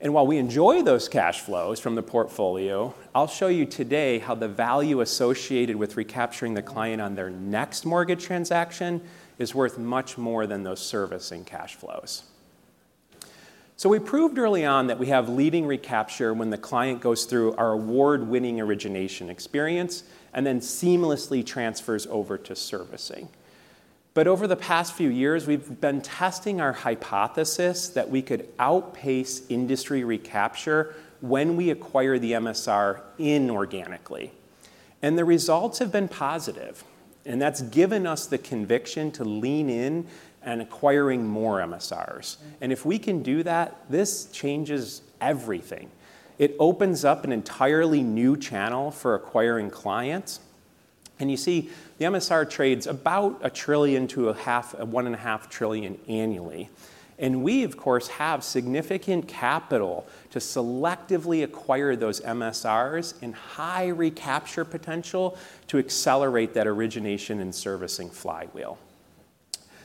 While we enjoy those cash flows from the portfolio, I'll show you today how the value associated with recapturing the client on their next mortgage transaction is worth much more than those servicing cash flows. We proved early on that we have leading recapture when the client goes through our award-winning origination experience and then seamlessly transfers over to servicing. Over the past few years, we've been testing our hypothesis that we could outpace industry recapture when we acquire the MSR inorganically. The results have been positive, and that's given us the conviction to lean in and acquiring more MSRs. If we can do that, this changes everything. It opens up an entirely new channel for acquiring clients. You see, the MSR trades about half a trillion to one and a half trillion annually. We, of course, have significant capital to selectively acquire those MSRs and high recapture potential to accelerate that origination and servicing flywheel.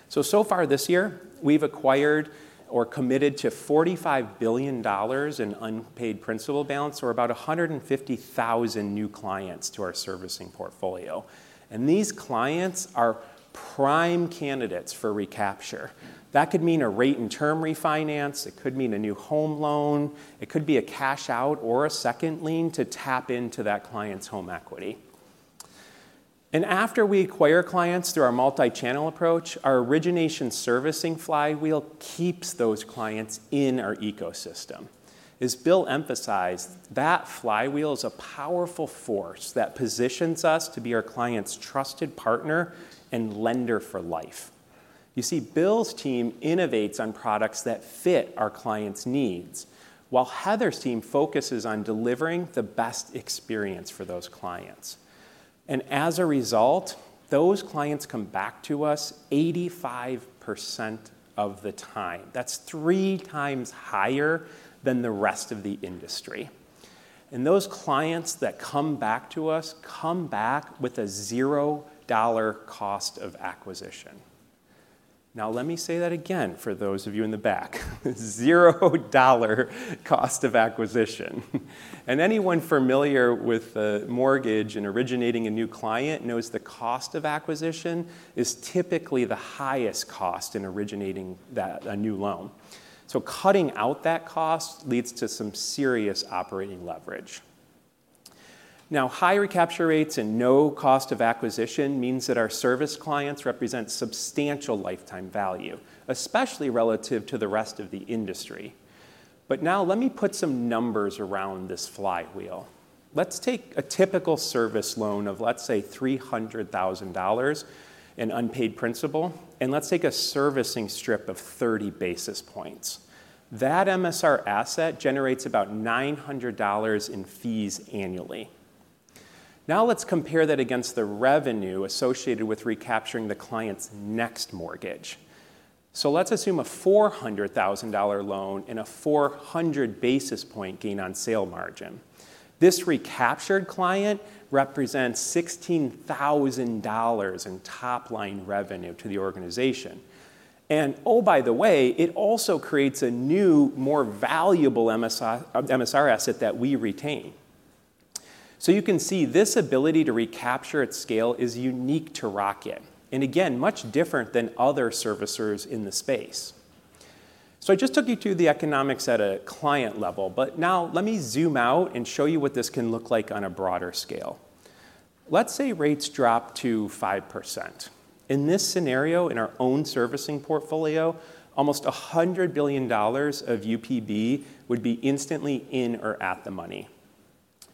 So far this year, we've acquired or committed to $45 billion in unpaid principal balance, or about 150,000 new clients to our servicing portfolio. These clients are prime candidates for recapture. That could mean a rate and term refinance. It could mean a new home loan. It could be a cash out or a second lien to tap into that client's home equity. After we acquire clients through our multi-channel approach, our origination servicing flywheel keeps those clients in our ecosystem. As Bill emphasized, that flywheel is a powerful force that positions us to be our client's trusted partner and lender for life. You see, Bill's team innovates on products that fit our clients' needs, while Heather's team focuses on delivering the best experience for those clients. And as a result, those clients come back to us 85% of the time. That's three times higher than the rest of the industry. And those clients that come back to us come back with a $0 cost of acquisition. Now, let me say that again for those of you in the back. $0 cost of acquisition. And anyone familiar with, mortgage and originating a new client knows the cost of acquisition is typically the highest cost in originating that, a new loan. So cutting out that cost leads to some serious operating leverage. Now, high recapture rates and no cost of acquisition means that our service clients represent substantial lifetime value, especially relative to the rest of the industry. But now, let me put some numbers around this flywheel. Let's take a typical service loan of, let's say, $300,000 in unpaid principal, and let's take a servicing strip of 30 basis points. That MSR asset generates about $900 in fees annually. Now, let's compare that against the revenue associated with recapturing the client's next mortgage. So let's assume a $400,000 loan and a 400 basis point gain on sale margin. This recaptured client represents $16,000 in top-line revenue to the organization. And, oh, by the way, it also creates a new, more valuable MSR asset that we retain. You can see this ability to recapture at scale is unique to Rocket, and again, much different than other servicers in the space. I just took you through the economics at a client level, but now let me zoom out and show you what this can look like on a broader scale. Let's say rates drop to 5%. In this scenario, in our own servicing portfolio, almost $100 billion of UPB would be instantly in or at the money.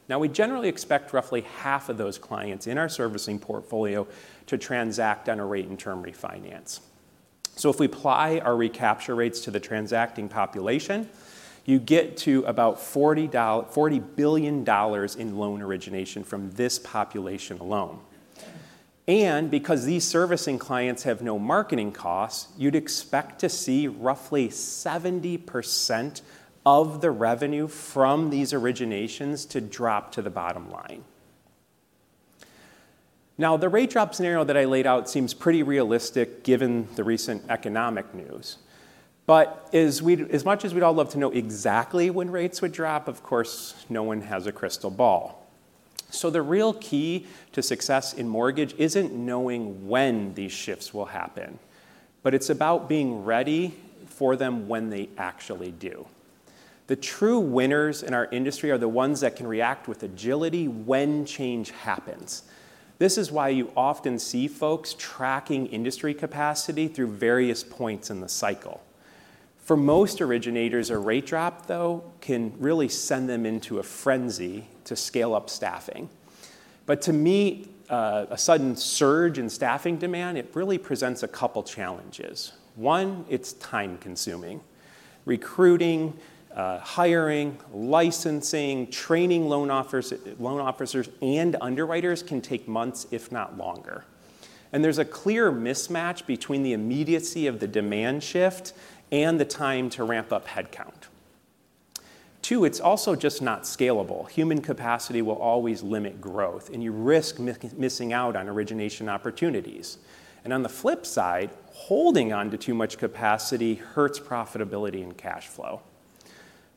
Now, we generally expect roughly half of those clients in our servicing portfolio to transact on a rate and term refinance. If we apply our recapture rates to the transacting population, you get to about $40 billion in loan origination from this population alone. Because these servicing clients have no marketing costs, you'd expect to see roughly 70% of the revenue from these originations to drop to the bottom line. Now, the rate drop scenario that I laid out seems pretty realistic given the recent economic news. But as much as we'd all love to know exactly when rates would drop, of course, no one has a crystal ball. So the real key to success in mortgage isn't knowing when these shifts will happen, but it's about being ready for them when they actually do. The true winners in our industry are the ones that can react with agility when change happens. This is why you often see folks tracking industry capacity through various points in the cycle. For most originators, a rate drop, though, can really send them into a frenzy to scale up staffing. But to me, a sudden surge in staffing demand, it really presents a couple challenges. One, it's time-consuming. Recruiting, hiring, licensing, training loan officers and underwriters can take months, if not longer. And there's a clear mismatch between the immediacy of the demand shift and the time to ramp up headcount. Two, it's also just not scalable. Human capacity will always limit growth, and you risk missing out on origination opportunities. And on the flip side, holding on to too much capacity hurts profitability and cash flow.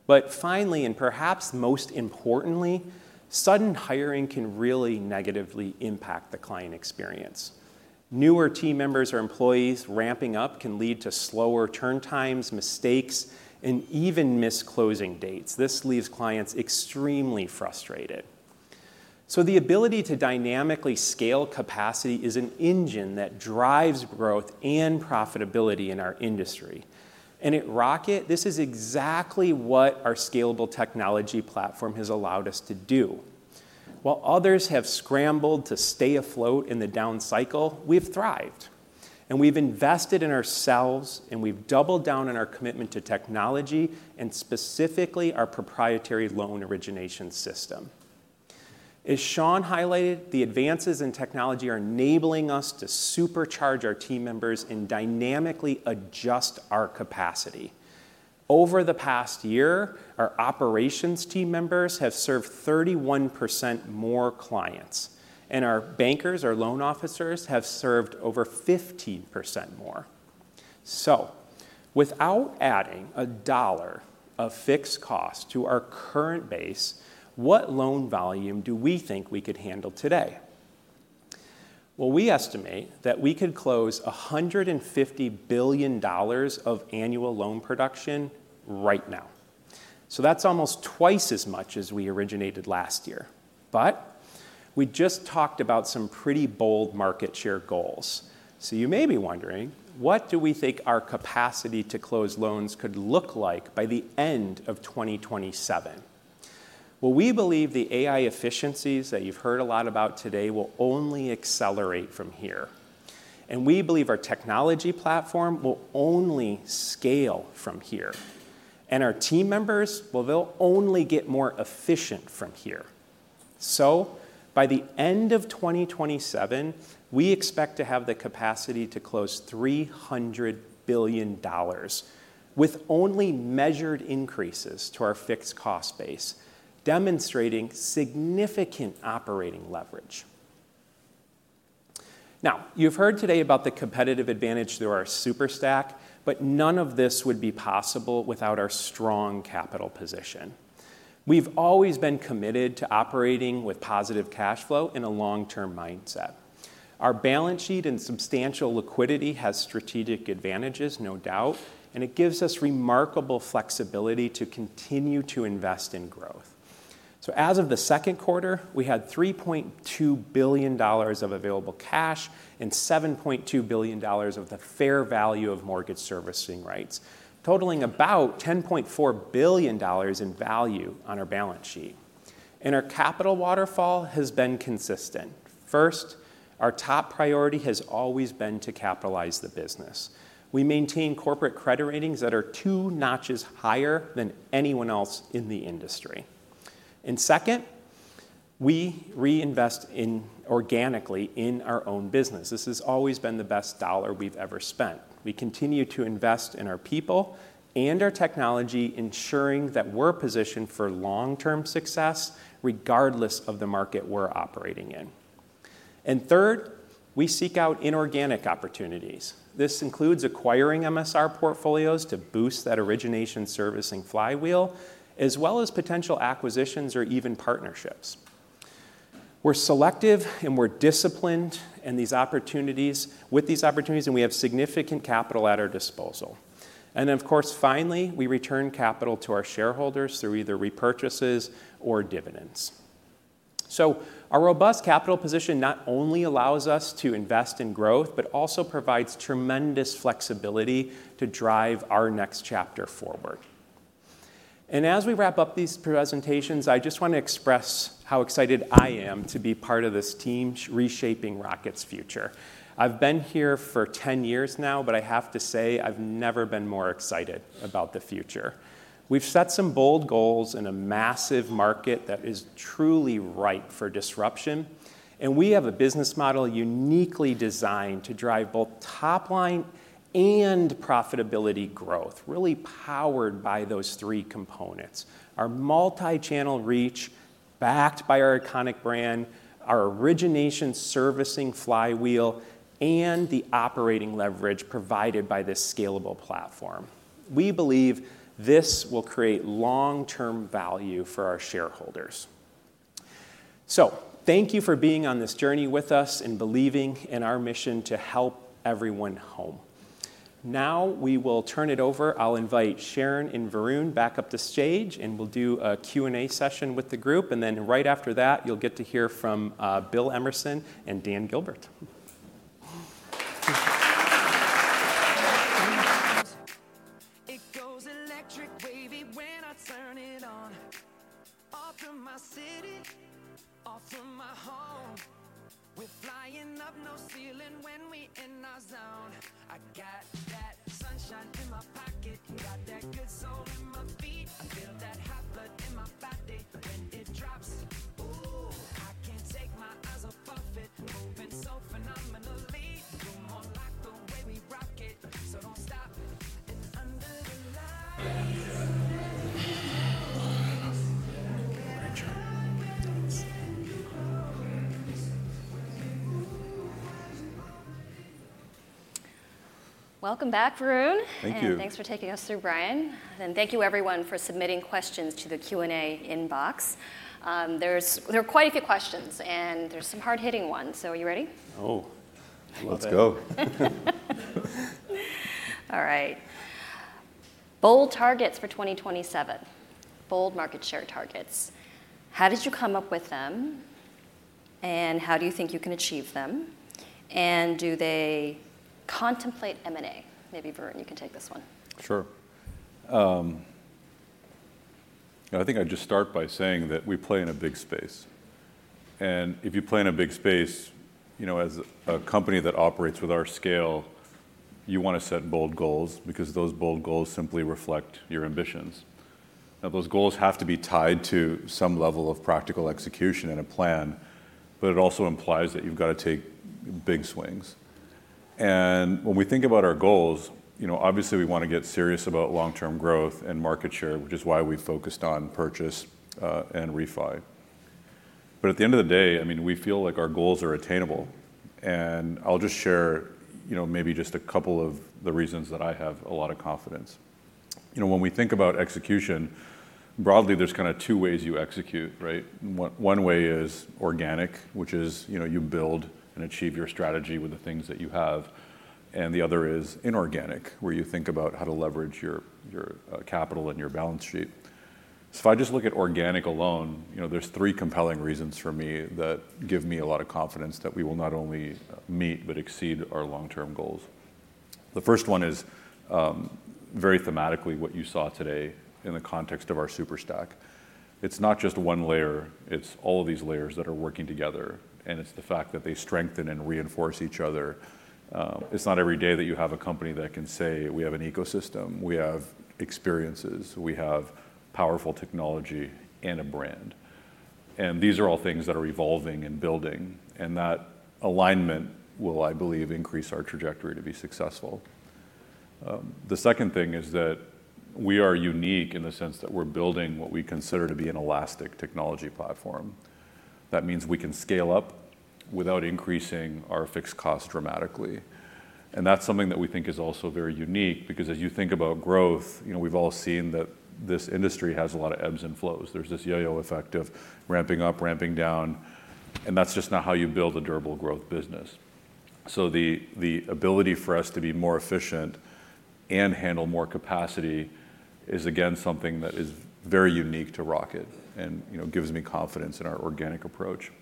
But finally, and perhaps most importantly, sudden hiring can really negatively impact the client experience. Newer team members or employees ramping up can lead to slower turn times, mistakes, and even missed closing dates. This leaves clients extremely frustrated. So the ability to dynamically scale capacity is an engine that drives growth and profitability in our industry. At Rocket, this is exactly what our scalable technology platform has allowed us to do. While others have scrambled to stay afloat in the down cycle, we've thrived, and we've invested in ourselves, and we've doubled down on our commitment to technology, and specifically our proprietary loan origination system. As Shawn highlighted, the advances in technology are enabling us to supercharge our team members and dynamically adjust our capacity. Over the past year, our operations team members have served 31% more clients, and our bankers, our loan officers, have served over 15% more. So without adding a dollar of fixed cost to our current base, what loan volume do we think we could handle today? Well, we estimate that we could close $150 billion of annual loan production right now. So that's almost twice as much as we originated last year. But we just talked about some pretty bold market share goals. So you may be wondering, what do we think our capacity to close loans could look like by the end of 2027? Well, we believe the AI efficiencies that you've heard a lot about today will only accelerate from here, and we believe our technology platform will only scale from here, and our team members, well, they'll only get more efficient from here. So by the end of 2027, we expect to have the capacity to close $300 billion with only measured increases to our fixed cost base, demonstrating significant operating leverage. Now, you've heard today about the competitive advantage through our Superstack, but none of this would be possible without our strong capital position. We've always been committed to operating with positive cash flow and a long-term mindset. Our balance sheet and substantial liquidity has strategic advantages, no doubt, and it gives us remarkable flexibility to continue to invest in growth. So as of the second quarter, we had $3.2 billion of available cash and $7.2 billion of the fair value of mortgage servicing rights, totaling about $10.4 billion in value on our balance sheet. And our capital waterfall has been consistent. First, our top priority has always been to capitalize the business. We maintain corporate credit ratings that are two notches higher than anyone else in the industry. And second, we reinvest organically in our own business. This has always been the best dollar we've ever spent. We continue to invest in our people and our technology, ensuring that we're positioned for long-term success, regardless of the market we're operating in.... And third, we seek out inorganic opportunities. This includes acquiring MSR portfolios to boost that origination servicing flywheel, as well as potential acquisitions or even partnerships. We're selective and we're disciplined, and with these opportunities, we have significant capital at our disposal. And then, of course, finally, we return capital to our shareholders through either repurchases or dividends. So our robust capital position not only allows us to invest in growth, but also provides tremendous flexibility to drive our next chapter forward. And as we wrap up these presentations, I just want to express how excited I am to be part of this team reshaping Rocket's future. I've been here for 10 years now, but I have to say, I've never been more excited about the future. We've set some bold goals in a massive market that is truly ripe for disruption, and we have a business model uniquely designed to drive both top line and profitability growth, really powered by those three components: our multi-channel reach, backed by our iconic brand, our origination servicing flywheel, and the operating leverage provided by this scalable platform. We believe this will create long-term value for our shareholders. So thank you for being on this journey with us and believing in our mission to help everyone home. Now, we will turn it over. I'll invite Sharon and Varun back up the stage, and we'll do a Q&A session with the group. And then right after that, you'll get to hear from Bill Emerson and Dan Gilbert. It goes electric, baby, when I turn it on. All through my city, all through my home. We're flying up, no ceiling when we in our zone. I got that sunshine in my pocket, got that good soul in my feet. I feel that hot blood in my body when it drops. Ooh, I can't take my eyes up off it, moving so phenomenally. You gonna like the way we rock it, so don't stop. And under the lights... Welcome back, Varun. Thank you. Thanks for taking us through, Brian. Thank you everyone for submitting questions to the Q&A inbox. There are quite a few questions, and there's some hard-hitting ones. Are you ready? Oh. Let's go. All right. Bold targets for 2027. Bold market share targets. How did you come up with them, and how do you think you can achieve them? And do they contemplate M&A? Maybe Varun, you can take this one. Sure. I think I'd just start by saying that we play in a big space. And if you play in a big space, you know, as a company that operates with our scale, you want to set bold goals because those bold goals simply reflect your ambitions. Now, those goals have to be tied to some level of practical execution and a plan, but it also implies that you've got to take big swings. And when we think about our goals, you know, obviously, we want to get serious about long-term growth and market share, which is why we focused on purchase and refi. But at the end of the day, I mean, we feel like our goals are attainable, and I'll just share, you know, maybe just a couple of the reasons that I have a lot of confidence. You know, when we think about execution, broadly, there's kind of two ways you execute, right? One way is organic, which is, you know, you build and achieve your strategy with the things that you have, and the other is inorganic, where you think about how to leverage your capital and your balance sheet. So if I just look at organic alone, you know, there's three compelling reasons for me that give me a lot of confidence that we will not only meet but exceed our long-term goals. The first one is very thematically, what you saw today in the context of our Superstack. It's not just one layer, it's all of these layers that are working together, and it's the fact that they strengthen and reinforce each other. It's not every day that you have a company that can say, "We have an ecosystem, we have experiences, we have powerful technology and a brand," and these are all things that are evolving and building, and that alignment will, I believe, increase our trajectory to be successful. The second thing is that we are unique in the sense that we're building what we consider to be an elastic technology platform. That means we can scale up without increasing our fixed cost dramatically. And that's something that we think is also very unique because as you think about growth, you know, we've all seen that this industry has a lot of ebbs and flows. There's this yo-yo effect of ramping up, ramping down, and that's just not how you build a durable growth business. So the ability for us to be more efficient and handle more capacity is, again, something that is very unique to Rocket and, you know, gives me confidence in our organic approach.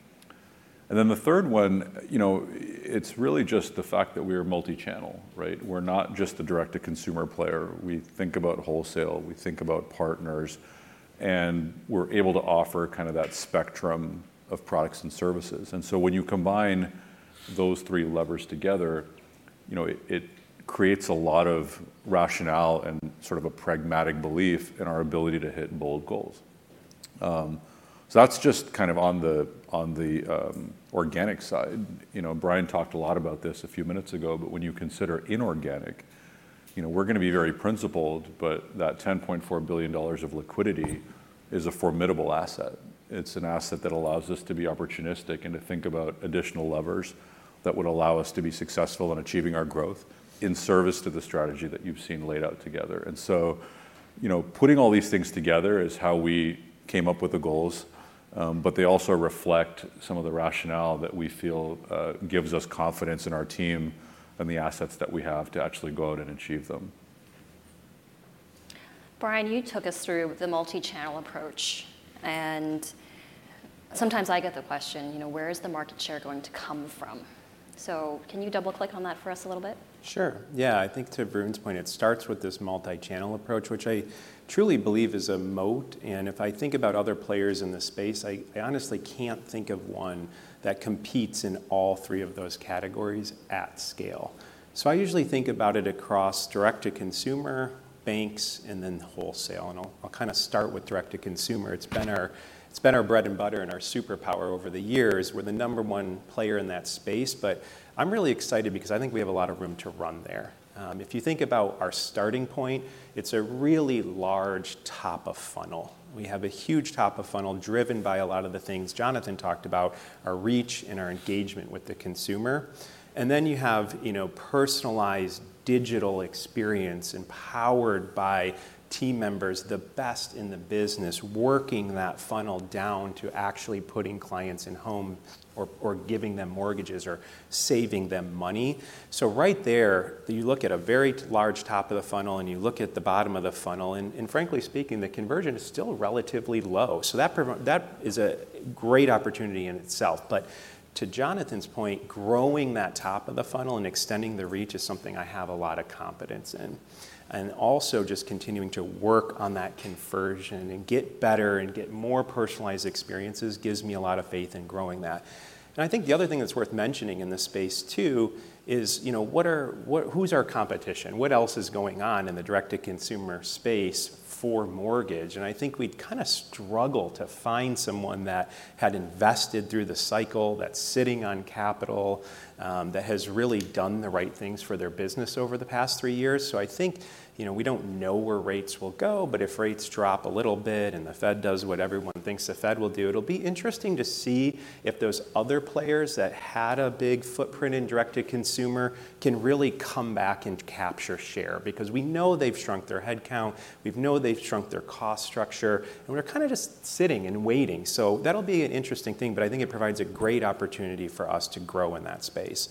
And then the third one, you know, it's really just the fact that we are multi-channel, right? We're not just a direct-to-consumer player. We think about wholesale, we think about partners, and we're able to offer kind of that spectrum of products and services. And so when you combine those three levers together, you know, it creates a lot of rationale and sort of a pragmatic belief in our ability to hit bold goals. So that's just kind of on the organic side. You know, Brian talked a lot about this a few minutes ago, but when you consider inorganic-... You know, we're gonna be very principled, but that $10.4 billion of liquidity is a formidable asset. It's an asset that allows us to be opportunistic and to think about additional levers that would allow us to be successful in achieving our growth in service to the strategy that you've seen laid out together. And so, you know, putting all these things together is how we came up with the goals, but they also reflect some of the rationale that we feel gives us confidence in our team and the assets that we have to actually go out and achieve them. Brian, you took us through the multi-channel approach, and sometimes I get the question, you know, where is the market share going to come from? So can you double-click on that for us a little bit? Sure. Yeah, I think to Varun's point, it starts with this multi-channel approach, which I truly believe is a moat, and if I think about other players in this space, I honestly can't think of one that competes in all three of those categories at scale. So I usually think about it across direct-to-consumer banks and then wholesale, and I'll kind of start with direct-to-consumer. It's been our bread and butter and our superpower over the years. We're the number one player in that space, but I'm really excited because I think we have a lot of room to run there. If you think about our starting point, it's a really large top of funnel. We have a huge top of funnel driven by a lot of the things Jonathan talked about, our reach and our engagement with the consumer. And then you have, you know, personalized digital experience empowered by team members, the best in the business, working that funnel down to actually putting clients in home or giving them mortgages or saving them money. So right there, you look at a very large top of the funnel, and you look at the bottom of the funnel, and frankly speaking, the conversion is still relatively low. So that is a great opportunity in itself. But to Jonathan's point, growing that top of the funnel and extending the reach is something I have a lot of confidence in. And also, just continuing to work on that conversion and get better and get more personalized experiences gives me a lot of faith in growing that. And I think the other thing that's worth mentioning in this space, too, is, you know, what, who's our competition? What else is going on in the direct-to-consumer space for mortgage? And I think we'd kind of struggle to find someone that had invested through the cycle, that's sitting on capital, that has really done the right things for their business over the past three years. So I think, you know, we don't know where rates will go, but if rates drop a little bit and the Fed does what everyone thinks the Fed will do, it'll be interesting to see if those other players that had a big footprint in direct-to-consumer can really come back and capture share. Because we know they've shrunk their headcount, we know they've shrunk their cost structure, and we're kind of just sitting and waiting. So that'll be an interesting thing, but I think it provides a great opportunity for us to grow in that space.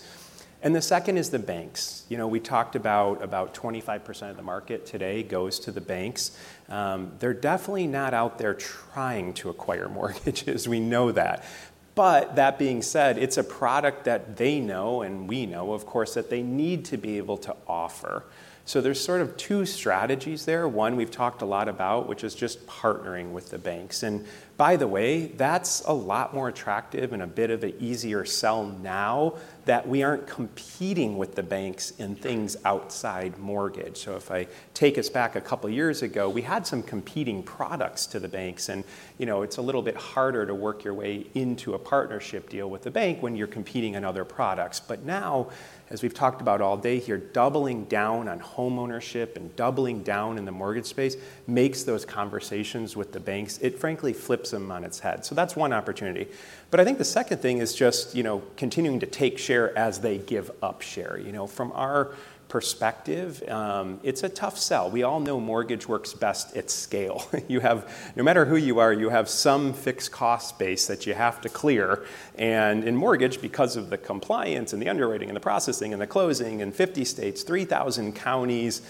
And the second is the banks. You know, we talked about about 25% of the market today goes to the banks. They're definitely not out there trying to acquire mortgages, we know that. But that being said, it's a product that they know and we know, of course, that they need to be able to offer. So there's sort of two strategies there. One, we've talked a lot about, which is just partnering with the banks. And by the way, that's a lot more attractive and a bit of an easier sell now that we aren't competing with the banks in things outside mortgage. So if I take us back a couple of years ago, we had some competing products to the banks, and you know, it's a little bit harder to work your way into a partnership deal with the bank when you're competing on other products. But now, as we've talked about all day here, doubling down on homeownership and doubling down in the mortgage space makes those conversations with the banks. It frankly flips them on its head. So that's one opportunity. But I think the second thing is just, you know, continuing to take share as they give up share. You know, from our perspective, it's a tough sell. We all know mortgage works best at scale. You have. No matter who you are, you have some fixed cost base that you have to clear, and in mortgage, because of the compliance and the underwriting and the processing and the closing in fifty states, three thousand counties,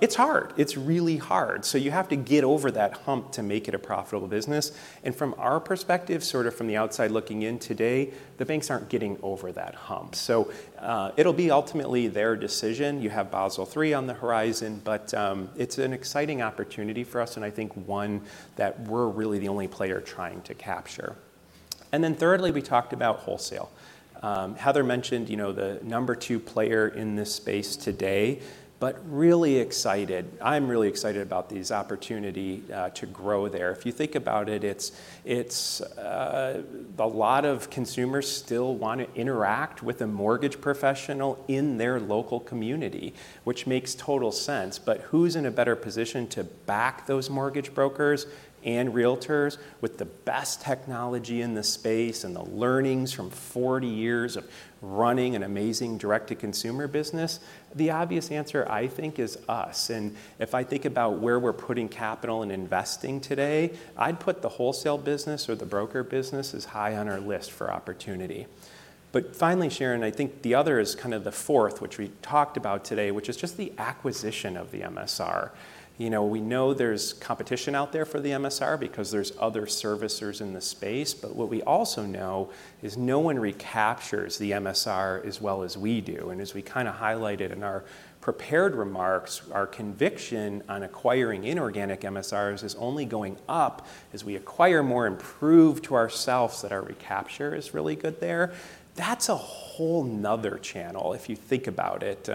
it's hard. It's really hard. So you have to get over that hump to make it a profitable business. From our perspective, sort of from the outside looking in today, the banks aren't getting over that hump. It'll be ultimately their decision. You have Basel III on the horizon, but it's an exciting opportunity for us, and I think one that we're really the only player trying to capture. Thirdly, we talked about wholesale. Heather mentioned, you know, the number two player in this space today, but really excited. I'm really excited about this opportunity to grow there. If you think about it, it's a lot of consumers still want to interact with a mortgage professional in their local community, which makes total sense, but who's in a better position to back those mortgage brokers and realtors with the best technology in the space and the learnings from forty years of running an amazing direct-to-consumer business? The obvious answer, I think, is us, and if I think about where we're putting capital and investing today, I'd put the wholesale business or the broker business as high on our list for opportunity. But finally, Sharon, I think the other is kind of the fourth, which we talked about today, which is just the acquisition of the MSR. You know, we know there's competition out there for the MSR because there's other servicers in the space, but what we also know is no one recaptures the MSR as well as we do. And as we kind of highlighted in our prepared remarks, our conviction on acquiring inorganic MSRs is only going up as we acquire more and prove to ourselves that our recapture is really good there. That's a whole another channel if you think about it.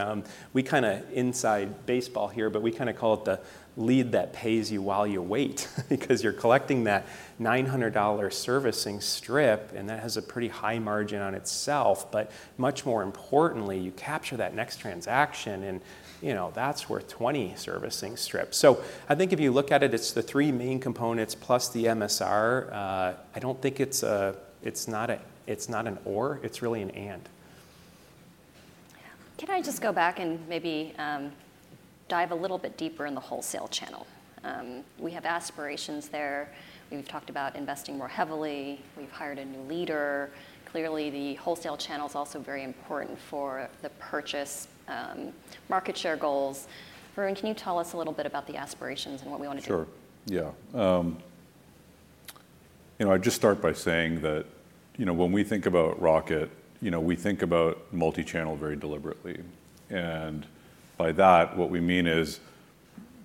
We kind of inside baseball here, but we kind of call it the lead that pays you while you wait because you're collecting that $900 servicing strip, and that has a pretty high margin on itself, but much more importantly, you capture that next transaction, and, you know, that's worth 20 servicing strips. So I think if you look at it, it's the three main components plus the MSR. I don't think it's a. It's not an or, it's really an and.... Can I just go back and maybe, dive a little bit deeper in the wholesale channel? We have aspirations there. We've talked about investing more heavily. We've hired a new leader. Clearly, the wholesale channel is also very important for the purchase market share goals. Varun, can you tell us a little bit about the aspirations and what we want to do? Sure. Yeah. You know, I'd just start by saying that, you know, when we think about Rocket, you know, we think about multi-channel very deliberately, and by that, what we mean is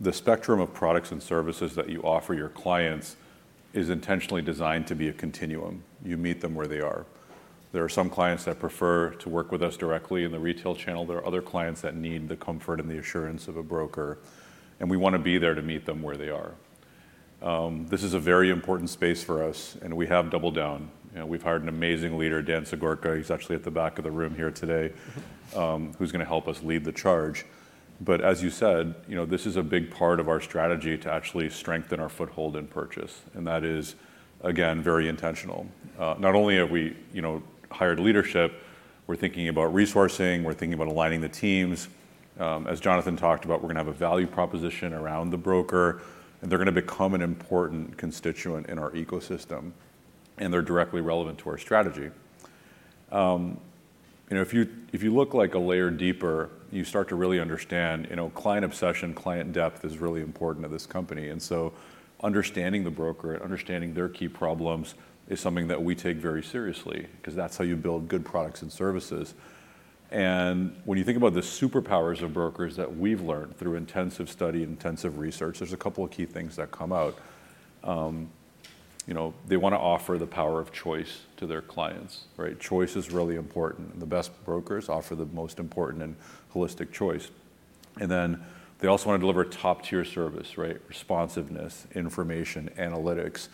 the spectrum of products and services that you offer your clients is intentionally designed to be a continuum. You meet them where they are. There are some clients that prefer to work with us directly in the retail channel. There are other clients that need the comfort and the assurance of a broker, and we want to be there to meet them where they are. This is a very important space for us, and we have doubled down, and we've hired an amazing leader, Dan Zagorka; he's actually at the back of the room here today, who's going to help us lead the charge. But as you said, you know, this is a big part of our strategy to actually strengthen our foothold and purchase, and that is, again, very intentional. Not only have we, you know, hired leadership, we're thinking about resourcing, we're thinking about aligning the teams. As Jonathan talked about, we're going to have a value proposition around the broker, and they're going to become an important constituent in our ecosystem, and they're directly relevant to our strategy. You know, if you look, like, a layer deeper, you start to really understand, you know, client obsession, client depth is really important to this company, and so understanding the broker and understanding their key problems is something that we take very seriously, 'cause that's how you build good products and services. And when you think about the superpowers of brokers that we've learned through intensive study and intensive research, there's a couple of key things that come out. You know, they want to offer the power of choice to their clients, right? Choice is really important, and the best brokers offer the most important and holistic choice. And then, they also want to deliver top-tier service, right? Responsiveness, information, analytics.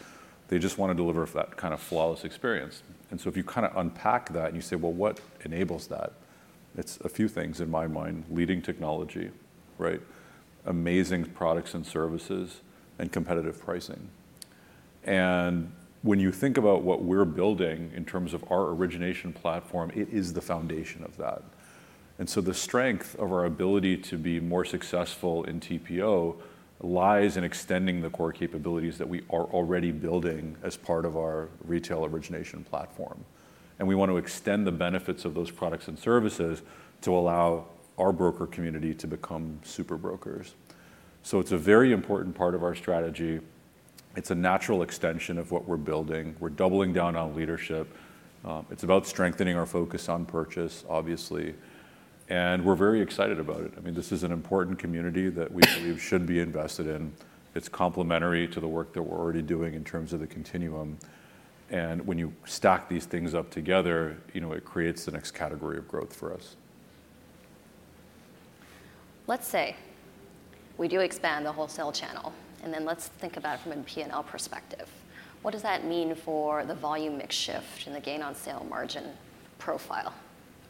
They just want to deliver that kind of flawless experience. And so if you kind of unpack that and you say, "Well, what enables that?" It's a few things in my mind: leading technology, right, amazing products and services, and competitive pricing. And when you think about what we're building in terms of our origination platform, it is the foundation of that. And so the strength of our ability to be more successful in TPO lies in extending the core capabilities that we are already building as part of our retail origination platform, and we want to extend the benefits of those products and services to allow our broker community to become super brokers. So it's a very important part of our strategy. It's a natural extension of what we're building. We're doubling down on leadership. It's about strengthening our focus on purchase, obviously, and we're very excited about it. I mean, this is an important community that we believe should be invested in. It's complementary to the work that we're already doing in terms of the continuum, and when you stack these things up together, you know, it creates the next category of growth for us. Let's say we do expand the wholesale channel, and then let's think about it from a P&L perspective. What does that mean for the volume mix shift and the gain on sale margin profile?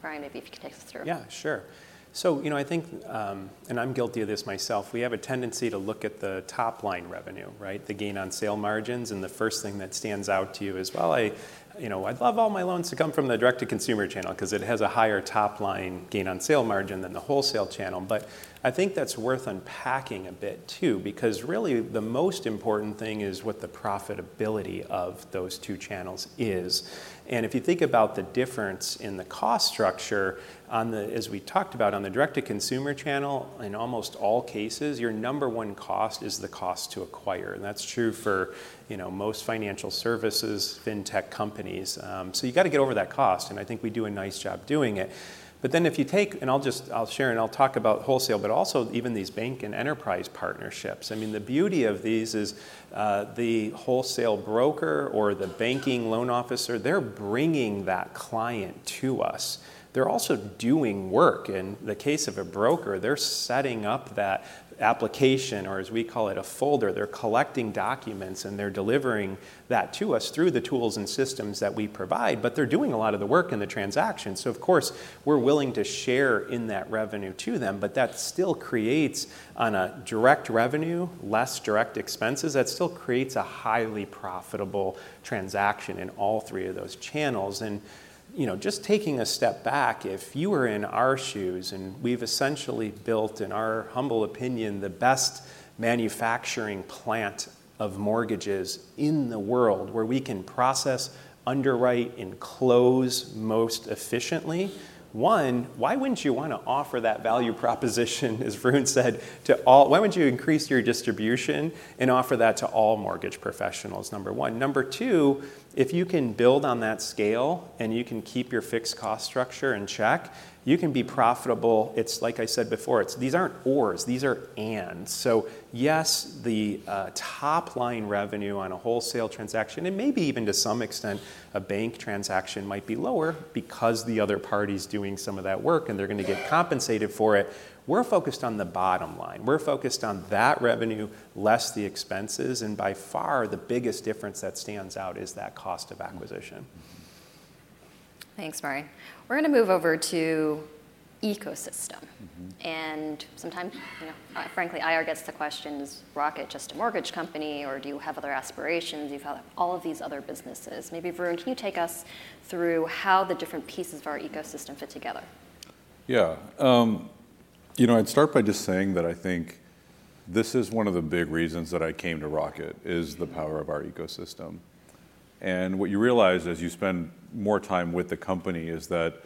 Ryan, maybe you can take us through. Yeah, sure. So, you know, I think, and I'm guilty of this myself, we have a tendency to look at the top-line revenue, right? The gain on sale margins, and the first thing that stands out to you is, well, I, you know, I'd love all my loans to come from the direct to consumer channel 'cause it has a higher top-line gain on sale margin than the wholesale channel. But I think that's worth unpacking a bit, too, because really, the most important thing is what the profitability of those two channels is. And if you think about the difference in the cost structure on the... As we talked about on the direct to consumer channel, in almost all cases, your number one cost is the cost to acquire, and that's true for, you know, most financial services, fintech companies. So you got to get over that cost, and I think we do a nice job doing it. But then if you take and I'll share and I'll talk about wholesale, but also even these bank and enterprise partnerships. I mean, the beauty of these is the wholesale broker or the banking loan officer, they're bringing that client to us. They're also doing work. In the case of a broker, they're setting up that application, or as we call it, a folder. They're collecting documents, and they're delivering that to us through the tools and systems that we provide, but they're doing a lot of the work in the transaction. So, of course, we're willing to share in that revenue to them, but that still creates, on a direct revenue, less direct expenses, that still creates a highly profitable transaction in all three of those channels. You know, just taking a step back, if you were in our shoes, and we've essentially built, in our humble opinion, the best manufacturing plant of mortgages in the world, where we can process, underwrite, and close most efficiently. One, why wouldn't you want to offer that value proposition, as Varun said, to all mortgage professionals. Why wouldn't you increase your distribution and offer that to all mortgage professionals? Number one. Number two, if you can build on that scale, and you can keep your fixed cost structure in check, you can be profitable. It's like I said before. It's these aren't ors, these are ands. So yes, the top-line revenue on a wholesale transaction, and maybe even to some extent, a bank transaction might be lower because the other party's doing some of that work, and they're going to get compensated for it. We're focused on the bottom line. We're focused on that revenue, less the expenses, and by far, the biggest difference that stands out is that cost of acquisition. Thanks, Ryan. We're going to move over to ecosystem... and sometimes, you know, frankly, IR gets the question, is Rocket just a mortgage company, or do you have other aspirations? You've got all of these other businesses. Maybe Varun, can you take us through how the different pieces of our ecosystem fit together? Yeah. You know, I'd start by just saying that I think this is one of the big reasons that I came to Rocket, is the power of our ecosystem. And what you realize as you spend more time with the company is that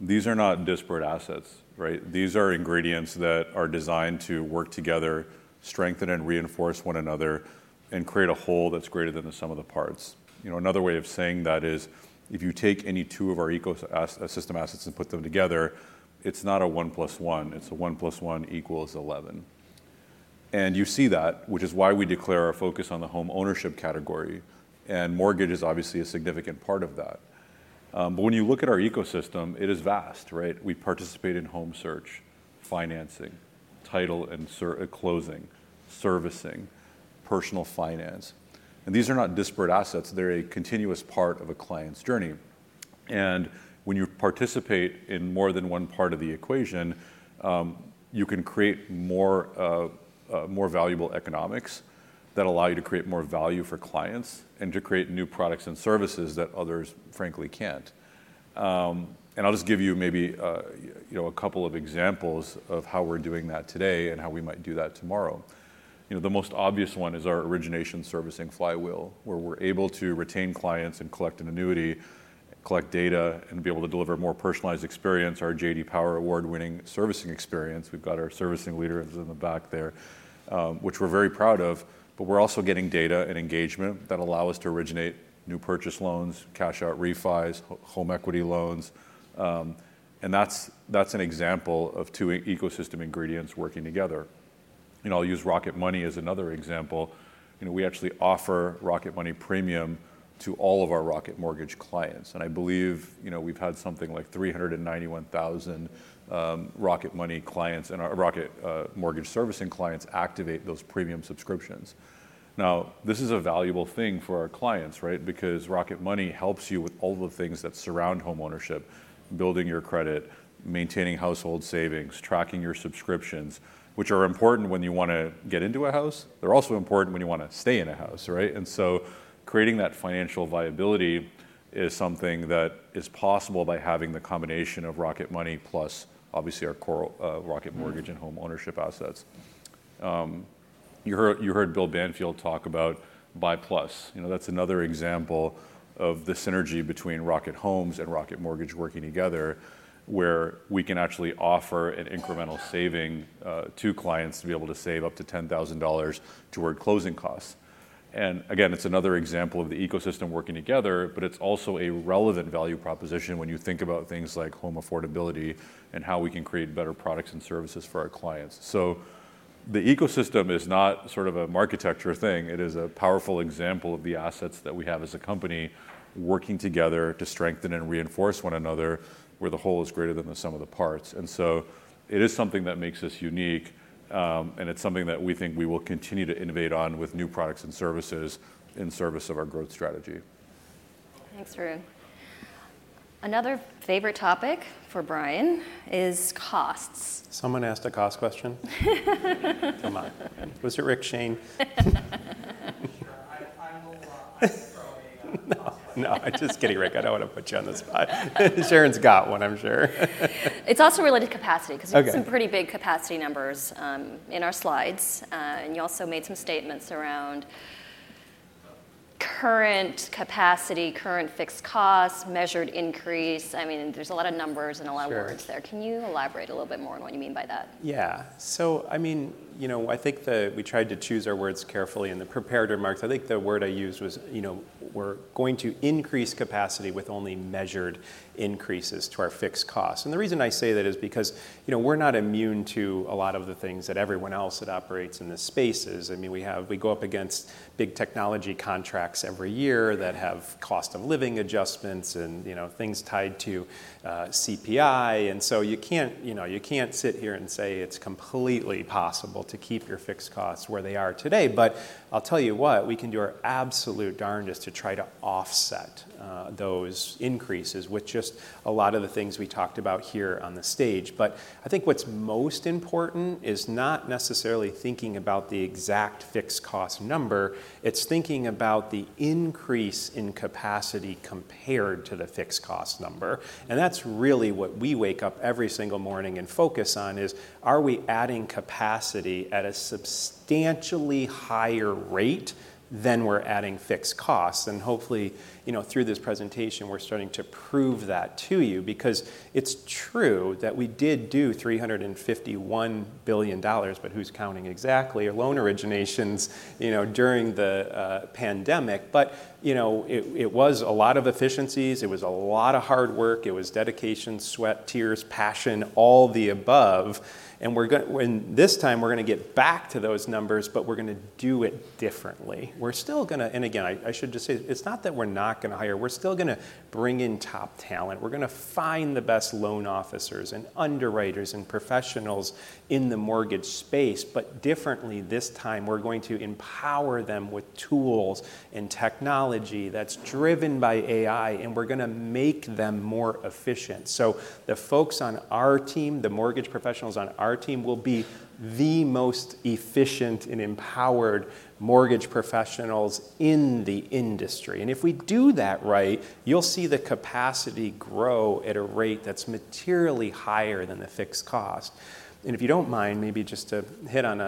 these are not disparate assets, right? These are ingredients that are designed to work together, strengthen and reinforce one another, and create a whole that's greater than the sum of the parts. You know, another way of saying that is, if you take any two of our ecosystem assets and put them together, it's not a one plus one, it's a one plus one equals eleven. And you see that, which is why we declare our focus on the home ownership category, and mortgage is obviously a significant part of that. But when you look at our ecosystem, it is vast, right? We participate in home search, financing, title and closing, servicing, personal finance, and these are not disparate assets, they're a continuous part of a client's journey, and when you participate in more than one part of the equation, you can create more valuable economics that allow you to create more value for clients and to create new products and services that others, frankly, can't. And I'll just give you maybe, you know, a couple of examples of how we're doing that today and how we might do that tomorrow. You know, the most obvious one is our origination servicing flywheel, where we're able to retain clients and collect an annuity, collect data, and be able to deliver a more personalized experience, our J.D. Power Award-winning servicing experience. We've got our servicing leaders in the back there, which we're very proud of, but we're also getting data and engagement that allow us to originate new purchase loans, cash out refis, home equity loans, and that's an example of two ecosystem ingredients working together. You know, I'll use Rocket Money as another example. You know, we actually offer Rocket Money Premium to all of our Rocket Mortgage clients, and I believe, you know, we've had something like 391,000 Rocket Money clients and our Rocket Mortgage servicing clients activate those premium subscriptions. Now, this is a valuable thing for our clients, right? Because Rocket Money helps you with all the things that surround homeownership: building your credit, maintaining household savings, tracking your subscriptions, which are important when you want to get into a house. They're also important when you want to stay in a house, right? And so creating that financial viability is something that is possible by having the combination of Rocket Money, plus obviously our core, Rocket Mortgage and home ownership assets. You heard, you heard Bill Banfield talk about BUY+. You know, that's another example of the synergy between Rocket Homes and Rocket Mortgage working together, where we can actually offer an incremental saving to clients to be able to save up to $10,000 toward closing costs. And again, it's another example of the ecosystem working together, but it's also a relevant value proposition when you think about things like home affordability and how we can create better products and services for our clients. So the ecosystem is not sort of a marketecture thing. It is a powerful example of the assets that we have as a company working together to strengthen and reinforce one another, where the whole is greater than the sum of the parts. And so it is something that makes us unique, and it's something that we think we will continue to innovate on with new products and services in service of our growth strategy. Thanks, Varun. Another favorite topic for Brian is costs. Someone asked a cost question? Come on. Was it Rick Shane? Sure, I will throw a- No, no, just kidding, Rick. I don't want to put you on the spot. Sharon's got one, I'm sure. It's also related to capacity- Okay. Because we have some pretty big capacity numbers in our slides, and you also made some statements around current capacity, current fixed costs, measured increase. I mean, there's a lot of numbers and a lot of words there. Sure. Can you elaborate a little bit more on what you mean by that? Yeah. So, I mean, you know, I think that we tried to choose our words carefully in the prepared remarks. I think the word I used was, you know, we're going to increase capacity with only measured increases to our fixed costs. And the reason I say that is because, you know, we're not immune to a lot of the things that everyone else that operates in this space is. I mean, we have we go up against big technology contracts every year that have cost of living adjustments and, you know, things tied to CPI. And so you can't, you know, you can't sit here and say it's completely possible to keep your fixed costs where they are today. But I'll tell you what, we can do our absolute darndest to try to offset those increases with just a lot of the things we talked about here on the stage. But I think what's most important is not necessarily thinking about the exact fixed cost number; it's thinking about the increase in capacity compared to the fixed cost number. And that's really what we wake up every single morning and focus on: is, are we adding capacity at a substantially higher rate than we're adding fixed costs? And hopefully, you know, through this presentation, we're starting to prove that to you. Because it's true that we did do $351 billion, but who's counting exactly, loan originations, you know, during the pandemic. But you know, it was a lot of efficiencies, it was a lot of hard work, it was dedication, sweat, tears, passion, all the above. And this time, we're gonna get back to those numbers, but we're gonna do it differently. We're still gonna. And again, I should just say, it's not that we're not gonna hire. We're still gonna bring in top talent. We're gonna find the best loan officers and underwriters and professionals in the mortgage space, but differently this time. We're going to empower them with tools and technology that's driven by AI, and we're gonna make them more efficient. So the folks on our team, the mortgage professionals on our team, will be the most efficient and empowered mortgage professionals in the industry. And if we do that right, you'll see the capacity grow at a rate that's materially higher than the fixed cost. And if you don't mind, maybe just to hit on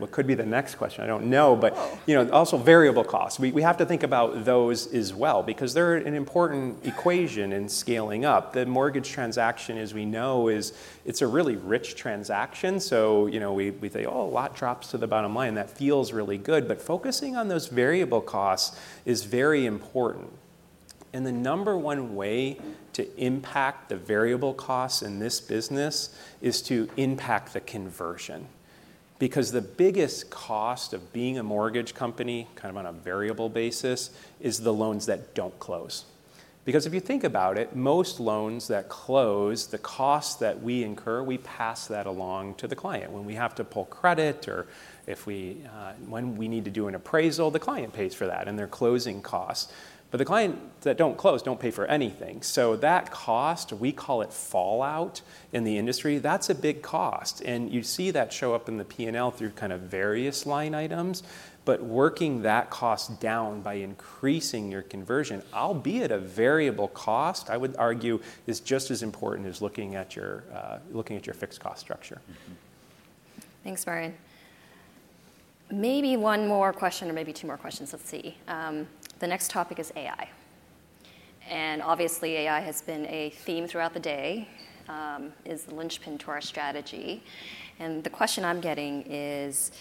what could be the next question, I don't know, but, you know, also variable costs. We have to think about those as well, because they're an important equation in scaling up. The mortgage transaction, as we know, is. It's a really rich transaction. So, you know, we say, "Oh, a lot drops to the bottom line." That feels really good, but focusing on those variable costs is very important. And the number one way to impact the variable costs in this business is to impact the conversion. Because the biggest cost of being a mortgage company, kind of on a variable basis, is the loans that don't close. Because if you think about it, most loans that close, the costs that we incur, we pass that along to the client. When we have to pull credit, or if we, when we need to do an appraisal, the client pays for that and their closing costs. But the client that don't close, don't pay for anything. So that cost, we call it fallout in the industry, that's a big cost, and you see that show up in the P&L through kind of various line items. But working that cost down by increasing your conversion, albeit at a variable cost, I would argue, is just as important as looking at your, looking at your fixed cost structure. Thanks, Brian. Maybe one more question or maybe two more questions. Let's see. The next topic is AI, and obviously, AI has been a theme throughout the day, is the linchpin to our strategy. And the question I'm getting is: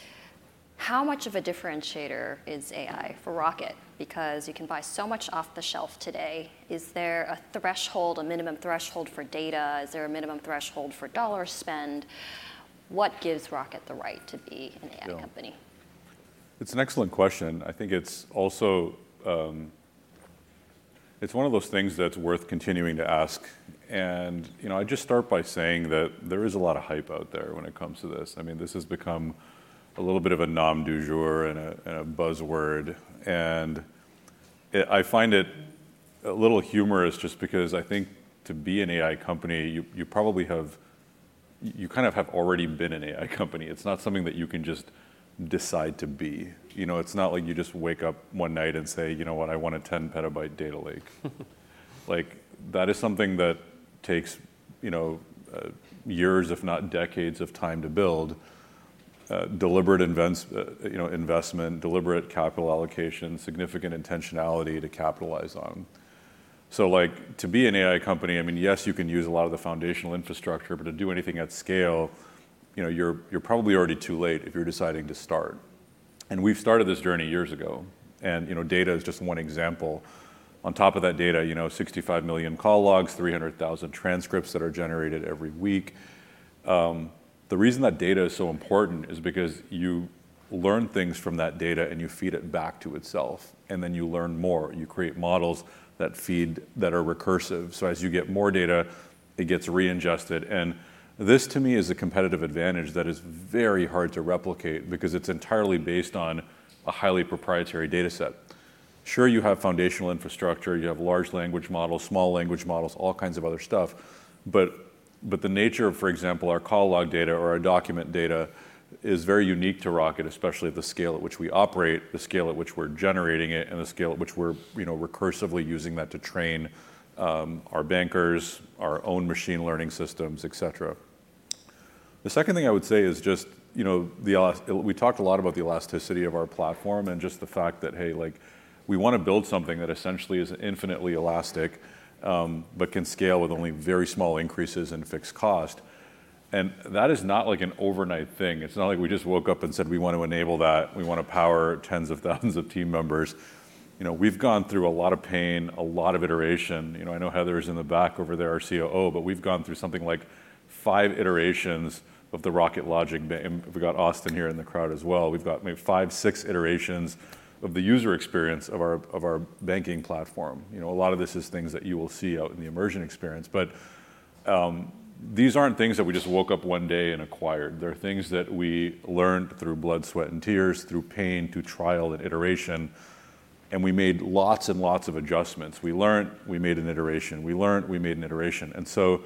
How much of a differentiator is AI for Rocket? Because you can buy so much off the shelf today. Is there a threshold, a minimum threshold for data? Is there a minimum threshold for dollar spend? What gives Rocket the right to be an AI company? Yeah. It's an excellent question. I think it's also, it's one of those things that's worth continuing to ask. You know, I just start by saying that there is a lot of hype out there when it comes to this. I mean, this has become a little bit of a mot du jour and a buzzword, and I find it a little humorous just because I think to be an AI company, you probably have-you kind of have already been an AI company. It's not something that you can just decide to be. You know, it's not like you just wake up one night and say, "You know what? I want a ten-petabyte data lake." Like, that is something that takes, you know, years, if not decades, of time to build, deliberate investment, deliberate capital allocation, significant intentionality to capitalize on. So, like, to be an AI company, I mean, yes, you can use a lot of the foundational infrastructure, but to do anything at scale, you know, you're probably already too late if you're deciding to start. And we've started this journey years ago, and, you know, data is just one example. On top of that data, you know, 65 million call logs, 300,000 transcripts that are generated every week. The reason that data is so important is because you learn things from that data, and you feed it back to itself, and then you learn more. You create models that feed... that are recursive. So as you get more data, it gets reinjected. And this, to me, is a competitive advantage that is very hard to replicate because it's entirely based on a highly proprietary data set. Sure, you have foundational infrastructure, you have large language models, small language models, all kinds of other stuff, but the nature of, for example, our call log data or our document data is very unique to Rocket, especially at the scale at which we operate, the scale at which we're generating it, and the scale at which we're, you know, recursively using that to train our bankers, our own machine learning systems, et cetera. The second thing I would say is just, you know, we talked a lot about the elasticity of our platform and just the fact that, hey, like, we wanna build something that essentially is infinitely elastic, but can scale with only very small increases in fixed cost, and that is not like an overnight thing. It's not like we just woke up and said: We want to enable that. We want to power tens of thousands of team members. You know, we've gone through a lot of pain, a lot of iteration. You know, I know Heather is in the back over there, our COO, but we've gone through something like five iterations of the Rocket Logic. And we've got Austin here in the crowd as well. We've got maybe five, six iterations of the user experience of our banking platform. You know, a lot of this is things that you will see out in the immersion experience, but these aren't things that we just woke up one day and acquired. They are things that we learned through blood, sweat, and tears, through pain, through trial and iteration, and we made lots and lots of adjustments. We learned, we made an iteration, we made an iteration. And so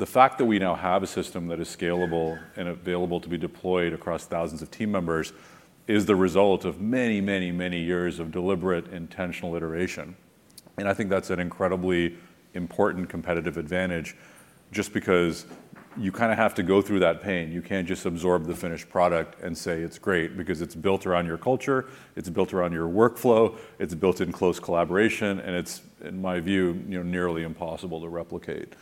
the fact that we now have a system that is scalable and available to be deployed across thousands of team members is the result of many, many, many years of deliberate, intentional iteration. And I think that's an incredibly important competitive advantage. Just because you kinda have to go through that pain, you can't just absorb the finished product and say: It's great, because it's built around your culture, it's built around your workflow, it's built in close collaboration, and it's, in my view, you know, nearly impossible to replicate,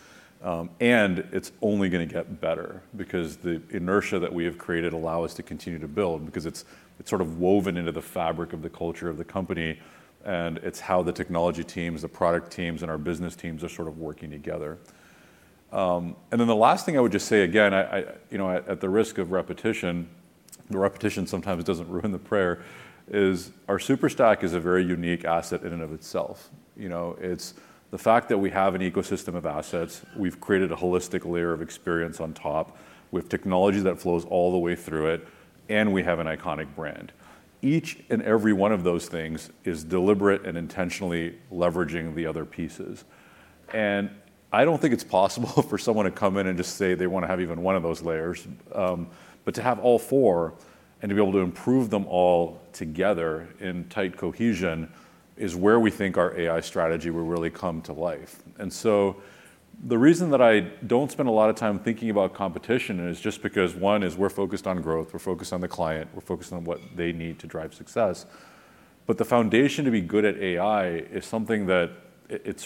and it's only gonna get better because the inertia that we have created allow us to continue to build, because it's, it's sort of woven into the fabric of the culture of the company, and it's how the technology teams, the product teams, and our business teams are sort of working together, and then the last thing I would just say again, you know, at the risk of repetition, the repetition sometimes doesn't ruin the prayer, is our Superstack is a very unique asset in and of itself. You know, it's the fact that we have an ecosystem of assets, we've created a holistic layer of experience on top with technology that flows all the way through it, and we have an iconic brand. Each and every one of those things is deliberate and intentionally leveraging the other pieces. And I don't think it's possible for someone to come in and just say they wanna have even one of those layers. But to have all four and to be able to improve them all together in tight cohesion is where we think our AI strategy will really come to life. And so the reason that I don't spend a lot of time thinking about competition is just because one is we're focused on growth, we're focused on the client, we're focused on what they need to drive success. But the foundation to be good at AI is something that it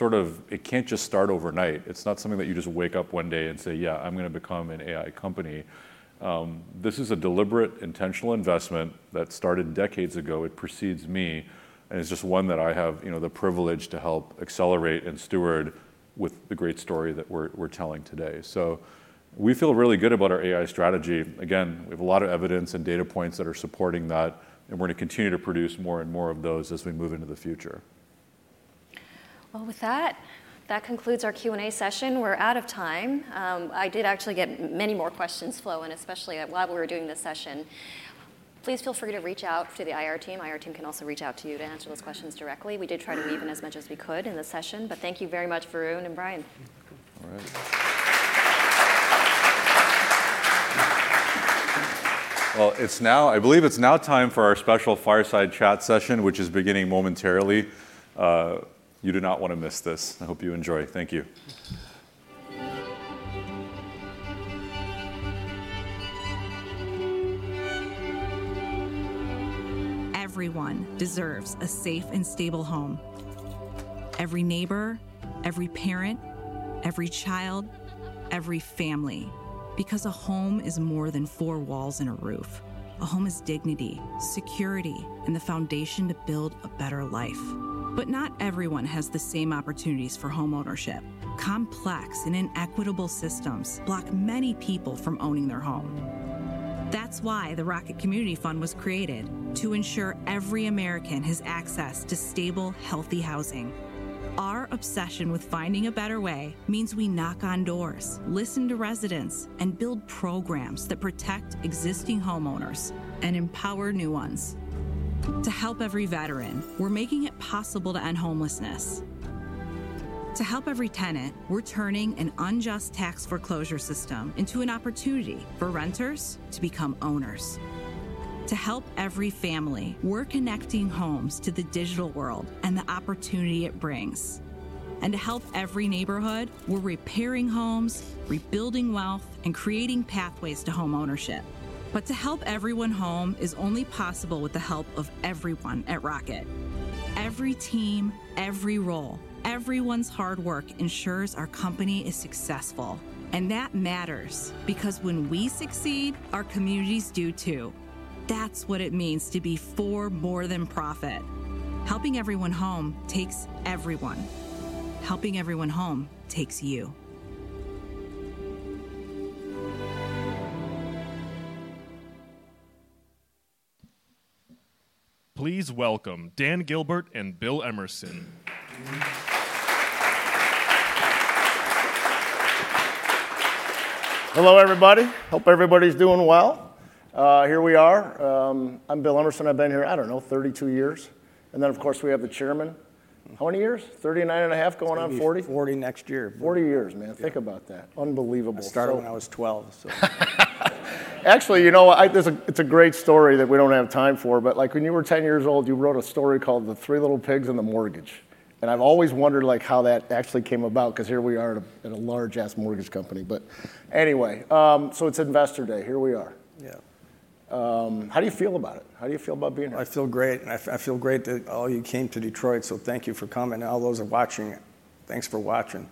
can't just start overnight. It's not something that you just wake up one day and say, "Yeah, I'm gonna become an AI company." This is a deliberate, intentional investment that started decades ago. It precedes me, and it's just one that I have, you know, the privilege to help accelerate and steward... with the great story that we're telling today. So we feel really good about our AI strategy. Again, we have a lot of evidence and data points that are supporting that, and we're gonna continue to produce more and more of those as we move into the future. With that, that concludes our Q&A session. We're out of time. I did actually get many more questions, folks, and especially while we were doing this session. Please feel free to reach out to the IR team. IR team can also reach out to you to answer those questions directly. We did try to weave in as much as we could in the session, but thank you very much, Varun and Brian. All right, well, it's now, I believe, it's now time for our special fireside chat session, which is beginning momentarily. You do not wanna miss this. I hope you enjoy. Thank you. Everyone deserves a safe and stable home. Every neighbor, every parent, every child, every family. Because a home is more than four walls and a roof. A home is dignity, security, and the foundation to build a better life. But not everyone has the same opportunities for homeownership. Complex and inequitable systems block many people from owning their home. That's why the Rocket Community Fund was created, to ensure every American has access to stable, healthy housing. Our obsession with finding a better way means we knock on doors, listen to residents, and build programs that protect existing homeowners and empower new ones. To help every veteran, we're making it possible to end homelessness. To help every tenant, we're turning an unjust tax foreclosure system into an opportunity for renters to become owners. To help every family, we're connecting homes to the digital world and the opportunity it brings. And to help every neighborhood, we're repairing homes, rebuilding wealth, and creating pathways to homeownership. But to help everyone home is only possible with the help of everyone at Rocket. Every team, every role, everyone's hard work ensures our company is successful, and that matters, because when we succeed, our communities do too. That's what it means to be for more than profit. Helping everyone home takes everyone. Helping everyone home takes you. Please welcome Dan Gilbert and Bill Emerson. Hello, everybody. Hope everybody's doing well. Here we are. I'm Bill Emerson. I've been here, I don't know, thirty-two years. And then, of course, we have the chairman. How many years? Thirty-nine and a half, going on forty. Forty next year. Forty years, man. Yeah. Think about that. Unbelievable. I started when I was twelve, so... Actually, you know, there's a great story that we don't have time for, but, like, when you were ten years old, you wrote a story called The Three Little Pigs and the Mortgage. And I've always wondered, like, how that actually came about, 'cause here we are at a large-ass mortgage company. But anyway, so it's Investor Day. Here we are. Yeah. How do you feel about it? How do you feel about being here? I feel great, and I feel great that all of you came to Detroit, so thank you for coming, and all those who are watching, thanks for watching.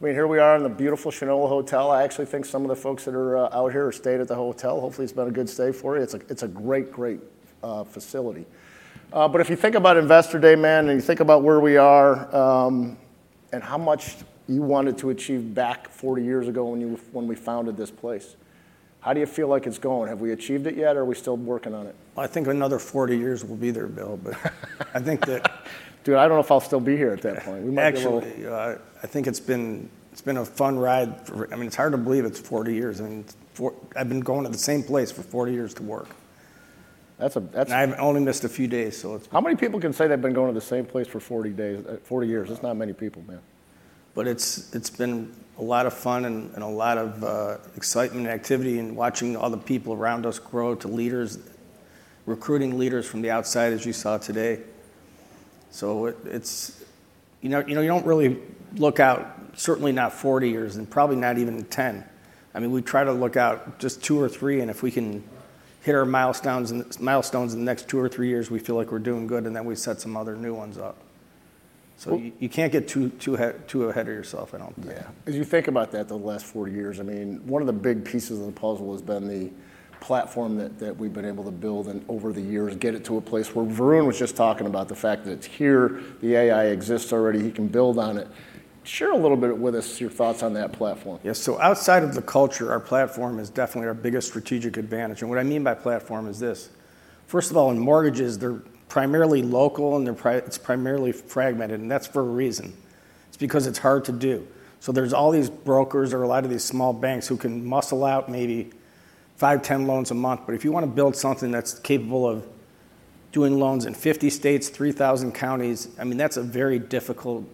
I mean, here we are in the beautiful Shinola Hotel. I actually think some of the folks that are out here have stayed at the hotel. Hopefully, it's been a good stay for you. It's a great facility. But if you think about Investor Day, man, and you think about where we are, and how much you wanted to achieve back forty years ago when we founded this place, how do you feel like it's going? Have we achieved it yet, or are we still working on it? I think another forty years, we'll be there, Bill, but I think that... Dude, I don't know if I'll still be here at that point. We might be a little- Actually, I think it's been a fun ride for... I mean, it's hard to believe it's forty years, and I've been going to the same place for forty years to work. That's a And I've only missed a few days, so it's- How many people can say they've been going to the same place for 40 days, 40 years? Yeah. It's not many people, man. But it's been a lot of fun and a lot of excitement and activity, and watching all the people around us grow to leaders, recruiting leaders from the outside, as you saw today. So it's. You know, you don't really look out, certainly not 40 years, and probably not even 10. I mean, we try to look out just 2 or 3, and if we can hit our milestones in the next 2 or 3 years, we feel like we're doing good, and then we set some other new ones up. Well- So you can't get too ahead of yourself, I don't think. Yeah. As you think about that, the last forty years, I mean, one of the big pieces of the puzzle has been the platform that, that we've been able to build, and over the years, get it to a place where Varun was just talking about the fact that it's here, the AI exists already, he can build on it. Share a little bit with us your thoughts on that platform. Yes. So outside of the culture, our platform is definitely our biggest strategic advantage, and what I mean by platform is this: first of all, in mortgages, they're primarily local and it's primarily fragmented, and that's for a reason. It's because it's hard to do. So there's all these brokers or a lot of these small banks who can muscle out maybe five, 10 loans a month. But if you wanna build something that's capable of doing loans in 50 states, 3,000 counties, I mean, that's a very difficult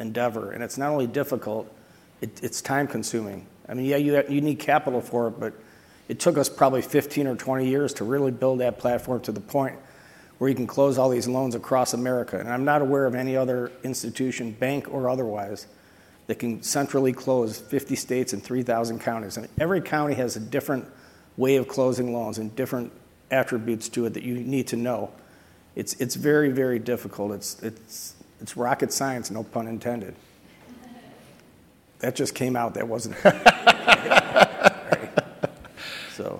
endeavor, and it's not only difficult, it's time-consuming. I mean, yeah, you need capital for it, but it took us probably 15 or 20 years to really build that platform to the point where you can close all these loans across America. I'm not aware of any other institution, bank or otherwise, that can centrally close 50 states and 3,000 counties. Every county has a different way of closing loans and different attributes to it that you need to know. It's very, very difficult. It's rocket science, no pun intended. That just came out, that wasn't......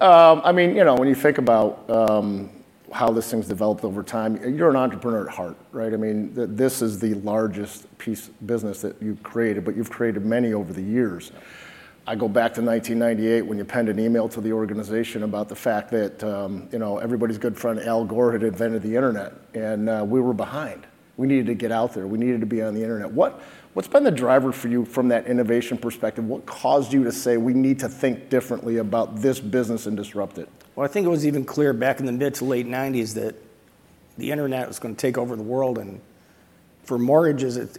I mean, you know, when you think about how this thing's developed over time, you're an entrepreneur at heart, right? I mean, this is the largest piece of business that you've created, but you've created many over the years. I go back to 1998, when you penned an email to the organization about the fact that, you know, everybody's good friend, Al Gore, had invented the internet, and we were behind. We needed to get out there. We needed to be on the internet. What, what's been the driver for you from that innovation perspective? What caused you to say, "We need to think differently about this business and disrupt it? I think it was even clear back in the mid to late 1990s that the internet was gonna take over the world, and for mortgages, it,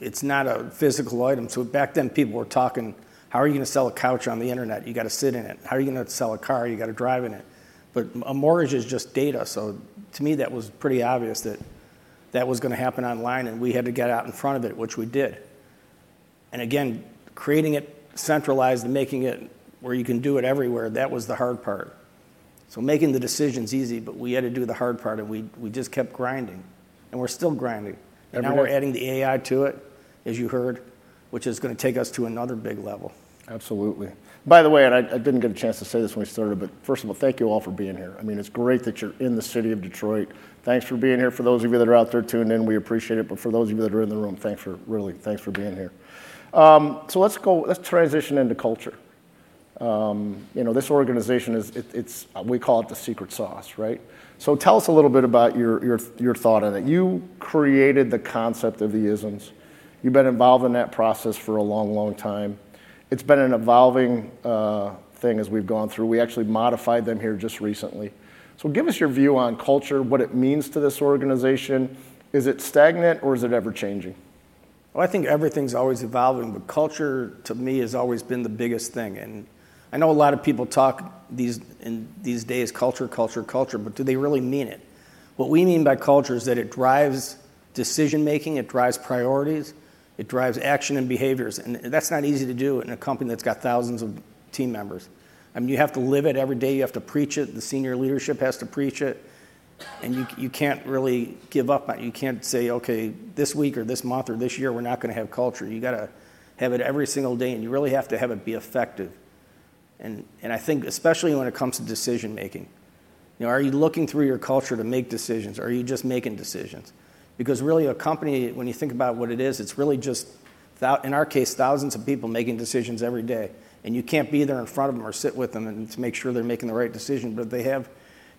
it's not a physical item. So back then, people were talking, "How are you gonna sell a couch on the internet? You gotta sit in it. How are you gonna sell a car? You gotta drive in it." But a mortgage is just data, so to me, that was pretty obvious that that was gonna happen online, and we had to get out in front of it, which we did. And again, creating it centralized and making it where you can do it everywhere, that was the hard part. So making the decision is easy, but we had to do the hard part, and we just kept grinding, and we're still grinding. Every day. Now we're adding the AI to it, as you heard, which is gonna take us to another big level. Absolutely. By the way, and I didn't get a chance to say this when we started, but first of all, thank you all for being here. I mean, it's great that you're in the city of Detroit. Thanks for being here. For those of you that are out there tuned in, we appreciate it, but for those of you that are in the room, thanks for... Really, thanks for being here. So let's go, let's transition into culture. You know, this organization is, it's, we call it the secret sauce, right? So tell us a little bit about your thought on it. You created the concept of the isms. You've been involved in that process for a long, long time. It's been an evolving thing as we've gone through. We actually modified them here just recently. So, give us your view on culture, what it means to this organization? Is it stagnant, or is it ever-changing? I think everything's always evolving, but culture, to me, has always been the biggest thing. And I know a lot of people talk these, in these days, culture, culture, culture, but do they really mean it? What we mean by culture is that it drives decision-making, it drives priorities, it drives action and behaviors, and that's not easy to do in a company that's got thousands of team members. I mean, you have to live it every day. You have to preach it. The senior leadership has to preach it, and you can't really give up on it. You can't say, "Okay, this week or this month or this year, we're not gonna have culture." You gotta have it every single day, and you really have to have it be effective, and I think especially when it comes to decision-making. You know, are you looking through your culture to make decisions, or are you just making decisions? Because really, a company, when you think about what it is, it's really just thousands of people making decisions every day, and you can't be there in front of them or sit with them and to make sure they're making the right decision. But if they have,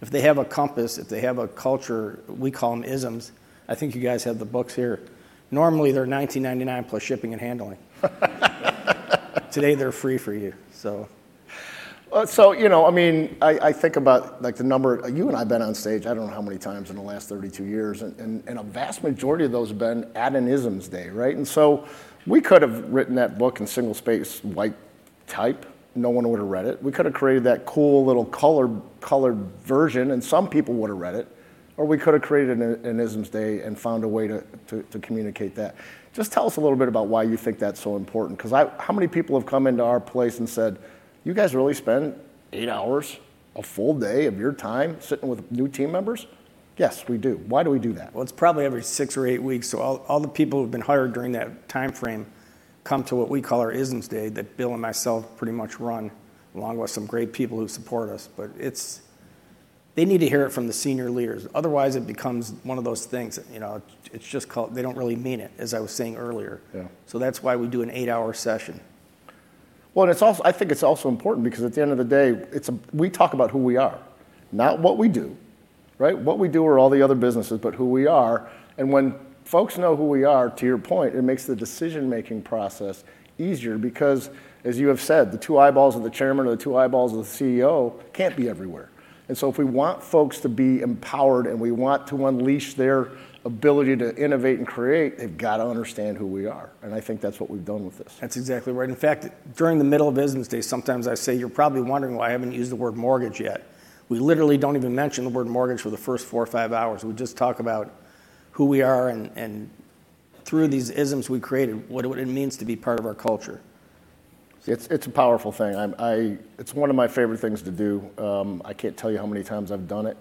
if they have a compass, if they have a culture, we call them ISMs. I think you guys have the books here. Normally, they're $19.99 plus shipping and handling. Today, they're free for you, so... Well, so, you know, I mean, I think about, like, the number. You and I have been on stage, I don't know how many times in the last thirty-two years, and a vast majority of those have been ISMs Day, right? And so we could have written that book in single-spaced white type, no one would have read it. We could have created that cool little color, colored version, and some people would have read it, or we could have created an ISMs Day and found a way to communicate that. Just tell us a little bit about why you think that's so important, 'cause I... How many people have come into our place and said, "You guys really spend eight hours, a full day of your time, sitting with new team members?" Yes, we do. Why do we do that? It's probably every six or eight weeks, so all, all the people who've been hired during that timeframe come to what we call our ISMs day, that Bill and myself pretty much run, along with some great people who support us. It's- they need to hear it from the senior leaders, otherwise it becomes one of those things that, you know, it's just called, they don't really mean it, as I was saying earlier. Yeah. So that's why we do an eight-hour session. Well, and it's also, I think it's also important because at the end of the day, it's a. We talk about who we are, not what we do, right? What we do are all the other businesses, but who we are, and when folks know who we are, to your point, it makes the decision-making process easier. Because, as you have said, the two eyeballs of the Chairman or the two eyeballs of the CEO can't be everywhere. And so if we want folks to be empowered and we want to unleash their ability to innovate and create, they've got to understand who we are, and I think that's what we've done with this. That's exactly right. In fact, during the middle of ISMs Day, sometimes I say, "You're probably wondering why I haven't used the word mortgage yet." We literally don't even mention the word mortgage for the first four or five hours. We just talk about who we are, and, and through these ISMs we created, what it means to be part of our culture. It's a powerful thing. It's one of my favorite things to do. I can't tell you how many times I've done it,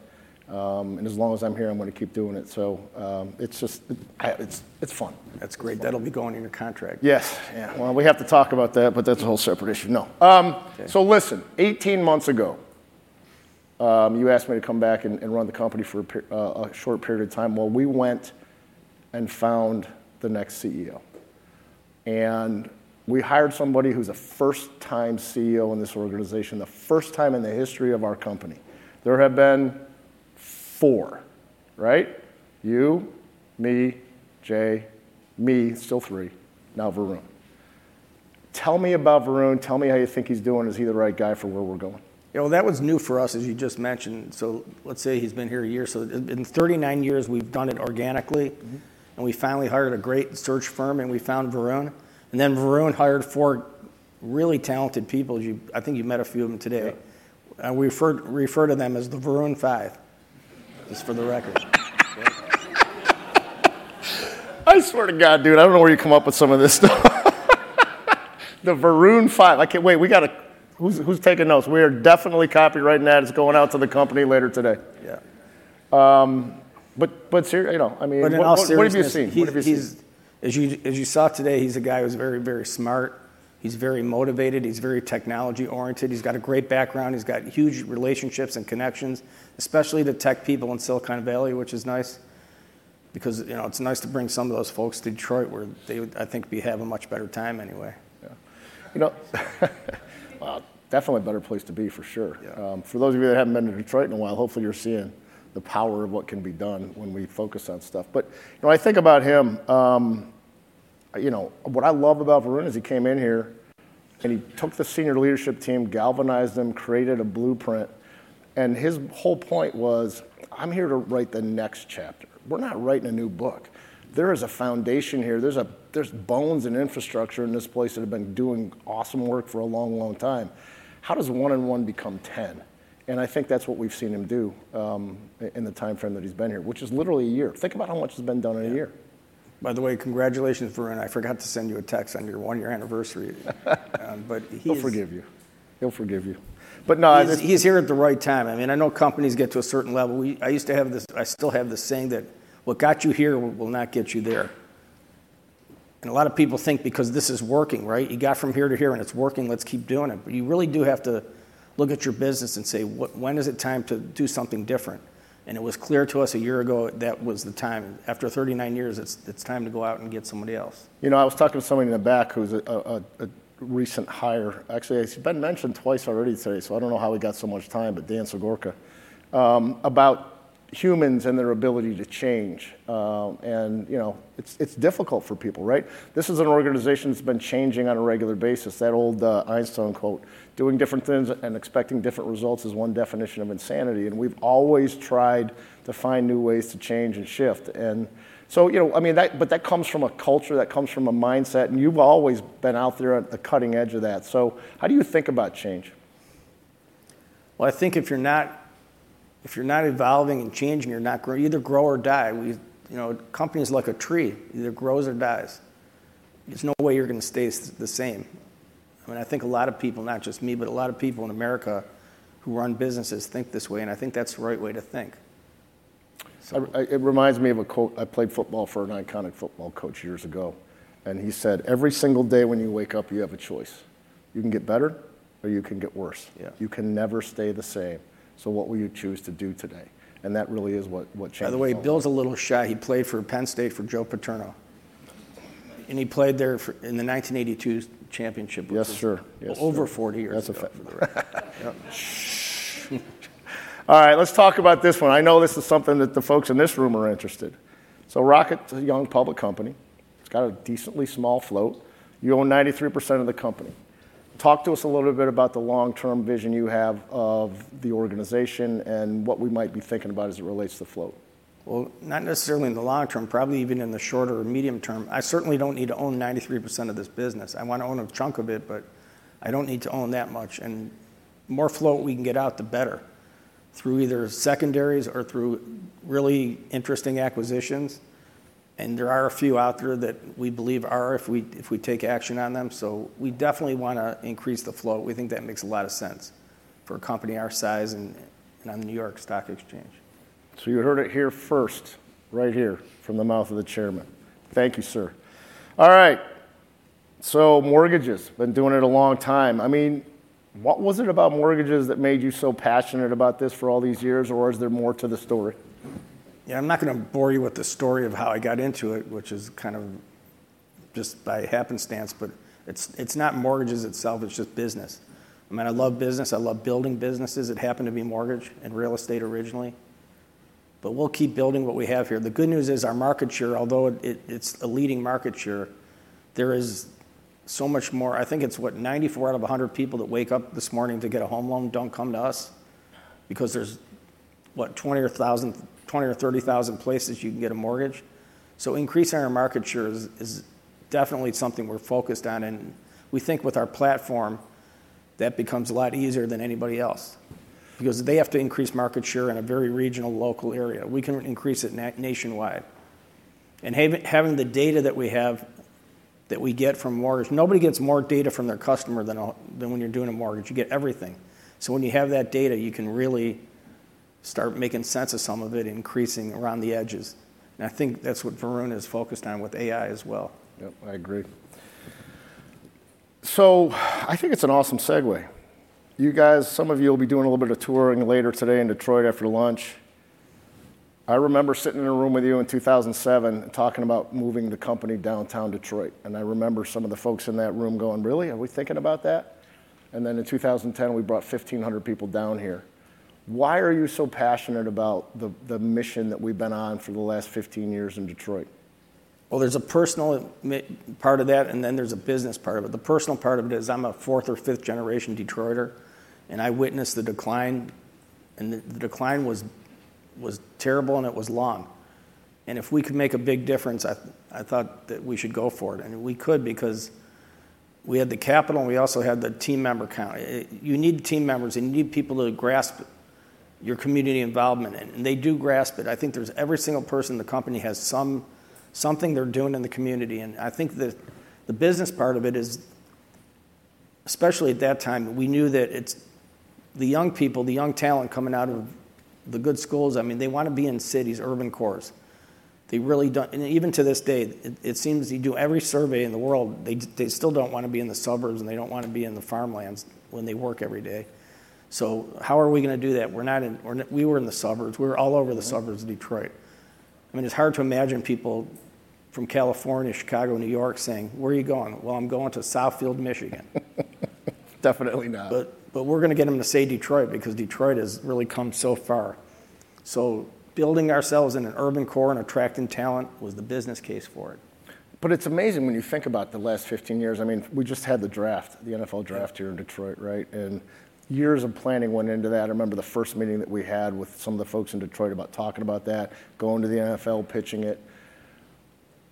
and as long as I'm here, I'm gonna keep doing it. So, it's just fun. That's great. That'll be going in your contract. Yes. Yeah. We have to talk about that, but that's a whole separate issue. No. Okay. So listen, eighteen months ago, you asked me to come back and run the company for a short period of time. Well, we went and found the next CEO, and we hired somebody who's a first-time CEO in this organization, the first time in the history of our company. There have been four, right? You, me, Jay, me, still three, now Varun. Tell me about Varun. Tell me how you think he's doing. Is he the right guy for where we're going? Yeah, well, that was new for us, as you just mentioned. So let's say he's been here a year, so in thirty-nine years, we've done it organically. Mm-hmm. We finally hired a great search firm, and we found Varun, and then Varun hired four really talented people. You, I think you've met a few of them today. Yeah. We refer to them as the Varun Five, just for the record. I swear to God, dude, I don't know where you come up with some of this stuff. The Varun Five. I can't wait, we gotta... Who's, who's taking notes? We are definitely copyrighting that. It's going out to the company later today. Yeah.... but you know, I mean- But in all seriousness- What have you seen? What have you seen? He's, as you saw today, he's a guy who's very, very smart, he's very motivated, he's very technology-oriented, he's got a great background, he's got huge relationships and connections, especially to tech people in Silicon Valley, which is nice. Because, you know, it's nice to bring some of those folks to Detroit, where they would, I think, be having a much better time anyway. Yeah. You know, well, definitely a better place to be, for sure. Yeah. For those of you that haven't been to Detroit in a while, hopefully you're seeing the power of what can be done when we focus on stuff. But, when I think about him, you know, what I love about Varun is, he came in here, and he took the senior leadership team, galvanized them, created a blueprint, and his whole point was, "I'm here to write the next chapter. We're not writing a new book. There is a foundation here, there's bones and infrastructure in this place that have been doing awesome work for a long, long time. How does one and one become ten?" And I think that's what we've seen him do, in the timeframe that he's been here, which is literally a year. Think about how much has been done in a year. By the way, congratulations, Varun, I forgot to send you a text on your one-year anniversary, but he's- He'll forgive you. He'll forgive you. But no, that- He's here at the right time. I mean, I know companies get to a certain level. We—I used to have this. I still have this saying that, "What got you here will not get you there." And a lot of people think because this is working, right? You got from here to here, and it's working. Let's keep doing it. But you really do have to look at your business and say, "What—when is it time to do something different?" And it was clear to us a year ago that was the time. After thirty-nine years, it's time to go out and get somebody else. You know, I was talking to somebody in the back who's a recent hire. Actually, he's been mentioned twice already today, so I don't know how he got so much time, but Dan Zagorka about humans and their ability to change. And, you know, it's difficult for people, right? This is an organization that's been changing on a regular basis. That old Einstein quote, "Doing different things and expecting different results is one definition of insanity." And we've always tried to find new ways to change and shift. And so, you know, I mean, that but that comes from a culture, that comes from a mindset, and you've always been out there on the cutting edge of that. So how do you think about change? I think if you're not evolving and changing, you're not growing. You either grow or die. You know, a company is like a tree, it either grows or dies. There's no way you're gonna stay the same. I mean, I think a lot of people, not just me, but a lot of people in America who run businesses think this way, and I think that's the right way to think. It reminds me of a quote. I played football for an iconic football coach years ago, and he said, "Every single day when you wake up, you have a choice. You can get better or you can get worse. Yeah. You can never stay the same, so what will you choose to do today?" And that really is what changed- By the way, Bill's a little shy. He played for Penn State for Joe Paterno, and he played there in the nineteen eighty-two championship. Yes, sir. Yes, sir. Over forty years ago. That's a fact. Shh! All right, let's talk about this one. I know this is something that the folks in this room are interested. So Rocket is a young public company. It's got a decently small float. You own 93% of the company. Talk to us a little bit about the long-term vision you have of the organization, and what we might be thinking about as it relates to float. Not necessarily in the long term, probably even in the shorter or medium term, I certainly don't need to own 93% of this business. I want to own a chunk of it, but I don't need to own that much. More float we can get out, the better, through either secondaries or through really interesting acquisitions, and there are a few out there that we believe are, if we take action on them. We definitely wanna increase the float. We think that makes a lot of sense for a company our size, and on the New York Stock Exchange. So you heard it here first, right here, from the mouth of the chairman. Thank you, sir. All right, so mortgages, been doing it a long time. I mean, what was it about mortgages that made you so passionate about this for all these years, or is there more to the story? Yeah, I'm not gonna bore you with the story of how I got into it, which is kind of just by happenstance, but it's, it's not mortgages itself, it's just business. I mean, I love business, I love building businesses. It happened to be mortgage and real estate originally, but we'll keep building what we have here. The good news is, our market share, although it, it's a leading market share, there is so much more. I think it's, what, ninety-four out of a hundred people that wake up this morning to get a home loan don't come to us, because there's, what? 20 or 30 thousand places you can get a mortgage. So increasing our market share is, is definitely something we're focused on, and we think with our platform, that becomes a lot easier than anybody else. Because they have to increase market share in a very regional, local area. We can increase it nationwide, and having the data that we have, that we get from mortgage, nobody gets more data from their customer than when you're doing a mortgage, you get everything. So when you have that data, you can really start making sense of some of it, increasing around the edges, and I think that's what Varun is focused on with AI as well. Yep, I agree. So I think it's an awesome segue. You guys, some of you will be doing a little bit of touring later today in Detroit after lunch. I remember sitting in a room with you in two thousand and seven, talking about moving the company to downtown Detroit, and I remember some of the folks in that room going, "Really? Are we thinking about that?" And then in two thousand and ten, we brought 1,500 people down here. Why are you so passionate about the mission that we've been on for the last 15 years in Detroit? There's a personal part of that, and then there's a business part of it. The personal part of it is, I'm a fourth or fifth generation Detroiter, and I witnessed the decline, and the decline was terrible, and it was long. And if we could make a big difference, I thought that we should go for it. And we could, because we had the capital, and we also had the team member count. You need the team members, and you need people to grasp your community involvement in, and they do grasp it. I think there's every single person in the company has something they're doing in the community, and I think that the business part of it is... Especially at that time, we knew that it's the young people, the young talent coming out of the good schools. I mean, they wanna be in cities, urban cores. They really don't, and even to this day, it seems you do every survey in the world, they still don't wanna be in the suburbs, and they don't wanna be in the farmlands when they work every day. So how are we gonna do that? We're not in. We were in the suburbs. We were all over the suburbs of Detroit. I mean, it's hard to imagine people from California, Chicago, New York saying, "Where are you going?" "Well, I'm going to Southfield, Michigan. Definitely not. We're gonna get them to say Detroit because Detroit has really come so far. Building ourselves in an urban core and attracting talent was the business case for it. But it's amazing when you think about the last fifteen years. I mean, we just had the draft, the NFL Draft here in Detroit, right? And years of planning went into that. I remember the first meeting that we had with some of the folks in Detroit about talking about that, going to the NFL, pitching it.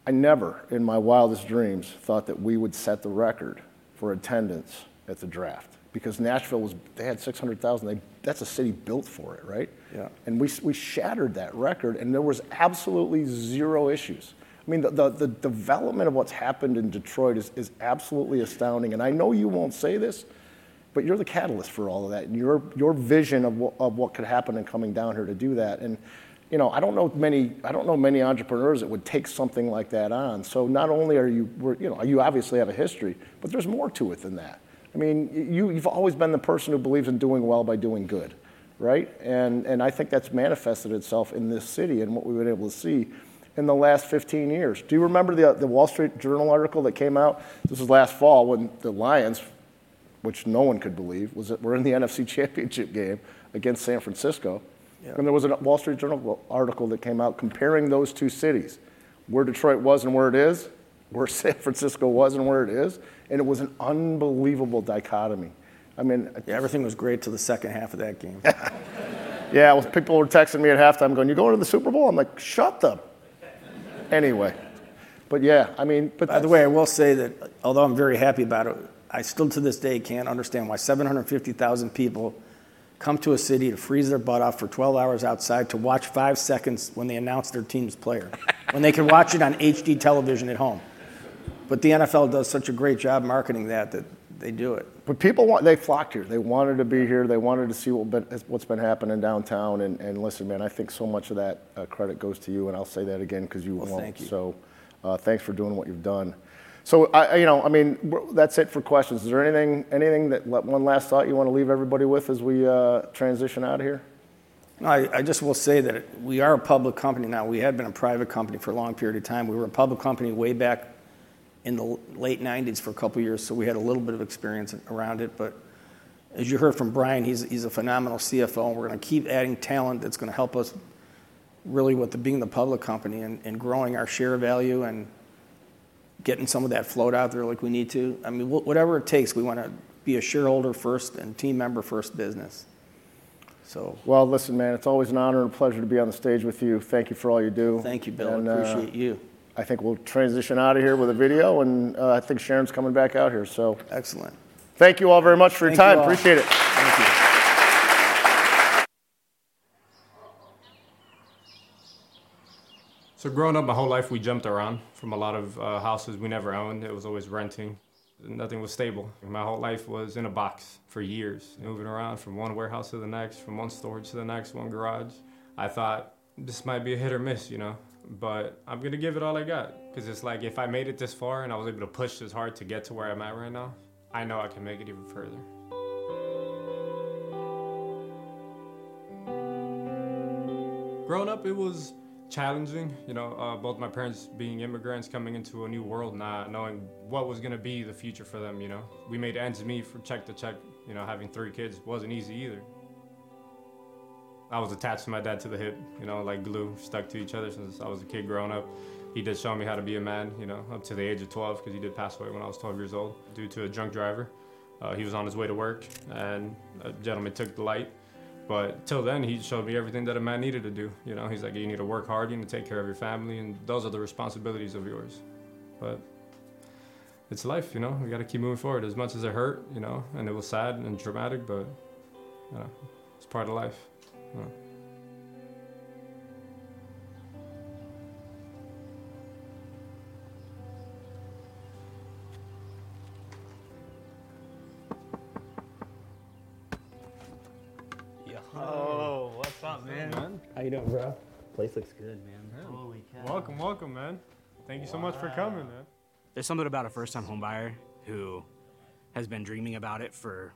I never, in my wildest dreams, thought that we would set the record for attendance at the draft. Because Nashville was. They had six hundred thousand. They, that's a city built for it, right? Yeah. And we shattered that record, and there was absolutely zero issues. I mean, the development of what's happened in Detroit is absolutely astounding, and I know you won't say this, but you're the catalyst for all of that, and your vision of what could happen in coming down here to do that, and, you know, I don't know many entrepreneurs that would take something like that on. So not only were you, you know, you obviously have a history, but there's more to it than that. I mean, you've always been the person who believes in doing well by doing good, right? And I think that's manifested itself in this city and what we've been able to see in the last 15 years. Do you remember the Wall Street Journal article that came out? This was last fall when the Lions, which no one could believe, was that we're in the NFC Championship Game against San Francisco. Yeah. There was a Wall Street Journal article that came out comparing those two cities, where Detroit was and where it is, where San Francisco was and where it is, and it was an unbelievable dichotomy. I mean- Everything was great till the second half of that game. Yeah, people were texting me at halftime going, "You going to the Super Bowl?" I'm like, "Shut up!" Anyway, but yeah, I mean, but- By the way, I will say that although I'm very happy about it, I still to this day can't understand why seven hundred and fifty thousand people come to a city to freeze their butt off for twelve hours outside to watch five seconds when they announce their team's player when they can watch it on HD television at home. But the NFL does such a great job marketing that, that they do it. But people want, they flocked here. They wanted to be here. They wanted to see what's been happening downtown, and listen, man, I think so much of that credit goes to you, and I'll say that again 'cause you won't. Thank you. So, thanks for doing what you've done. So, I, you know, I mean, that's it for questions. Is there anything? One last thought you wanna leave everybody with as we transition out of here? I just will say that we are a public company now. We had been a private company for a long period of time. We were a public company way back in the late 1990s for a couple of years, so we had a little bit of experience around it. But as you heard from Brian, he's a phenomenal CFO, and we're gonna keep adding talent that's gonna help us really with the being a public company and growing our share value and getting some of that float out there like we need to. I mean, whatever it takes, we wanna be a shareholder first and team member first business. So... Listen, man, it's always an honor and pleasure to be on the stage with you. Thank you for all you do. Thank you, Bill. And, uh- Appreciate you. I think we'll transition out of here with a video, and, I think Sharon's coming back out here, so- Excellent. Thank you all very much for your time. Thank you, all. Appreciate it. Thank you. So growing up, my whole life, we jumped around from a lot of houses we never owned. It was always renting, and nothing was stable. My whole life was in a box for years, moving around from one warehouse to the next, from one storage to the next, one garage. I thought, "This might be a hit or miss, you know, but I'm gonna give it all I got," 'cause it's like, if I made it this far, and I was able to push this hard to get to where I'm at right now, I know I can make it even further. Growing up, it was challenging, you know, both my parents being immigrants, coming into a new world, not knowing what was gonna be the future for them, you know. We made ends meet from check to check. You know, having three kids wasn't easy either. I was attached to my dad to the hip, you know, like glue, stuck to each other since I was a kid growing up. He did show me how to be a man, you know, up to the age of twelve, 'cause he did pass away when I was twelve years old due to a drunk driver. He was on his way to work, and a gentleman took the light, but till then, he showed me everything that a man needed to do. You know, he's like: "You need to work hard, you need to take care of your family, and those are the responsibilities of yours." But it's life, you know. We gotta keep moving forward. As much as it hurt, you know, and it was sad and traumatic, but it's part of life. Yo. Oh, what's up, man? What's up, man? How you doing, bro? Place looks good, man. Holy cow! Welcome, welcome, man. Thank you so much for coming, man. Wow! There's something about a first-time homebuyer who has been dreaming about it for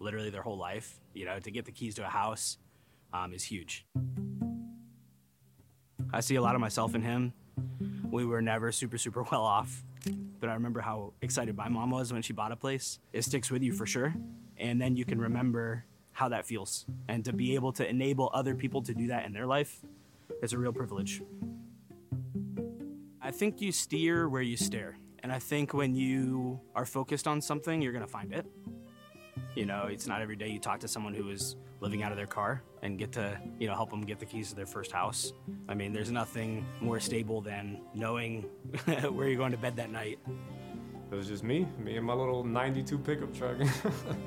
literally their whole life. You know, to get the keys to a house, is huge. I see a lot of myself in him. We were never super, super well off, but I remember how excited my mom was when she bought a place. It sticks with you for sure, and then you can remember how that feels, and to be able to enable other people to do that in their life is a real privilege. I think you steer where you stare, and I think when you are focused on something, you're gonna find it. You know, it's not every day you talk to someone who is living out of their car and get to, you know, help them get the keys to their first house. I mean, there's nothing more stable than knowing where you're going to bed that night. It was just me, me and my little ninety-two pickup truck.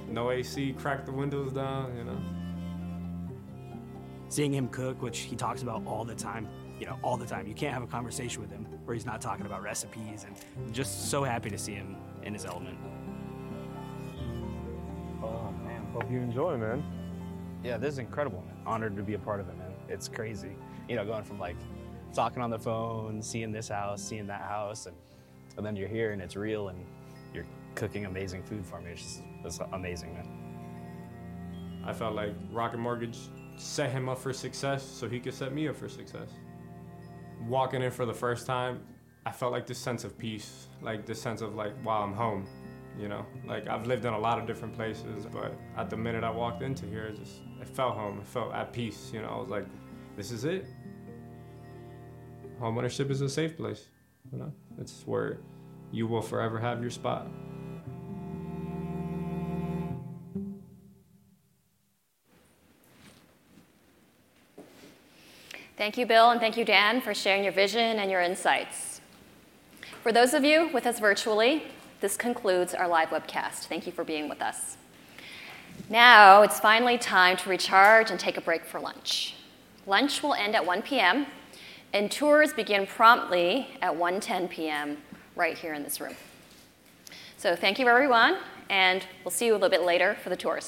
No AC, crack the windows down, you know. Seeing him cook, which he talks about all the time, you know, all the time. You can't have a conversation with him where he's not talking about recipes, and just so happy to see him in his element. Oh, man. Hope you enjoy, man. Yeah, this is incredible, man. Honored to be a part of it, man. It's crazy. You know, going from, like, talking on the phone, seeing this house, seeing that house, and, and then you're here, and it's real, and you're cooking amazing food for me. It's just, it's amazing, man. I felt like Rocket Mortgage set him up for success, so he could set me up for success. Walking in for the first time, I felt, like, this sense of peace, like, this sense of like, "Wow, I'm home," you know? Like, I've lived in a lot of different places, but at the minute I walked into here, I just, I felt home. I felt at peace, you know. I was like, "This is it." Homeownership is a safe place, you know. It's where you will forever have your spot. Thank you, Bill, and thank you, Dan, for sharing your vision and your insights. For those of you with us virtually, this concludes our live webcast. Thank you for being with us. Now, it's finally time to recharge and take a break for lunch. Lunch will end at 1:00 P.M., and tours begin promptly at 1:10 P.M., right here in this room. So thank you, everyone, and we'll see you a little bit later for the tours.